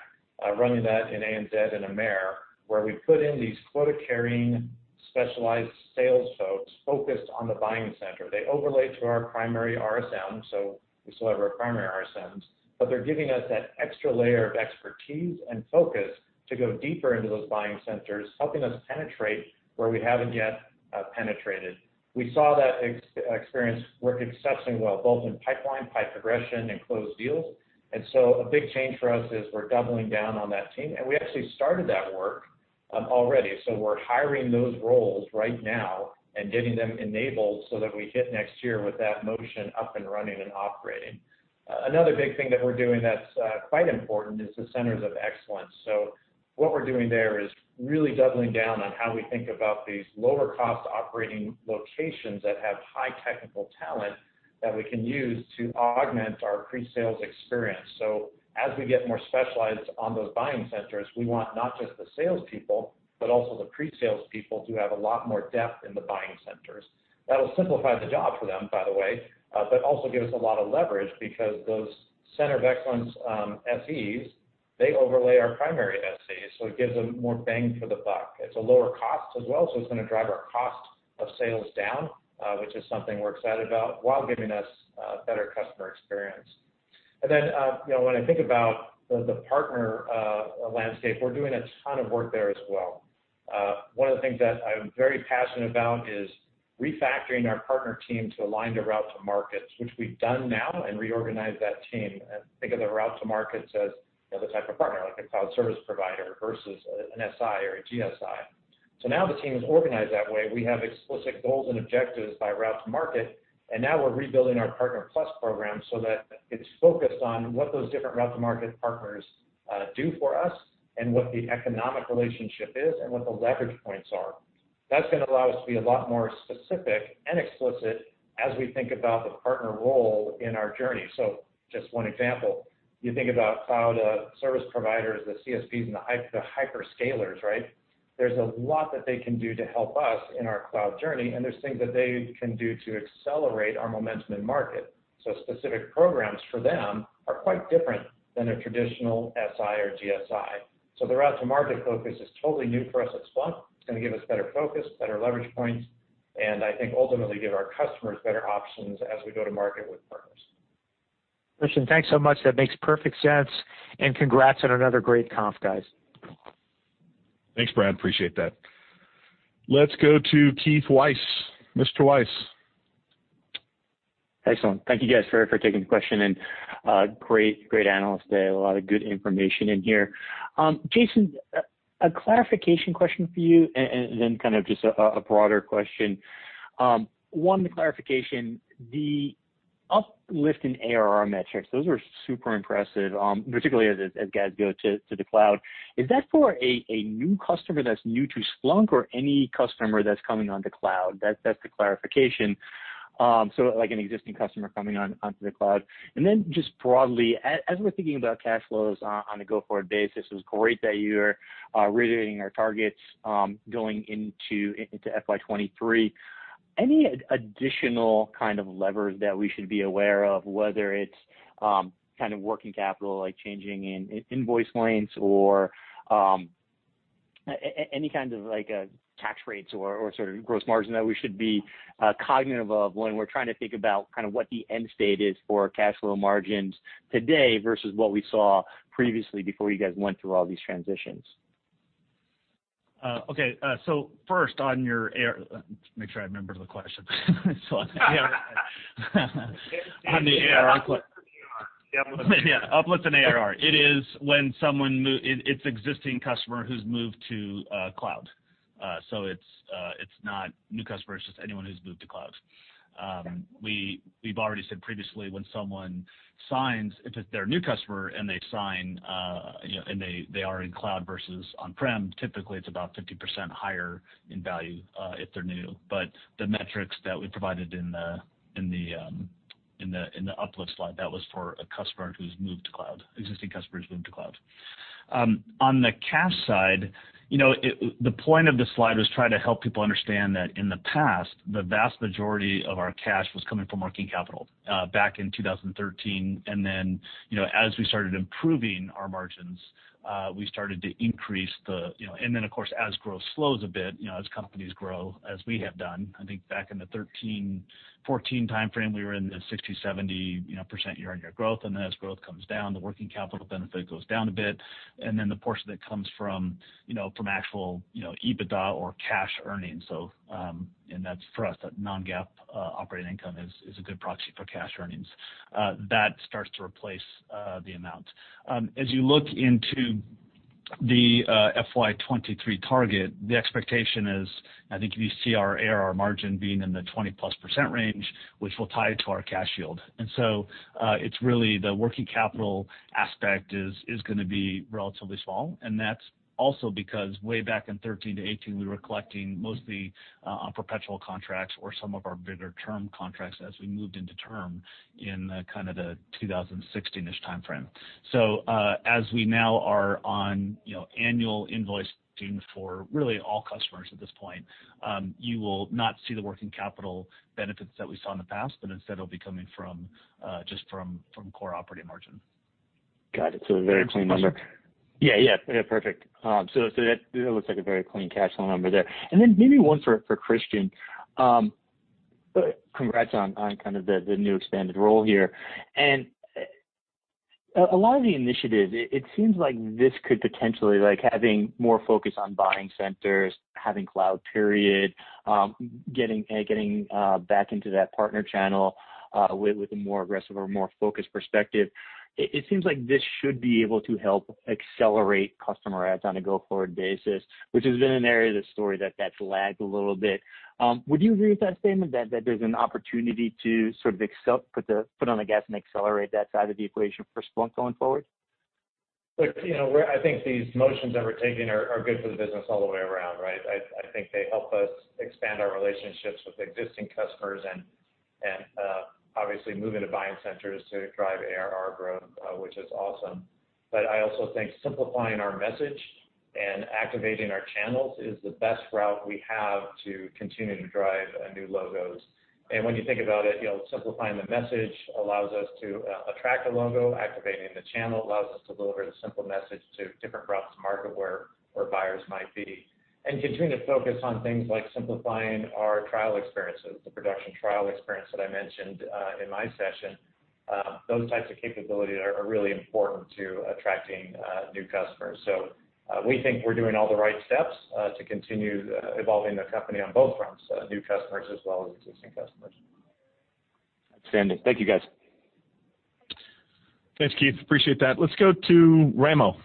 S4: running that in EMEA and AMER, where we put in these quota-carrying specialized sales folks focused on the buying center. They overlay to our primary RSM, so we still have our primary RSMs, but they're giving us that extra layer of expertise and focus to go deeper into those buying centers, helping us penetrate where we haven't yet penetrated. We saw that experience work exceptionally well, both in pipeline, pipe progression, and closed deals. A big change for us is we're doubling down on that team, and we actually started that work already. We're hiring those roles right now and getting them enabled so that we hit next year with that motion up and running and operating. Another big thing that we're doing that's quite important is the centers of excellence. What we're doing there is really doubling down on how we think about these lower-cost operating locations that have high technical talent that we can use to augment our pre-sales experience. As we get more specialized on those buying centers, we want not just the salespeople, but also the pre-salespeople to have a lot more depth in the buying centers. That'll simplify the job for them, by the way, but also give us a lot of leverage because those center of excellence, SEs, they overlay our primary SEs, it gives them more bang for the buck. It's a lower cost as well. It's going to drive our cost of sales down, which is something we're excited about, while giving us a better customer experience. When I think about the partner landscape, we're doing a ton of work there as well. One of the things that I'm very passionate about is refactoring our partner team to align to route to markets, which we've done now, and reorganized that team. Think of the route to markets as the type of partner, like a Cloud Service Provider versus an SI or a GSI. Now the team is organized that way. We have explicit goals and objectives by route to market, now we're rebuilding our Partner+ program so that it's focused on what those different route to market partners do for us and what the economic relationship is and what the leverage points are. That's going to allow us to be a lot more specific and explicit as we think about the partner role in our journey. Just one example, you think about Cloud Service Providers, the CSPs and the hyperscalers, right? There's a lot that they can do to help us in our cloud journey, there's things that they can do to accelerate our momentum in market. Specific programs for them are quite different than a traditional SI or GSI. The route-to-market focus is totally new for us at Splunk. It's going to give us better focus, better leverage points, and I think ultimately give our customers better options as we go to market with partners.
S9: Christian, thanks so much. That makes perfect sense, and congrats on another great conf, guys.
S2: Thanks, Brad. Appreciate that. Let's go to Keith Weiss. Mr. Weiss.
S10: Excellent. Thank you guys for taking the question and great analyst today. A lot of good information in here. Jason, a clarification question for you, and then kind of just a broader question. One clarification, the uplift in ARR metrics, those are super impressive, particularly as guys go to the cloud. Is that for a new customer that's new to Splunk or any customer that's coming onto cloud? That's the clarification. Like an existing customer coming onto the cloud. Just broadly, as we're thinking about cash flows on a go-forward basis, it was great that you're reiterating our targets going into FY 2023. Any additional kind of levers that we should be aware of, whether it's kind of working capital, like changing invoice lengths or any kind of tax rates or sort of gross margin that we should be cognizant of when we're trying to think about what the end state is for cash flow margins today versus what we saw previously before you guys went through all these transitions?
S6: Okay, let me make sure I remember the question.
S10: On the ARR uplift.
S6: Yeah, uplift in ARR. It is when someone, it's existing customer who's moved to cloud. It's not new customers, it's just anyone who's moved to cloud. We've already said previously when someone signs, if they're a new customer and they sign, and they are in cloud versus on-prem, typically it's about 50% higher in value if they're new. The metrics that we provided in the uplift slide, that was for a customer who's moved to cloud, existing customers moved to cloud. On the cash side, the point of the slide was trying to help people understand that in the past, the vast majority of our cash was coming from working capital, back in 2013. As we started improving our margins, we started to increase. Of course, as growth slows a bit, as companies grow, as we have done, I think back in the 2013, 2014 timeframe, we were in the 60%-70% year-over-year growth. As growth comes down, the working capital benefit goes down a bit. The portion that comes from actual EBITDA or cash earnings, and that's, for us, that non-GAAP operating income is a good proxy for cash earnings. That starts to replace the amount. As you look into the FY 2023 target, the expectation is, I think if you see our ARR margin being in the 20%-plus range, which will tie to our cash yield. It's really the working capital aspect is going to be relatively small. That's also because way back in 2013 to 2018, we were collecting mostly on perpetual contracts or some of our bigger term contracts as we moved into term in the kind of the 2016-ish timeframe. As we now are on annual invoicing for really all customers at this point, you will not see the working capital benefits that we saw in the past, but instead it'll be coming just from core operating margin.
S10: Got it. A very clean number. Yeah. Perfect. That looks like a very clean cash flow number there. Maybe one for Christian. Congrats on kind of the new expanded role here. A lot of the initiatives, it seems like this could potentially, like having more focus on buying centers, having cloud period, getting back into that partner channel with a more aggressive or more focused perspective. It seems like this should be able to help accelerate customer adds on a go-forward basis, which has been an area of the story that's lagged a little bit. Would you agree with that statement, that there's an opportunity to sort of put on the gas and accelerate that side of the equation for Splunk going forward?
S4: Look, I think these motions that we're taking are good for the business all the way around, right? I think they help us expand our relationships with existing customers and obviously move into buying centers to drive ARR growth, which is awesome. I also think simplifying our message and activating our channels is the best route we have to continue to drive new logos. When you think about it, simplifying the message allows us to attract a logo. Activating the channel allows us to deliver the simple message to different routes to market where buyers might be. Continuing to focus on things like simplifying our trial experiences, the production trial experience that I mentioned in my session, those types of capability are really important to attracting new customers. We think we're doing all the right steps to continue evolving the company on both fronts, new customers as well as existing customers.
S10: Outstanding. Thank you, guys.
S2: Thanks, Keith. Appreciate that. Let's go to Raimo.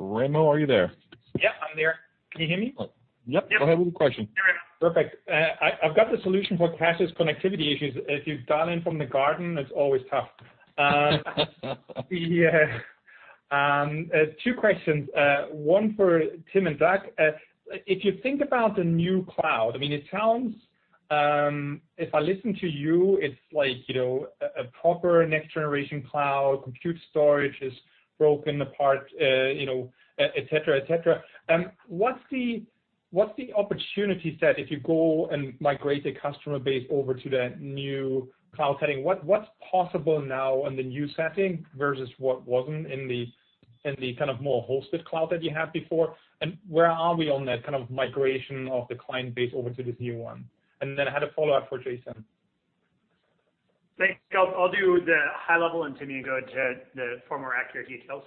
S2: Raimo, are you there?
S11: Yep, I'm there. Can you hear me?
S2: Yep. Go ahead with the question.
S11: Perfect. I've got the solution for Kash's connectivity issues. If you dial in from the garden, it's always tough. Two questions, one for Tim and Doug. If you think about the new cloud, it sounds, if I listen to you, it's like a proper next-generation cloud. Compute storage is broken apart, et cetera. What's the opportunity set if you go and migrate the customer base over to the new cloud setting? What's possible now in the new setting versus what wasn't in the kind of more hosted cloud that you had before? Where are we on that kind of migration of the client base over to this new one? I had a follow-up for Jason.
S1: Thanks. I'll do the high level, Tim, you can go into the far more accurate details.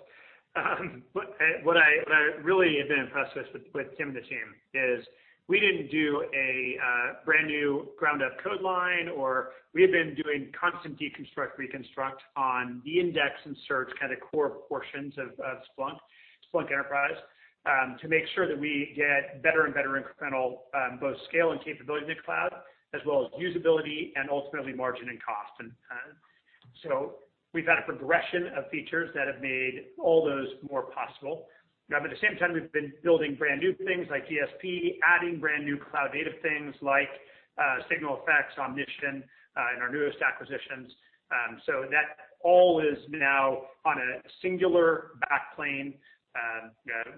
S1: What I really have been impressed with Tim and the team is we didn't do a brand-new ground-up code line, or we have been doing constant deconstruct, reconstruct on the index and search kind of core portions of Splunk Enterprise, to make sure that we get better and better incremental, both scale and capability in the cloud, as well as usability and ultimately margin and cost. We've had a progression of features that have made all those more possible. At the same time, we've been building brand new things like DSP, adding brand new cloud native things like SignalFx, Omnition in our newest acquisitions. That all is now on a singular backplane,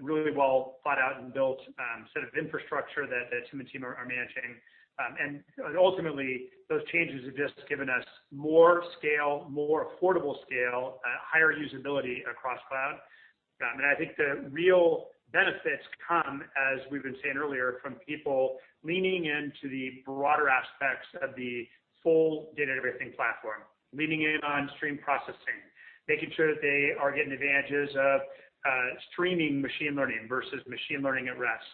S1: really well thought out and built set of infrastructure that Tim and team are managing. Ultimately those changes have just given us more scale, more affordable scale, higher usability across cloud. I think the real benefits come, as we've been saying earlier, from people leaning into the broader aspects of the full data everything platform, leaning in on stream processing. Making sure that they are getting advantages of streaming machine learning versus machine learning at rest.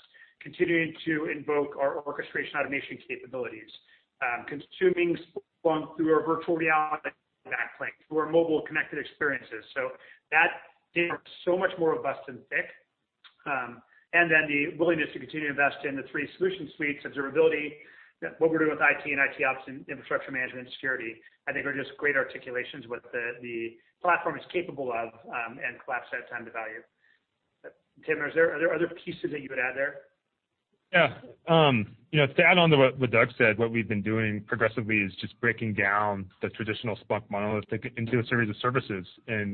S1: Continuing to invoke our orchestration automation capabilities. Consuming Splunk through our virtual reality backplane through our mobile connected experiences. That is so much more robust and thick. The willingness to continue to invest in the three solution suites, observability, what we're doing with IT and IT ops and infrastructure management and security, I think are just great articulations what the platform is capable of, and collapse that time to value. Tim, are there other pieces that you would add there?
S3: Yeah. To add on to what Doug said, what we've been doing progressively is just breaking down the traditional Splunk monolithic into a series of services.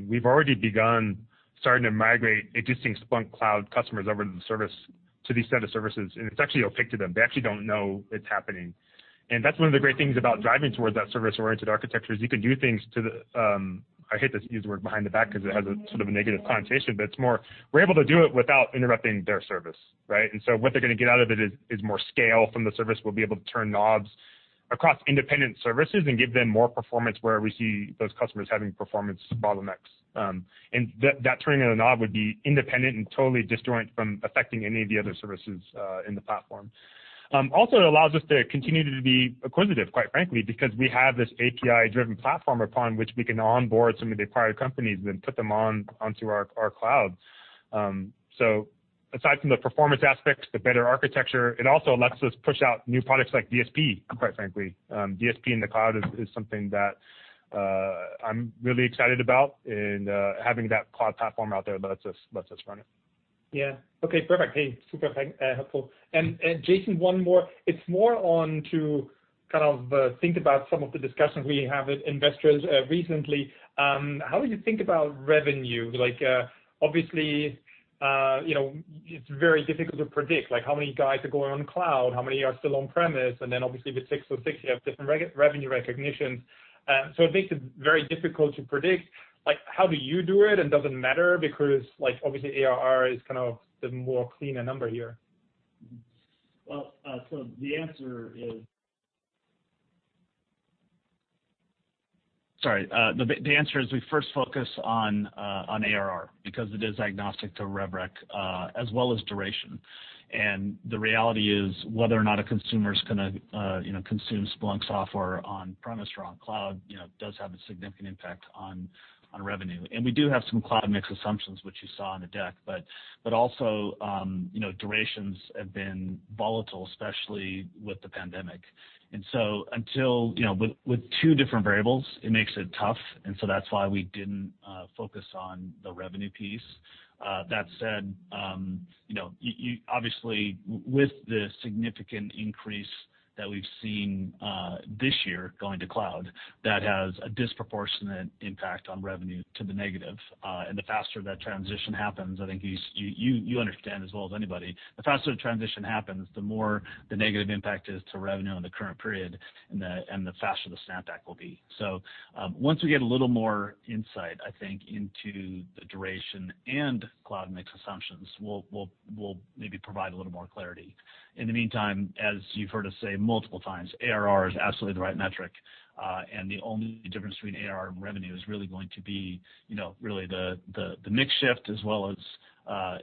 S3: We've already begun starting to migrate existing Splunk Cloud customers over to these set of services, and it's actually opaque to them. They actually don't know it's happening. That's one of the great things about driving towards that service-oriented architecture, is you can do things to the, I hate to use the word behind the back because it has a sort of a negative connotation, but it's more we're able to do it without interrupting their service, right? What they're going to get out of it is more scale from the service. We'll be able to turn knobs across independent services and give them more performance where we see those customers having performance bottlenecks. That turning of the knob would be independent and totally disjoint from affecting any of the other services in the platform. Also, it allows us to continue to be acquisitive, quite frankly, because we have this API-driven platform upon which we can onboard some of the acquired companies and put them onto our cloud. Aside from the performance aspects, the better architecture, it also lets us push out new products like DSP, quite frankly. DSP in the cloud is something that I'm really excited about, and having that cloud platform out there lets us run it.
S11: Yeah. Okay, perfect. Hey, super helpful. Jason, one more. It's more on to kind of think about some of the discussions we have with investors recently. How do you think about revenue? Obviously, it's very difficult to predict how many guys are going on cloud, how many are still on-premises, and then obviously with 606, you have different revenue recognitions. It makes it very difficult to predict. How do you do it, and does it matter because obviously ARR is kind of the more cleaner number here?
S6: Well, the answer is we first focus on ARR because it is agnostic to rev rec as well as duration. The reality is whether or not a consumer's going to consume Splunk software on-premise or on cloud does have a significant impact on revenue. We do have some cloud mix assumptions, which you saw on the deck. Also, durations have been volatile, especially with the pandemic. With two different variables, it makes it tough, and so that's why we didn't focus on the revenue piece. That said, obviously, with the significant increase that we've seen this year going to cloud, that has a disproportionate impact on revenue to the negative. The faster that transition happens, I think you understand as well as anybody, the faster the transition happens, the more the negative impact is to revenue in the current period and the faster the snapback will be. Once we get a little more insight, I think, into the duration and cloud mix assumptions, we'll maybe provide a little more clarity. In the meantime, as you've heard us say multiple times, ARR is absolutely the right metric. The only difference between ARR and revenue is really going to be really the mix shift as well as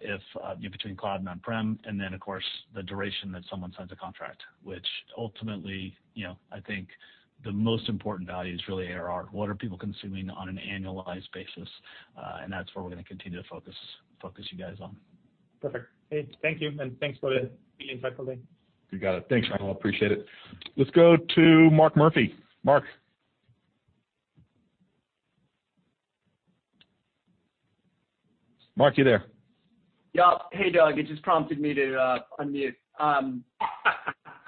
S6: if between cloud and on-prem, and then, of course, the duration that someone signs a contract. Which ultimately I think the most important value is really ARR. What are people consuming on an annualized basis? That's where we're going to continue to focus you guys on.
S11: Perfect. Hey, thank you. Thanks for the insight, Jason.
S6: You got it. Thanks, Raimo. Appreciate it.
S2: Let's go to Mark Murphy. Mark. Mark, you there?
S12: Yep. Hey, Doug. It just prompted me to unmute.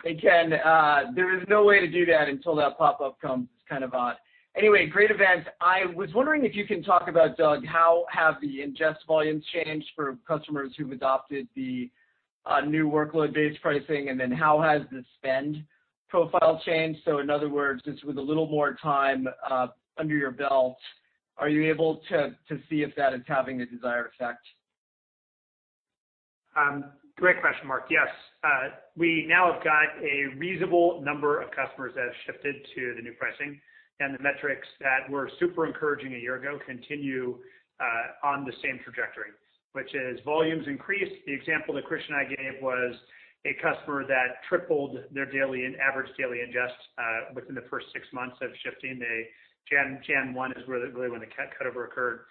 S12: There is no way to do that until that pop-up comes. It's kind of odd. Anyway, great event. I was wondering if you can talk about, Doug, how have the ingest volumes changed for customers who've adopted the new workload-based pricing, and then how has the spend profile changed? In other words, just with a little more time under your belt, are you able to see if that is having the desired effect?
S1: Great question, Mark. Yes. We now have got a reasonable number of customers that have shifted to the new pricing, and the metrics that were super encouraging a year ago continue on the same trajectory. Which is volumes increased. The example that Christian and I gave was a customer that tripled their average daily ingests within the first six months of shifting. January 1 is really when the cutover occurred.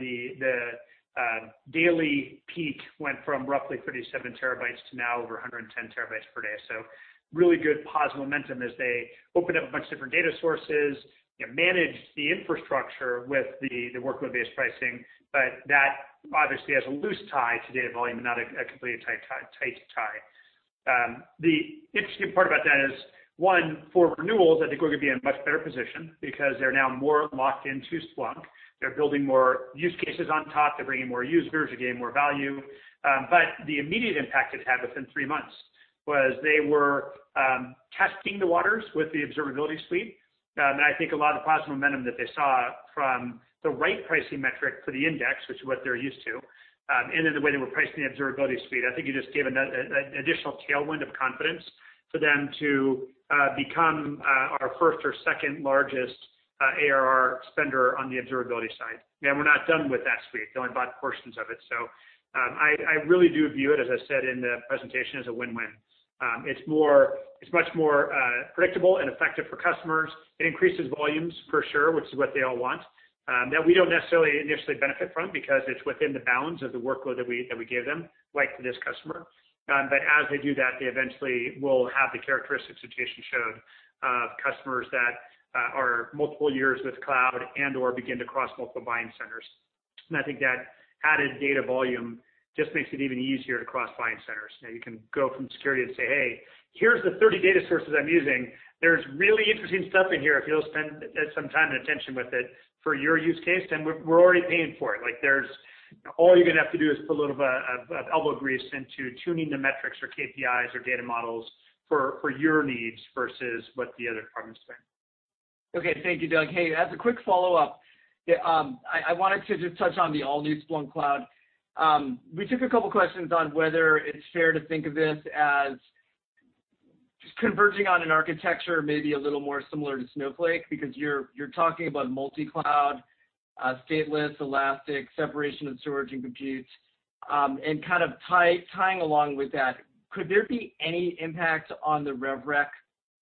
S1: The daily peak went from roughly 37 TB to now over 110 TB per day. Really good positive momentum as they open up a bunch of different data sources, manage the infrastructure with the workload-based pricing. That obviously has a loose tie to data volume, not a completely tight tie. The interesting part about that is, one, for renewals, I think we're going to be in a much better position because they're now more locked into Splunk. They're building more use cases on top. They're bringing more users. They're getting more value. The immediate impact it had within three months was they were testing the waters with the Observability Suite. I think a lot of the positive momentum that they saw from the right pricing metric for the index, which is what they're used to, and then the way they were pricing the Observability Suite, I think it just gave an additional tailwind of confidence for them to become our first or second largest ARR spender on the observability side. We're not done with that suite. They only bought portions of it. I really do view it, as I said in the presentation, as a win-win. It's much more predictable and effective for customers. It increases volumes for sure, which is what they all want. That we don't necessarily initially benefit from because it's within the bounds of the workload that we give them, like this customer. As they do that, they eventually will have the characteristic situation shown of customers that are multiple years with cloud and/or begin to cross multiple buying centers. I think that added data volume just makes it even easier to cross buying centers. You can go from security and say, "Hey, here's the 30 data sources I'm using. There's really interesting stuff in here if you'll spend some time and attention with it for your use case. We're already paying for it. All you're going to have to do is put a little of elbow grease into tuning the metrics or KPIs or data models for your needs versus what the other departments spend.
S12: Okay. Thank you, Doug. Hey, as a quick follow-up, I wanted to just touch on the all-new Splunk Cloud. We took a couple of questions on whether it's fair to think of this as just converging on an architecture, maybe a little more similar to Snowflake, because you're talking about multi-cloud, stateless, elastic, separation of storage and compute. Tying along with that, could there be any impact on the rev rec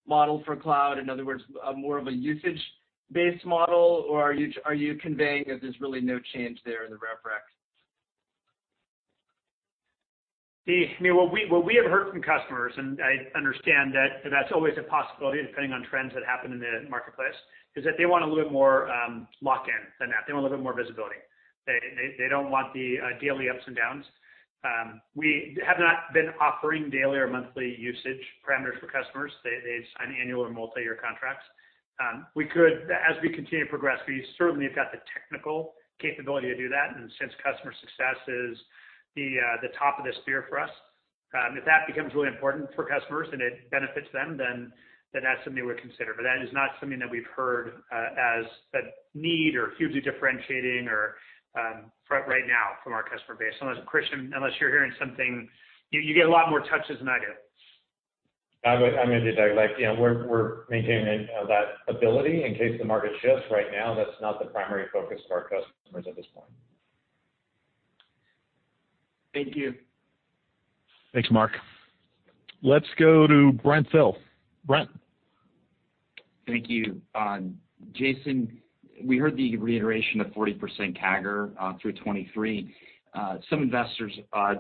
S12: model for cloud? In other words, more of a usage-based model, or are you conveying that there's really no change there in the rev rec?
S1: What we have heard from customers, I understand that that's always a possibility depending on trends that happen in the marketplace, is that they want a little more lock-in than that. They want a little bit more visibility. They don't want the daily ups and downs. We have not been offering daily or monthly usage parameters for customers. They sign annual or multi-year contracts. As we continue to progress, we certainly have got the technical capability to do that, since customer success is the top of the spear for us. If that becomes really important for customers and it benefits them, that's something we would consider. That is not something that we've heard as a need or hugely differentiating right now from our customer base. Unless, Christian, you're hearing something. You get a lot more touches than I do.
S4: I'm with you, Doug. We're maintaining that ability in case the market shifts. Right now, that's not the primary focus of our customers at this point.
S12: Thank you.
S2: Thanks, Mark. Let's go to Brent Thill. Brent?
S13: Thank you. Jason, we heard the reiteration of 40% CAGR through 2023. Some investors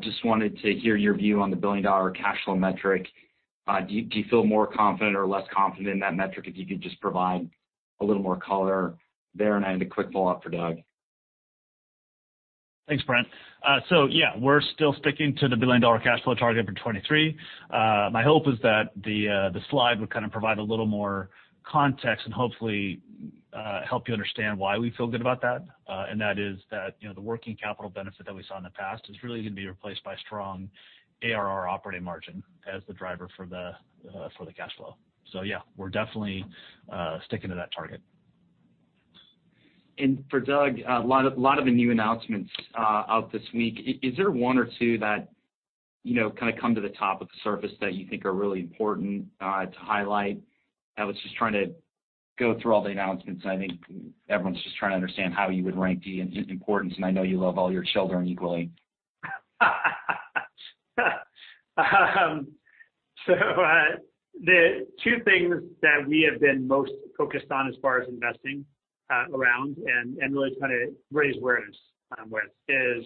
S13: just wanted to hear your view on the billion-dollar cash flow metric. Do you feel more confident or less confident in that metric? If you could just provide a little more color there. I had a quick follow-up for Doug.
S6: Thanks, Brent. Yeah, we're still sticking to the billion-dollar cash flow target for 2023. My hope is that the slide would kind of provide a little more context and hopefully help you understand why we feel good about that. That is that the working capital benefit that we saw in the past is really going to be replaced by strong ARR operating margin as the driver for the cash flow. Yeah, we're definitely sticking to that target.
S13: For Doug, a lot of the new announcements out this week, is there one or two that kind of come to the top of the surface that you think are really important to highlight? I was just trying to go through all the announcements. I think everyone's just trying to understand how you would rank the importance, and I know you love all your children equally.
S1: The two things that we have been most focused on as far as investing around and really trying to raise awareness with is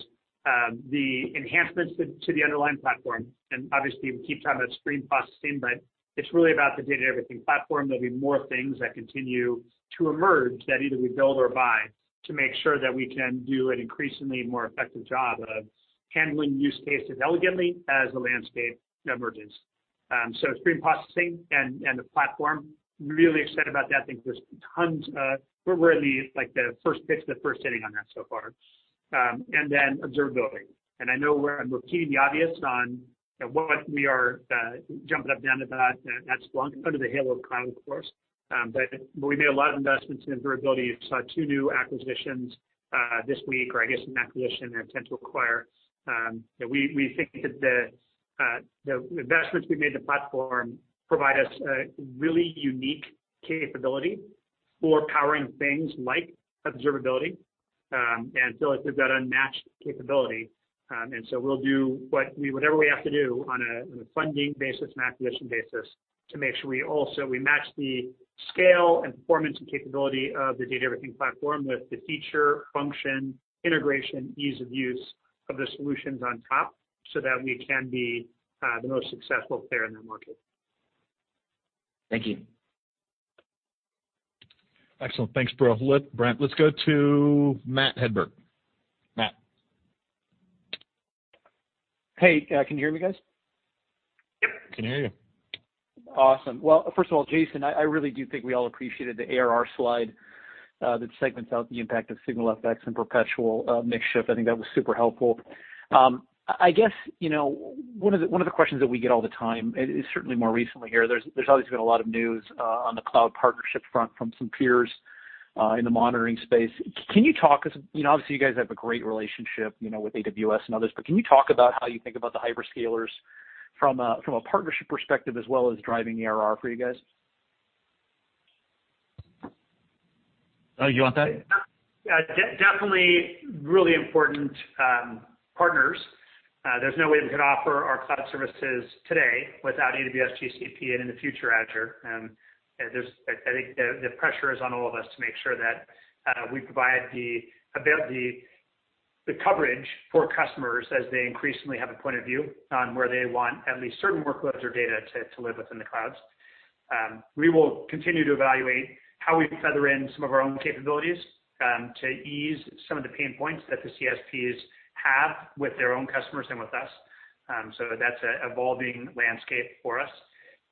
S1: the enhancements to the underlying platform. Obviously, we keep talking about stream processing, but it's really about the Data Everything Platform. There'll be more things that continue to emerge that either we build or buy to make sure that we can do an increasingly more effective job of handling use cases elegantly as the landscape emerges. Stream processing and the platform, really excited about that. I think we're in the first pitch, the first inning on that so far. Then observability. I know we're beating the obvious on what we are jumping up and down about at Splunk under the halo of cloud, of course. We made a lot of investments in observability. You saw two new acquisitions this week, or I guess an acquisition, and intent to acquire. We think that the investments we made in the platform provide us a really unique capability for powering things like observability. Feel like we've got unmatched capability. We'll do whatever we have to do on a funding basis and acquisition basis to make sure we match the scale and performance and capability of the data everything platform with the feature, function, integration, ease of use of the solutions on top so that we can be the most successful player in that market.
S13: Thank you.
S2: Excellent. Thanks, Brent. Let's go to Matt Hedberg. Matt?
S14: Hey, can you hear me guys?
S2: Can hear you.
S14: Awesome. Well, first of all, Jason, I really do think we all appreciated the ARR slide that segments out the impact of SignalFx and perpetual mix shift. I think that was super helpful. I guess, one of the questions that we get all the time is certainly more recently here. There's obviously been a lot of news on the cloud partnership front from some peers in the monitoring space. You guys have a great relationship with AWS and others, but can you talk about how you think about the hyperscalers from a partnership perspective as well as driving ARR for you guys?
S6: Doug, you want that?
S1: Yeah, definitely really important partners. There's no way we could offer our cloud services today without AWS, GCP, and in the future, Azure. I think the pressure is on all of us to make sure that we provide the coverage for customers as they increasingly have a point of view on where they want at least certain workloads or data to live within the clouds. We will continue to evaluate how we feather in some of our own capabilities to ease some of the pain points that the CSPs have with their own customers and with us. That's an evolving landscape for us.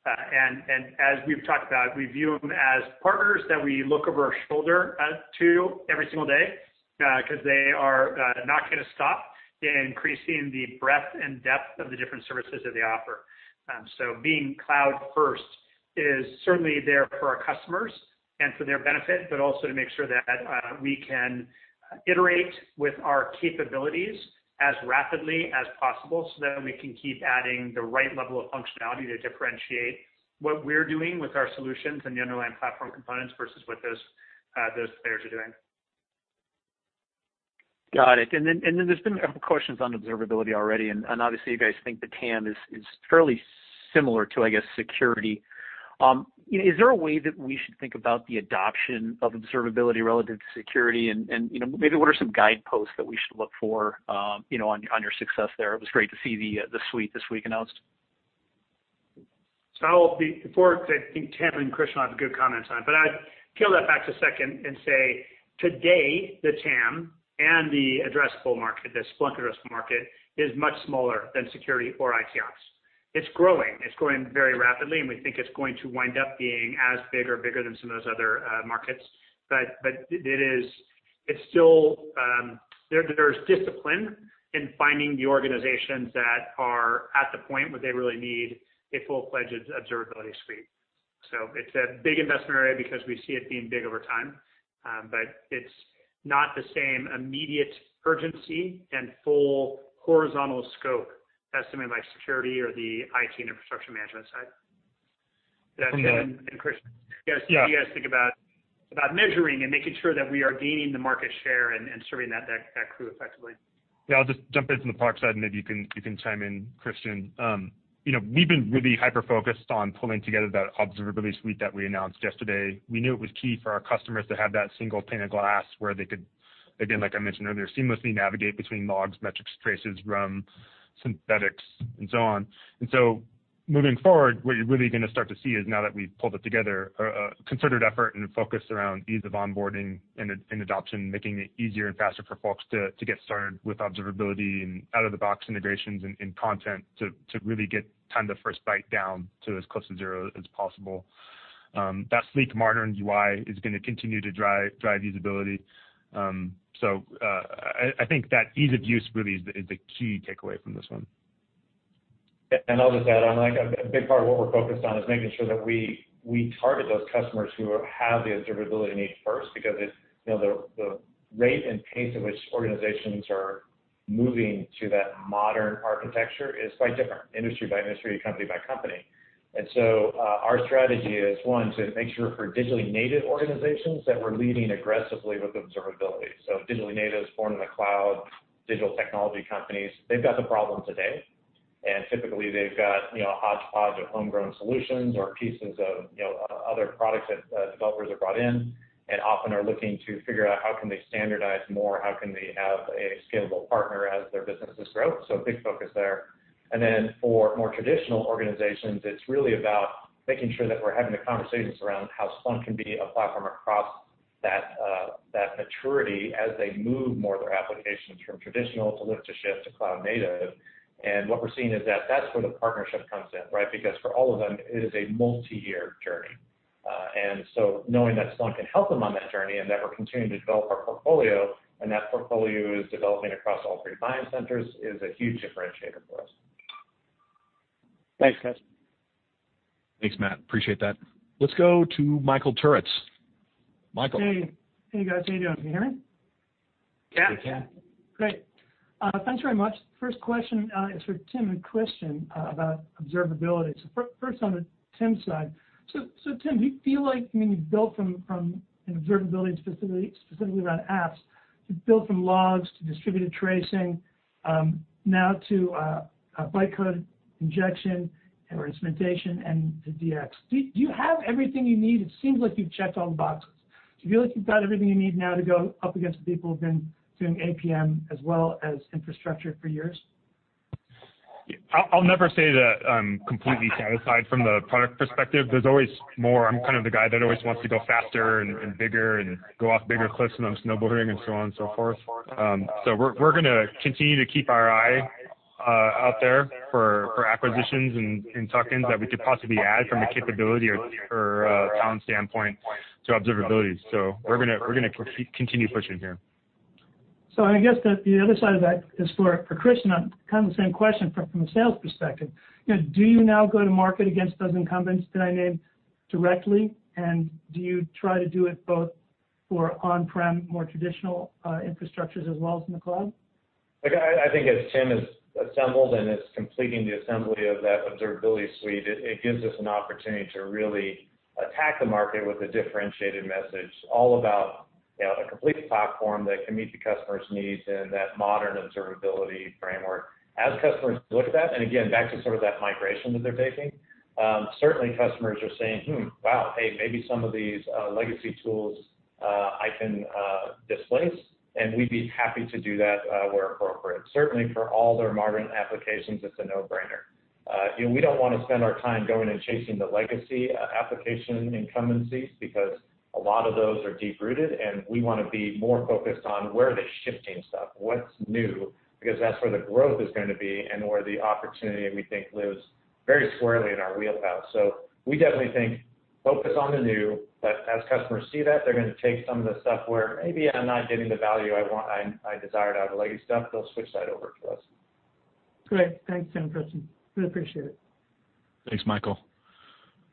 S1: As we've talked about, we view them as partners that we look over our shoulder to every single day because they are not going to stop increasing the breadth and depth of the different services that they offer. Being cloud-first is certainly there for our customers and for their benefit, but also to make sure that we can iterate with our capabilities as rapidly as possible so that we can keep adding the right level of functionality to differentiate what we're doing with our solutions and the underlying platform components versus what those players are doing.
S14: Got it. There's been a couple questions on observability already, and obviously you guys think the TAM is fairly similar to, I guess, security. Is there a way that we should think about the adoption of observability relative to security? Maybe what are some guideposts that we should look for on your success there? It was great to see the suite this week announced.
S1: I will be, before, I think Tim and Christian will have good comments on it, but I'd peel that back a second and say, today, the TAM and the addressable market, the Splunk addressable market, is much smaller than security or IT ops. It's growing. It's growing very rapidly, and we think it's going to wind up being as big or bigger than some of those other markets. There's discipline in finding the organizations that are at the point where they really need a full-fledged Observability Suite. It's a big investment area because we see it being big over time. It's not the same immediate urgency and full horizontal scope as somebody like security or the IT and infrastructure management side. With that, Chris, what do you guys think about measuring and making sure that we are gaining the market share and serving that crew effectively?
S3: Yeah, I'll just jump in from the product side, and maybe you can chime in, Christian. We've been really hyper-focused on pulling together that Observability Suite that we announced yesterday. We knew it was key for our customers to have that single pane of glass where they could, again, like I mentioned earlier, seamlessly navigate between logs, metrics, traces, RUM, synthetics, and so on. Moving forward, what you're really going to start to see is now that we've pulled it together, a considered effort and focus around ease of onboarding and adoption, making it easier and faster for folks to get started with observability and out-of-the-box integrations and content to really get time to first byte down to as close to zero as possible. That sleek, modern UI is going to continue to drive usability. I think that ease of use really is the key takeaway from this one.
S4: I'll just add on, a big part of what we're focused on is making sure that we target those customers who have the observability need first because the rate and pace at which organizations are moving to that modern architecture is quite different industry by industry, company by company. Our strategy is, one, to make sure for digitally native organizations, that we're leading aggressively with observability. Digitally natives born in the cloud, digital technology companies, they've got the problem today, and typically they've got a hodgepodge of homegrown solutions or pieces of other products that developers have brought in and often are looking to figure out how can they standardize more, how can they have a scalable partner as their businesses grow. Big focus there. For more traditional organizations, it's really about making sure that we're having the conversations around how Splunk can be a platform across that maturity as they move more of their applications from traditional to lift and shift to cloud native. What we're seeing is that that's where the partnership comes in, right? Because for all of them, it is a multi-year journey. Knowing that Splunk can help them on that journey and that we're continuing to develop our portfolio and that portfolio is developing across all three buying centers is a huge differentiator for us.
S14: Thanks, guys.
S2: Thanks, Matt. Appreciate that. Let's go to Michael Turits. Michael.
S15: Hey. Hey, guys. How you doing? Can you hear me?
S1: Yeah. We can.
S15: Great. Thanks very much. First question is for Tim and Christian about observability. First on the Tim side. Tim, do you feel like when you've built from an observability specifically around apps, built from logs to distributed tracing, now to bytecode injection or instrumentation and to DX, do you have everything you need? It seems like you've checked all the boxes. Do you feel like you've got everything you need now to go up against the people who've been doing APM as well as infrastructure for years?
S3: I'll never say that I'm completely satisfied from the product perspective. There's always more. I'm kind of the guy that always wants to go faster and bigger and go off bigger cliffs when I'm snowboarding, and so on and so forth. We're going to continue to keep our eye out there for acquisitions and tuck-ins that we could possibly add from a capability or talent standpoint to observability. We're going to continue pushing here.
S15: I guess the other side of that is for Christian, kind of the same question from a sales perspective. Do you now go to market against those incumbents that I named directly, and do you try to do it both for on-prem, more traditional infrastructures as well as in the cloud?
S4: I think as Tim has assembled and is completing the assembly of that Observability Suite, it gives us an opportunity to really attack the market with a differentiated message all about a complete platform that can meet the customer's needs in that modern observability framework. As customers look at that, and again, back to sort of that migration that they're taking, certainly customers are saying, "Hmm, wow, hey, maybe some of these legacy tools I can displace." And we'd be happy to do that where appropriate. Certainly for all their modern applications, it's a no-brainer. We don't want to spend our time going and chasing the legacy application incumbencies because a lot of those are deep-rooted, and we want to be more focused on where are they shifting stuff, what's new, because that's where the growth is going to be and where the opportunity, we think, lives very squarely in our wheelhouse. We definitely think focus on the new, but as customers see that, they're going to take some of the stuff where maybe I'm not getting the value I desired out of the legacy stuff, they'll switch that over to us.
S15: Great. Thanks, Tim and Christian. Really appreciate it.
S2: Thanks, Michael.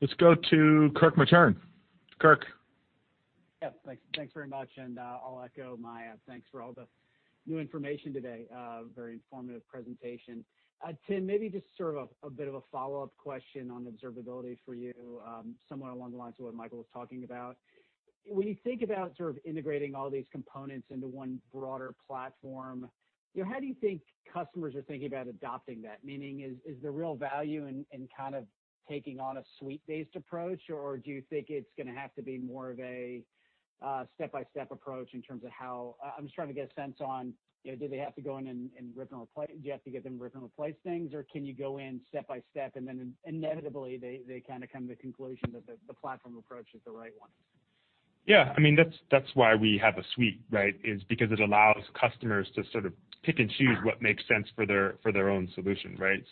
S2: Let's go to Kirk Materne. Kirk?
S16: Yeah, thanks very much, and I'll echo my thanks for all the new information today. Very informative presentation. Tim, maybe just sort of a bit of a follow-up question on observability for you, somewhat along the lines of what Michael was talking about. When you think about integrating all these components into one broader platform, how do you think customers are thinking about adopting that? Meaning, is the real value in taking on a suite-based approach, or do you think it's going to have to be more of a step-by-step approach in terms of how I'm just trying to get a sense on, do they have to go in and rip and replace? Do you have to get them to rip and replace things, or can you go in step by step, and then inevitably they come to the conclusion that the platform approach is the right one?
S3: Yeah, that's why we have a suite, is because it allows customers to sort of pick and choose what makes sense for their own solution, right?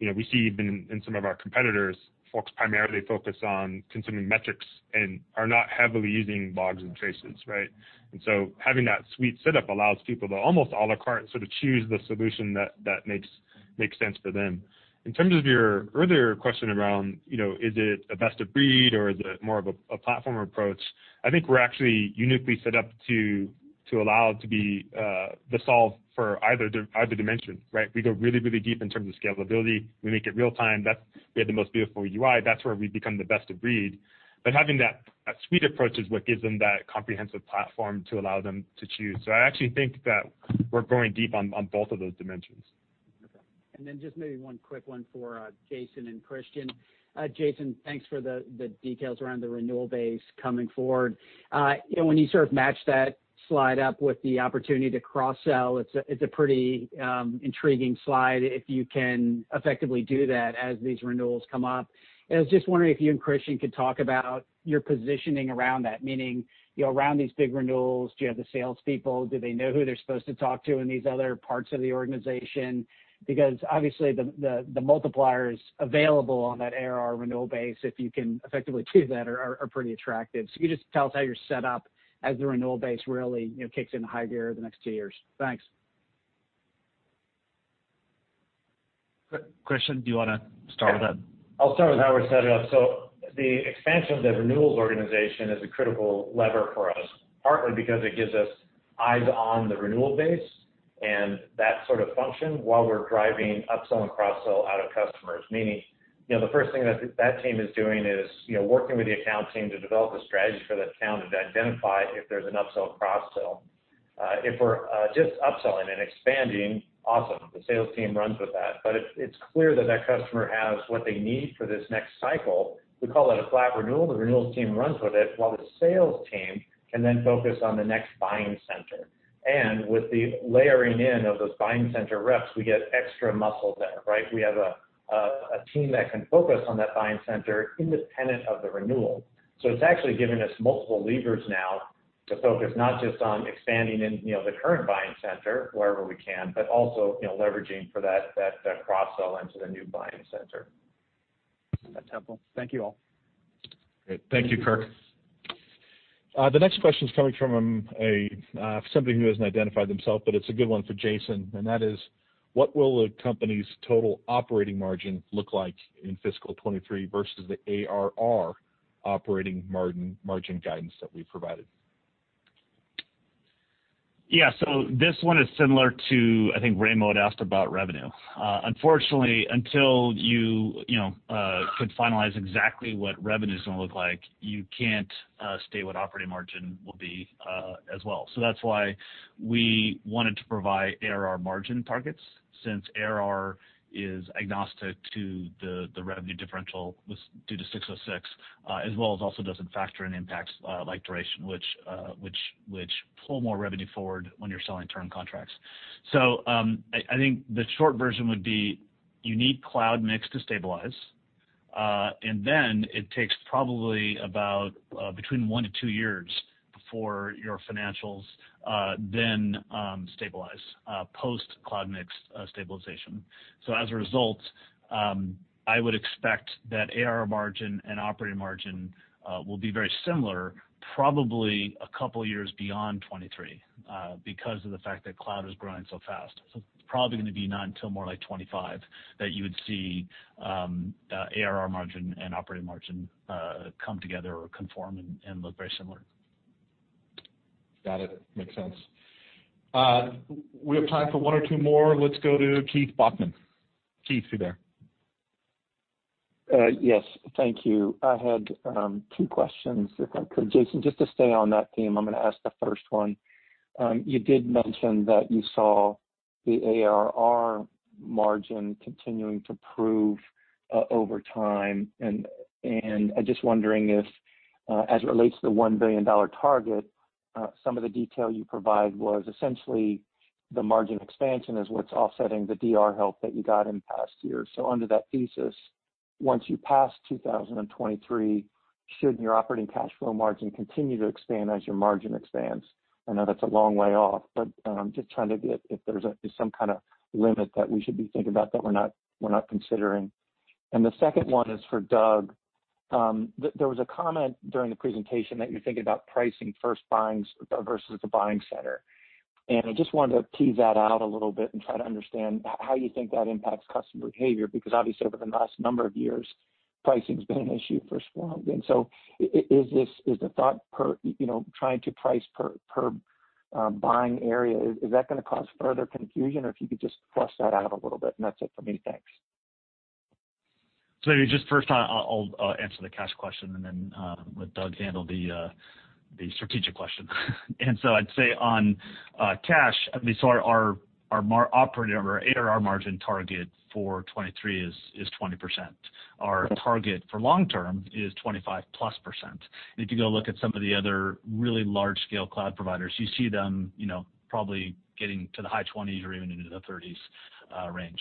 S3: We see even in some of our competitors, folks primarily focus on consuming metrics and are not heavily using logs and traces, right? Having that suite set up allows people to almost à la carte sort of choose the solution that makes sense for them. In terms of your earlier question around, is it a best of breed or is it more of a platform approach? I think we're actually uniquely set up to allow to be the solve for either dimension, right? We go really deep in terms of scalability. We make it real time. We have the most beautiful UI. That's where we become the best of breed. Having that suite approach is what gives them that comprehensive platform to allow them to choose. I actually think that we're going deep on both of those dimensions.
S16: Okay. Then just maybe one quick one for Jason and Christian. Jason, thanks for the details around the renewal base coming forward. When you sort of match that slide up with the opportunity to cross-sell, it's a pretty intriguing slide if you can effectively do that as these renewals come up. I was just wondering if you and Christian could talk about your positioning around that. Meaning, around these big renewals, do you have the salespeople? Do they know who they're supposed to talk to in these other parts of the organization? Obviously the multipliers available on that ARR renewal base, if you can effectively do that, are pretty attractive. Can you just tell us how you're set up as the renewal base really kicks into high gear over the next two years? Thanks.
S6: Christian, do you want to start with that?
S4: I'll start with how we're set up. The expansion of the renewals organization is a critical lever for us, partly because it gives us eyes on the renewal base and that sort of function while we're driving up-sell and cross-sell out of customers. Meaning, the first thing that that team is doing is working with the account team to develop a strategy for that account to identify if there's an up-sell or cross-sell. If we're just upselling and expanding, awesome. The sales team runs with that. It's clear that that customer has what they need for this next cycle. We call it a flat renewal. The renewals team runs with it while the sales team can then focus on the next buying center. With the layering in of those buying center reps, we get extra muscle there, right? We have a team that can focus on that buying center independent of the renewal. It's actually given us multiple levers now to focus not just on expanding in the current buying center wherever we can, but also leveraging for that cross-sell into the new buying center.
S16: That's helpful. Thank you all.
S2: Great. Thank you, Kirk. The next question is coming from somebody who hasn't identified themself, but it's a good one for Jason, and that is: What will the company's total operating margin look like in fiscal 2023 versus the ARR operating margin guidance that we provided?
S6: This one is similar to, I think Raimo had asked about revenue. Unfortunately, until you could finalize exactly what revenue's going to look like, you can't state what operating margin will be as well. That's why we wanted to provide ARR margin targets, since ARR is agnostic to the revenue differential due to ASC 606, as well as also doesn't factor in impacts like duration, which pull more revenue forward when you're selling term contracts. I think the short version would be you need cloud mix to stabilize, and then it takes probably about between one-two years before your financials then stabilize post-cloud mix stabilization. As a result, I would expect that ARR margin and operating margin will be very similar probably a couple of years beyond 2023 because of the fact that cloud is growing so fast. It's probably going to be not until more like 2025 that you would see ARR margin and operating margin come together or conform and look very similar.
S2: Got it. Makes sense. We have time for one or two more. Let's go to Keith Bachman. Keith, you there?
S17: Yes. Thank you. I had two questions, if I could. Jason, just to stay on that theme, I'm going to ask the first one. You did mention that you saw the ARR margin continuing to improve over time, and I'm just wondering if, as it relates to the $1 billion target, some of the detail you provide was essentially the margin expansion is what's offsetting the DR help that you got in past years. Under that thesis, once you pass 2023, should your operating cash flow margin continue to expand as your margin expands? I know that's a long way off, but I'm just trying to get if there's some kind of limit that we should be thinking about that we're not considering. The second one is for Doug. There was a comment during the presentation that you're thinking about pricing first versus the buying center. I just wanted to tease that out a little bit and try to understand how you think that impacts customer behavior. Obviously, over the last number of years, pricing's been an issue for Splunk. Is the thought trying to price per buying area, is that going to cause further confusion? If you could just flesh that out a little bit. That's it for me. Thanks.
S6: Maybe just first I'll answer the cash question and then let Doug handle the strategic question. I'd say on cash, our ARR margin target for 2023 is 20%. Our target for long-term is 25+%. If you go look at some of the other really large-scale cloud providers, you see them probably getting to the high 20s or even into the 30s range.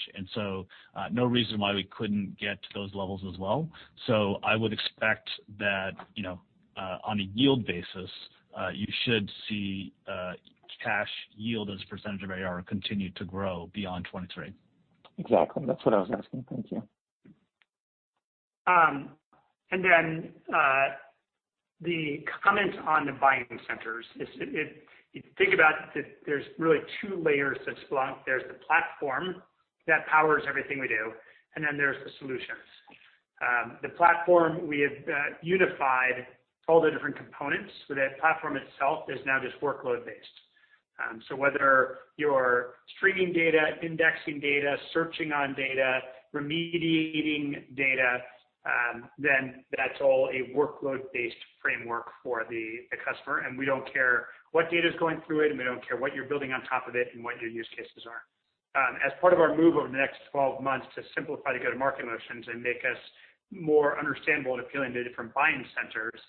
S6: No reason why we couldn't get to those levels as well. I would expect that on a yield basis, you should see cash yield as a percentage of ARR continue to grow beyond 2023.
S17: Exactly. That's what I was asking. Thank you.
S1: The comment on the buying centers is, if you think about it, there's really two layers to Splunk. There's the platform that powers everything we do, and then there's the solutions. The platform, we have unified all the different components. That platform itself is now just workload-based. Whether you're streaming data, indexing data, searching on data, remediating data, then that's all a workload-based framework for the customer, and we don't care what data's going through it, and we don't care what you're building on top of it and what your use cases are. As part of our move over the next 12 months to simplify the go-to-market motions and make us more understandable and appealing to the different buying centers,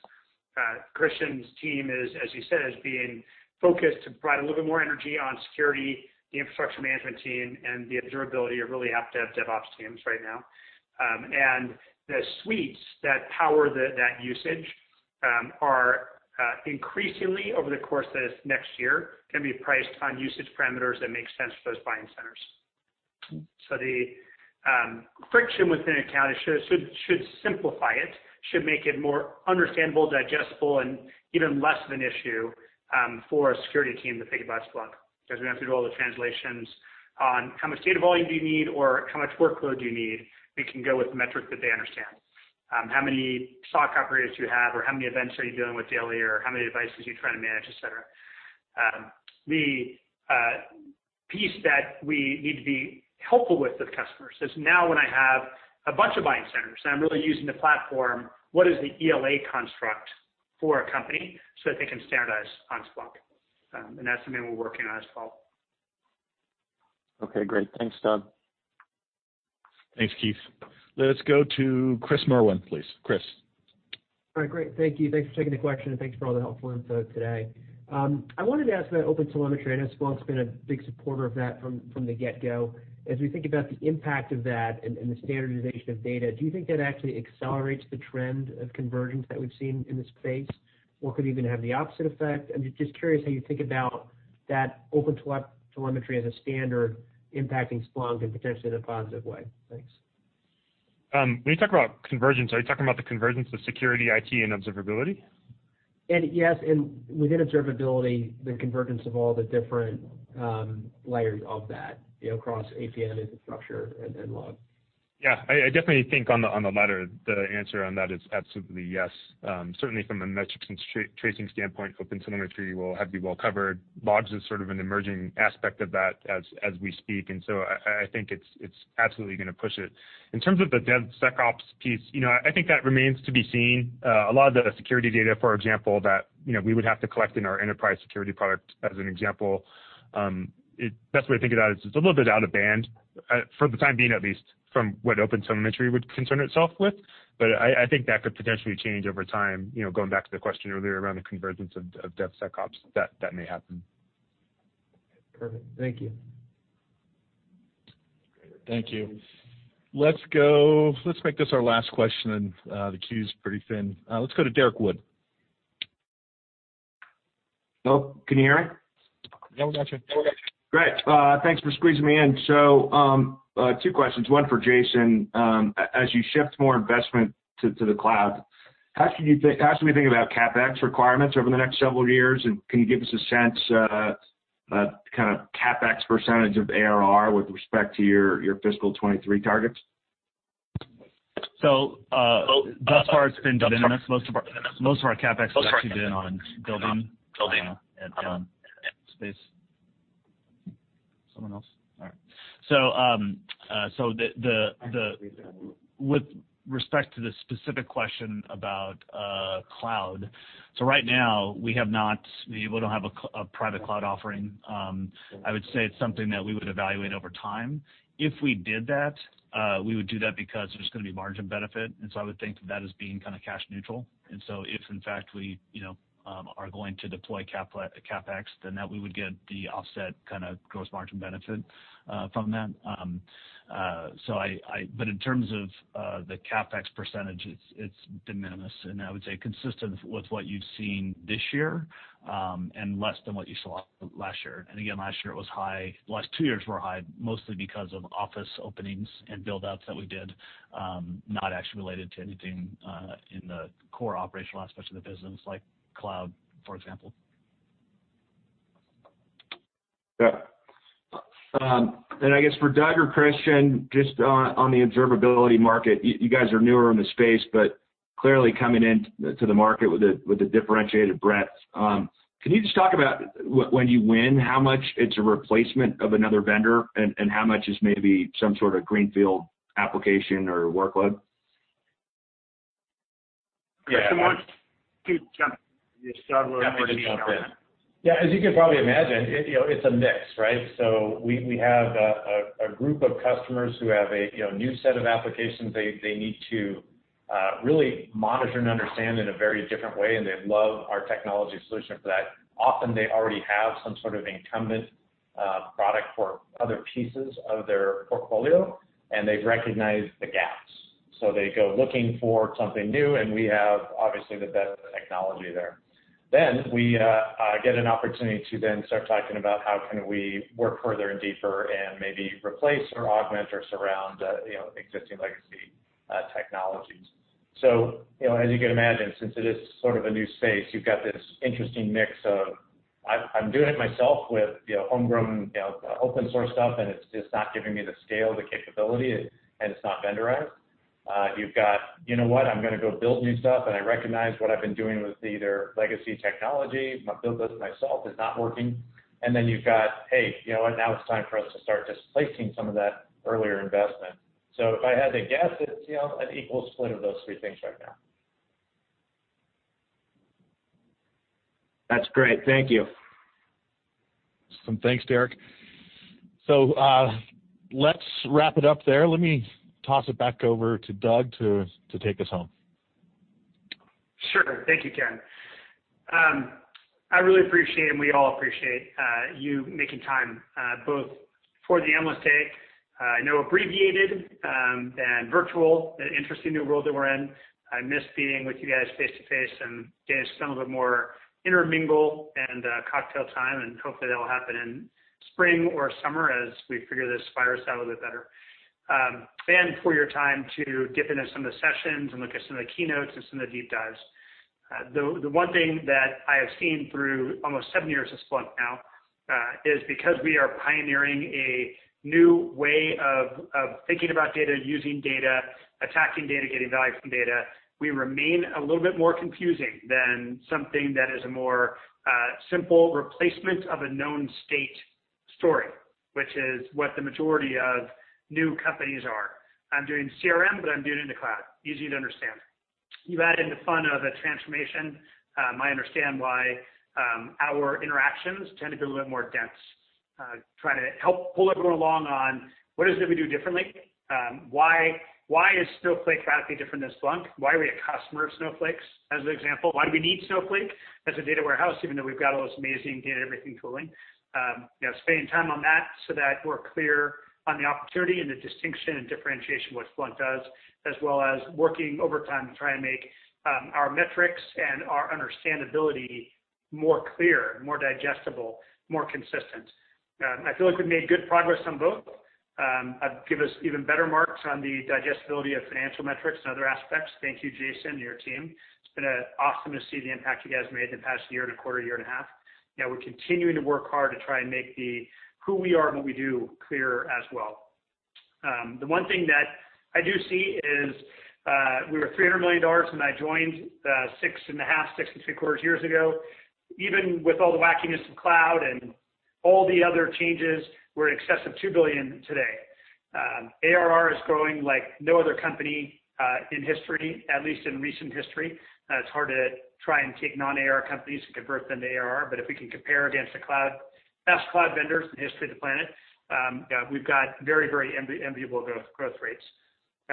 S1: Christian's team is, as you said, is being focused to provide a little bit more energy on security, the infrastructure management team, and the observability or really app dev, DevOps teams right now. The suites that power that usage are increasingly, over the course of this next year, going to be priced on usage parameters that make sense for those buying centers. The friction within account should simplify it, should make it more understandable, digestible, and even less of an issue for a security team to think about Splunk. We don't have to do all the translations on how much data volume do you need or how much workload do you need. We can go with the metric that they understand. How many SOC operators do you have, or how many events are you dealing with daily, or how many devices are you trying to manage, et cetera. The piece that we need to be helpful with the customers is now when I have a bunch of buying centers, and I'm really using the platform, what is the ELA construct for a company so that they can standardize on Splunk? That's something we're working on as well.
S17: Okay, great. Thanks, Doug.
S2: Thanks, Keith. Let's go to Chris Merwin, please. Chris.
S18: All right, great. Thank you. Thanks for taking the question, and thanks for all the helpful info today. I wanted to ask about OpenTelemetry. I know Splunk's been a big supporter of that from the get-go. As we think about the impact of that and the standardization of data, do you think that actually accelerates the trend of convergence that we've seen in this space, or could it even have the opposite effect? I'm just curious how you think about that OpenTelemetry as a standard impacting Splunk in potentially in a positive way. Thanks.
S3: When you talk about convergence, are you talking about the convergence of security, IT, and observability?
S18: Yes. Within observability, the convergence of all the different layers of that across API, infrastructure, and log.
S3: Yeah. I definitely think on the latter, the answer on that is absolutely yes. Certainly from a metrics and tracing standpoint, OpenTelemetry will have you well covered. Logs is sort of an emerging aspect of that as we speak. I think it's absolutely going to push it. In terms of the DevSecOps piece, I think that remains to be seen. A lot of the security data, for example, that we would have to collect in our Enterprise Security product as an example, best way to think about it is it's a little bit out of band, for the time being, at least, from what OpenTelemetry would concern itself with. I think that could potentially change over time. Going back to the question earlier around the convergence of DevSecOps, that may happen.
S18: Perfect. Thank you.
S2: Thank you. Let's make this our last question, then. The queue's pretty thin. Let's go to Derrick Wood.
S19: Hello, can you hear me?
S2: Yeah, we got you. [inaudible]
S19: Great. Thanks for squeezing me in. Two questions, one for Jason. As you shift more investment to the cloud, how should we think about CapEx requirements over the next several years? Can you give us a sense, kind of CapEx percentage of ARR with respect to your fiscal 2023 targets?
S6: Thus far it's been de minimis. Most of our CapEx has actually been on building and on space. Someone else? All right. With respect to the specific question about cloud, right now, we don't have a private cloud offering. I would say it's something that we would evaluate over time. If we did that, we would do that because there's going to be margin benefit, I would think of that as being kind of cash neutral. If in fact we are going to deploy CapEx, that we would get the offset kind of gross margin benefit from that. In terms of the CapEx percentage, it's de minimis, and I would say consistent with what you've seen this year, less than what you saw last year. Again, last year it was high. The last two years were high, mostly because of office openings and build-outs that we did, not actually related to anything in the core operational aspects of the business, like cloud, for example.
S19: Yeah. I guess for Doug or Christian, just on the observability market, you guys are newer in the space, but clearly coming into the market with a differentiated breadth. Can you just talk about when you win, how much it's a replacement of another vendor and how much is maybe some sort of greenfield application or workload?
S1: Christian wants to jump in.
S4: As you can probably imagine, it's a mix, right? We have a group of customers who have a new set of applications they need to really monitor and understand in a very different way, and they love our technology solution for that. Often they already have some sort of incumbent product for other pieces of their portfolio, and they've recognized the gaps. They go looking for something new, and we have, obviously, the best technology there. We get an opportunity to then start talking about how can we work further and deeper and maybe replace or augment or surround existing legacy technologies. As you can imagine, since it is sort of a new space, you've got this interesting mix of I'm doing it myself with homegrown open source stuff, and it's just not giving me the scale, the capability, and it's not vendorized. You've got, you know what, I'm going to go build new stuff, and I recognize what I've been doing with either legacy technology, my build versus myself is not working. You've got, hey, you know what, now it's time for us to start displacing some of that earlier investment. If I had to guess, it's an equal split of those three things right now.
S19: That's great. Thank you.
S2: Awesome. Thanks, Derrick. Let's wrap it up there. Let me toss it back over to Doug to take us home.
S1: Thank you, Ken. I really appreciate, and we all appreciate you making time both for the Analyst Day, I know abbreviated, and virtual, an interesting new world that we're in. I miss being with you guys face-to-face and getting some of the more intermingle and cocktail time, and hopefully that'll happen in spring or summer as we figure this virus out a little bit better. For your time to dip into some of the sessions and look at some of the keynotes and some of the deep dives. The one thing that I have seen through almost seven years of Splunk now is because we are pioneering a new way of thinking about data, using data, attacking data, getting value from data, we remain a little bit more confusing than something that is a more simple replacement of a known state story, which is what the majority of new companies are. I'm doing CRM, but I'm doing it in the cloud. Easy to understand. You add in the fun of a transformation. I understand why our interactions tend to be a little bit more dense. Try to help pull everyone along on what is it we do differently? Why is Snowflake radically different than Splunk? Why are we a customer of Snowflake's? As an example. Why do we need Snowflake as a data warehouse, even though we've got all this amazing data and everything tooling? Spending time on that so that we're clear on the opportunity and the distinction and differentiation what Splunk does, as well as working overtime to try and make our metrics and our understandability more clear, more digestible, more consistent. I feel like we've made good progress on both. I'd give us even better marks on the digestibility of financial metrics and other aspects. Thank you, Jason, your team. It's been awesome to see the impact you guys made in the past year and a quarter, year and a half. We're continuing to work hard to try and make the who we are and what we do clearer as well. The one thing that I do see is we were $300 million when I joined six and a half, six and three-quarters years ago. Even with all the wackiness of cloud and all the other changes, we're in excess of $2 billion today. ARR is growing like no other company in history, at least in recent history. If we can compare against the best cloud vendors in the history of the planet, we've got very enviable growth rates.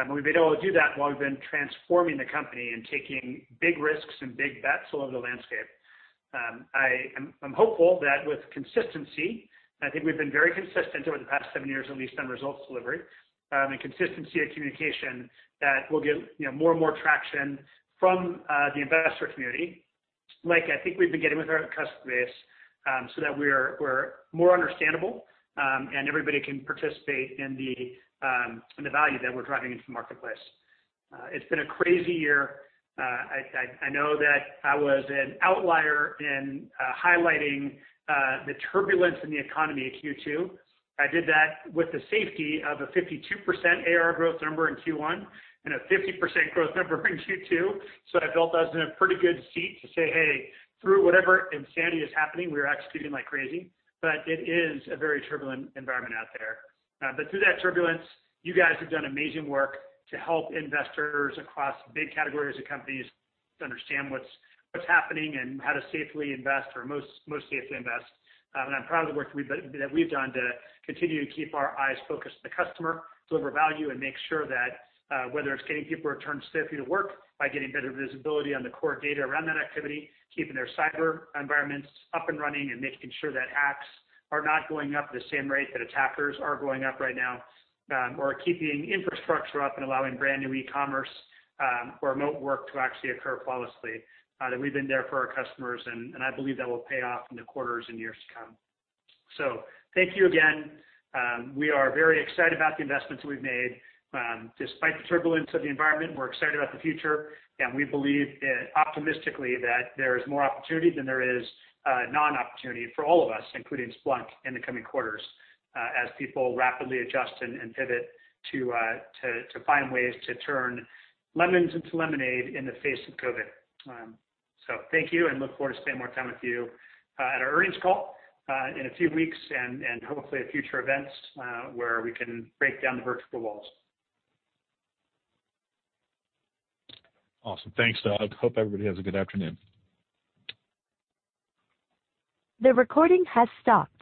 S1: We've been able to do that while we've been transforming the company and taking big risks and big bets all over the landscape. I'm hopeful that with consistency, I think we've been very consistent over the past seven years, at least on results delivery, and consistency of communication that we'll get more and more traction from the investor community. Like I think we've been getting with our customer base, so that we're more understandable, and everybody can participate in the value that we're driving into the marketplace. It's been a crazy year. I know that I was an outlier in highlighting the turbulence in the economy in Q2. I did that with the safety of a 52% ARR growth number in Q1 and a 50% growth number in Q2. I felt I was in a pretty good seat to say, "Hey, through whatever insanity is happening, we're executing like crazy." It is a very turbulent environment out there. Through that turbulence, you guys have done amazing work to help investors across big categories of companies to understand what's happening and how to safely invest or most safely invest. I'm proud of the work that we've done to continue to keep our eyes focused on the customer, deliver value, and make sure that, whether it's getting people returned safely to work by getting better visibility on the core data around that activity, keeping their cyber environments up and running, and making sure that hacks are not going up at the same rate that attackers are going up right now. Keeping infrastructure up and allowing brand new e-commerce or remote work to actually occur flawlessly, that we've been there for our customers, and I believe that will pay off in the quarters and years to come. Thank you again. We are very excited about the investments we've made. Despite the turbulence of the environment, we're excited about the future. We believe optimistically that there is more opportunity than there is non-opportunity for all of us, including Splunk, in the coming quarters as people rapidly adjust and pivot to find ways to turn lemons into lemonade in the face of COVID. Thank you. Look forward to spending more time with you at our earnings call in a few weeks and hopefully at future events where we can break down the virtual walls.
S2: Awesome. Thanks, Doug. Hope everybody has a good afternoon.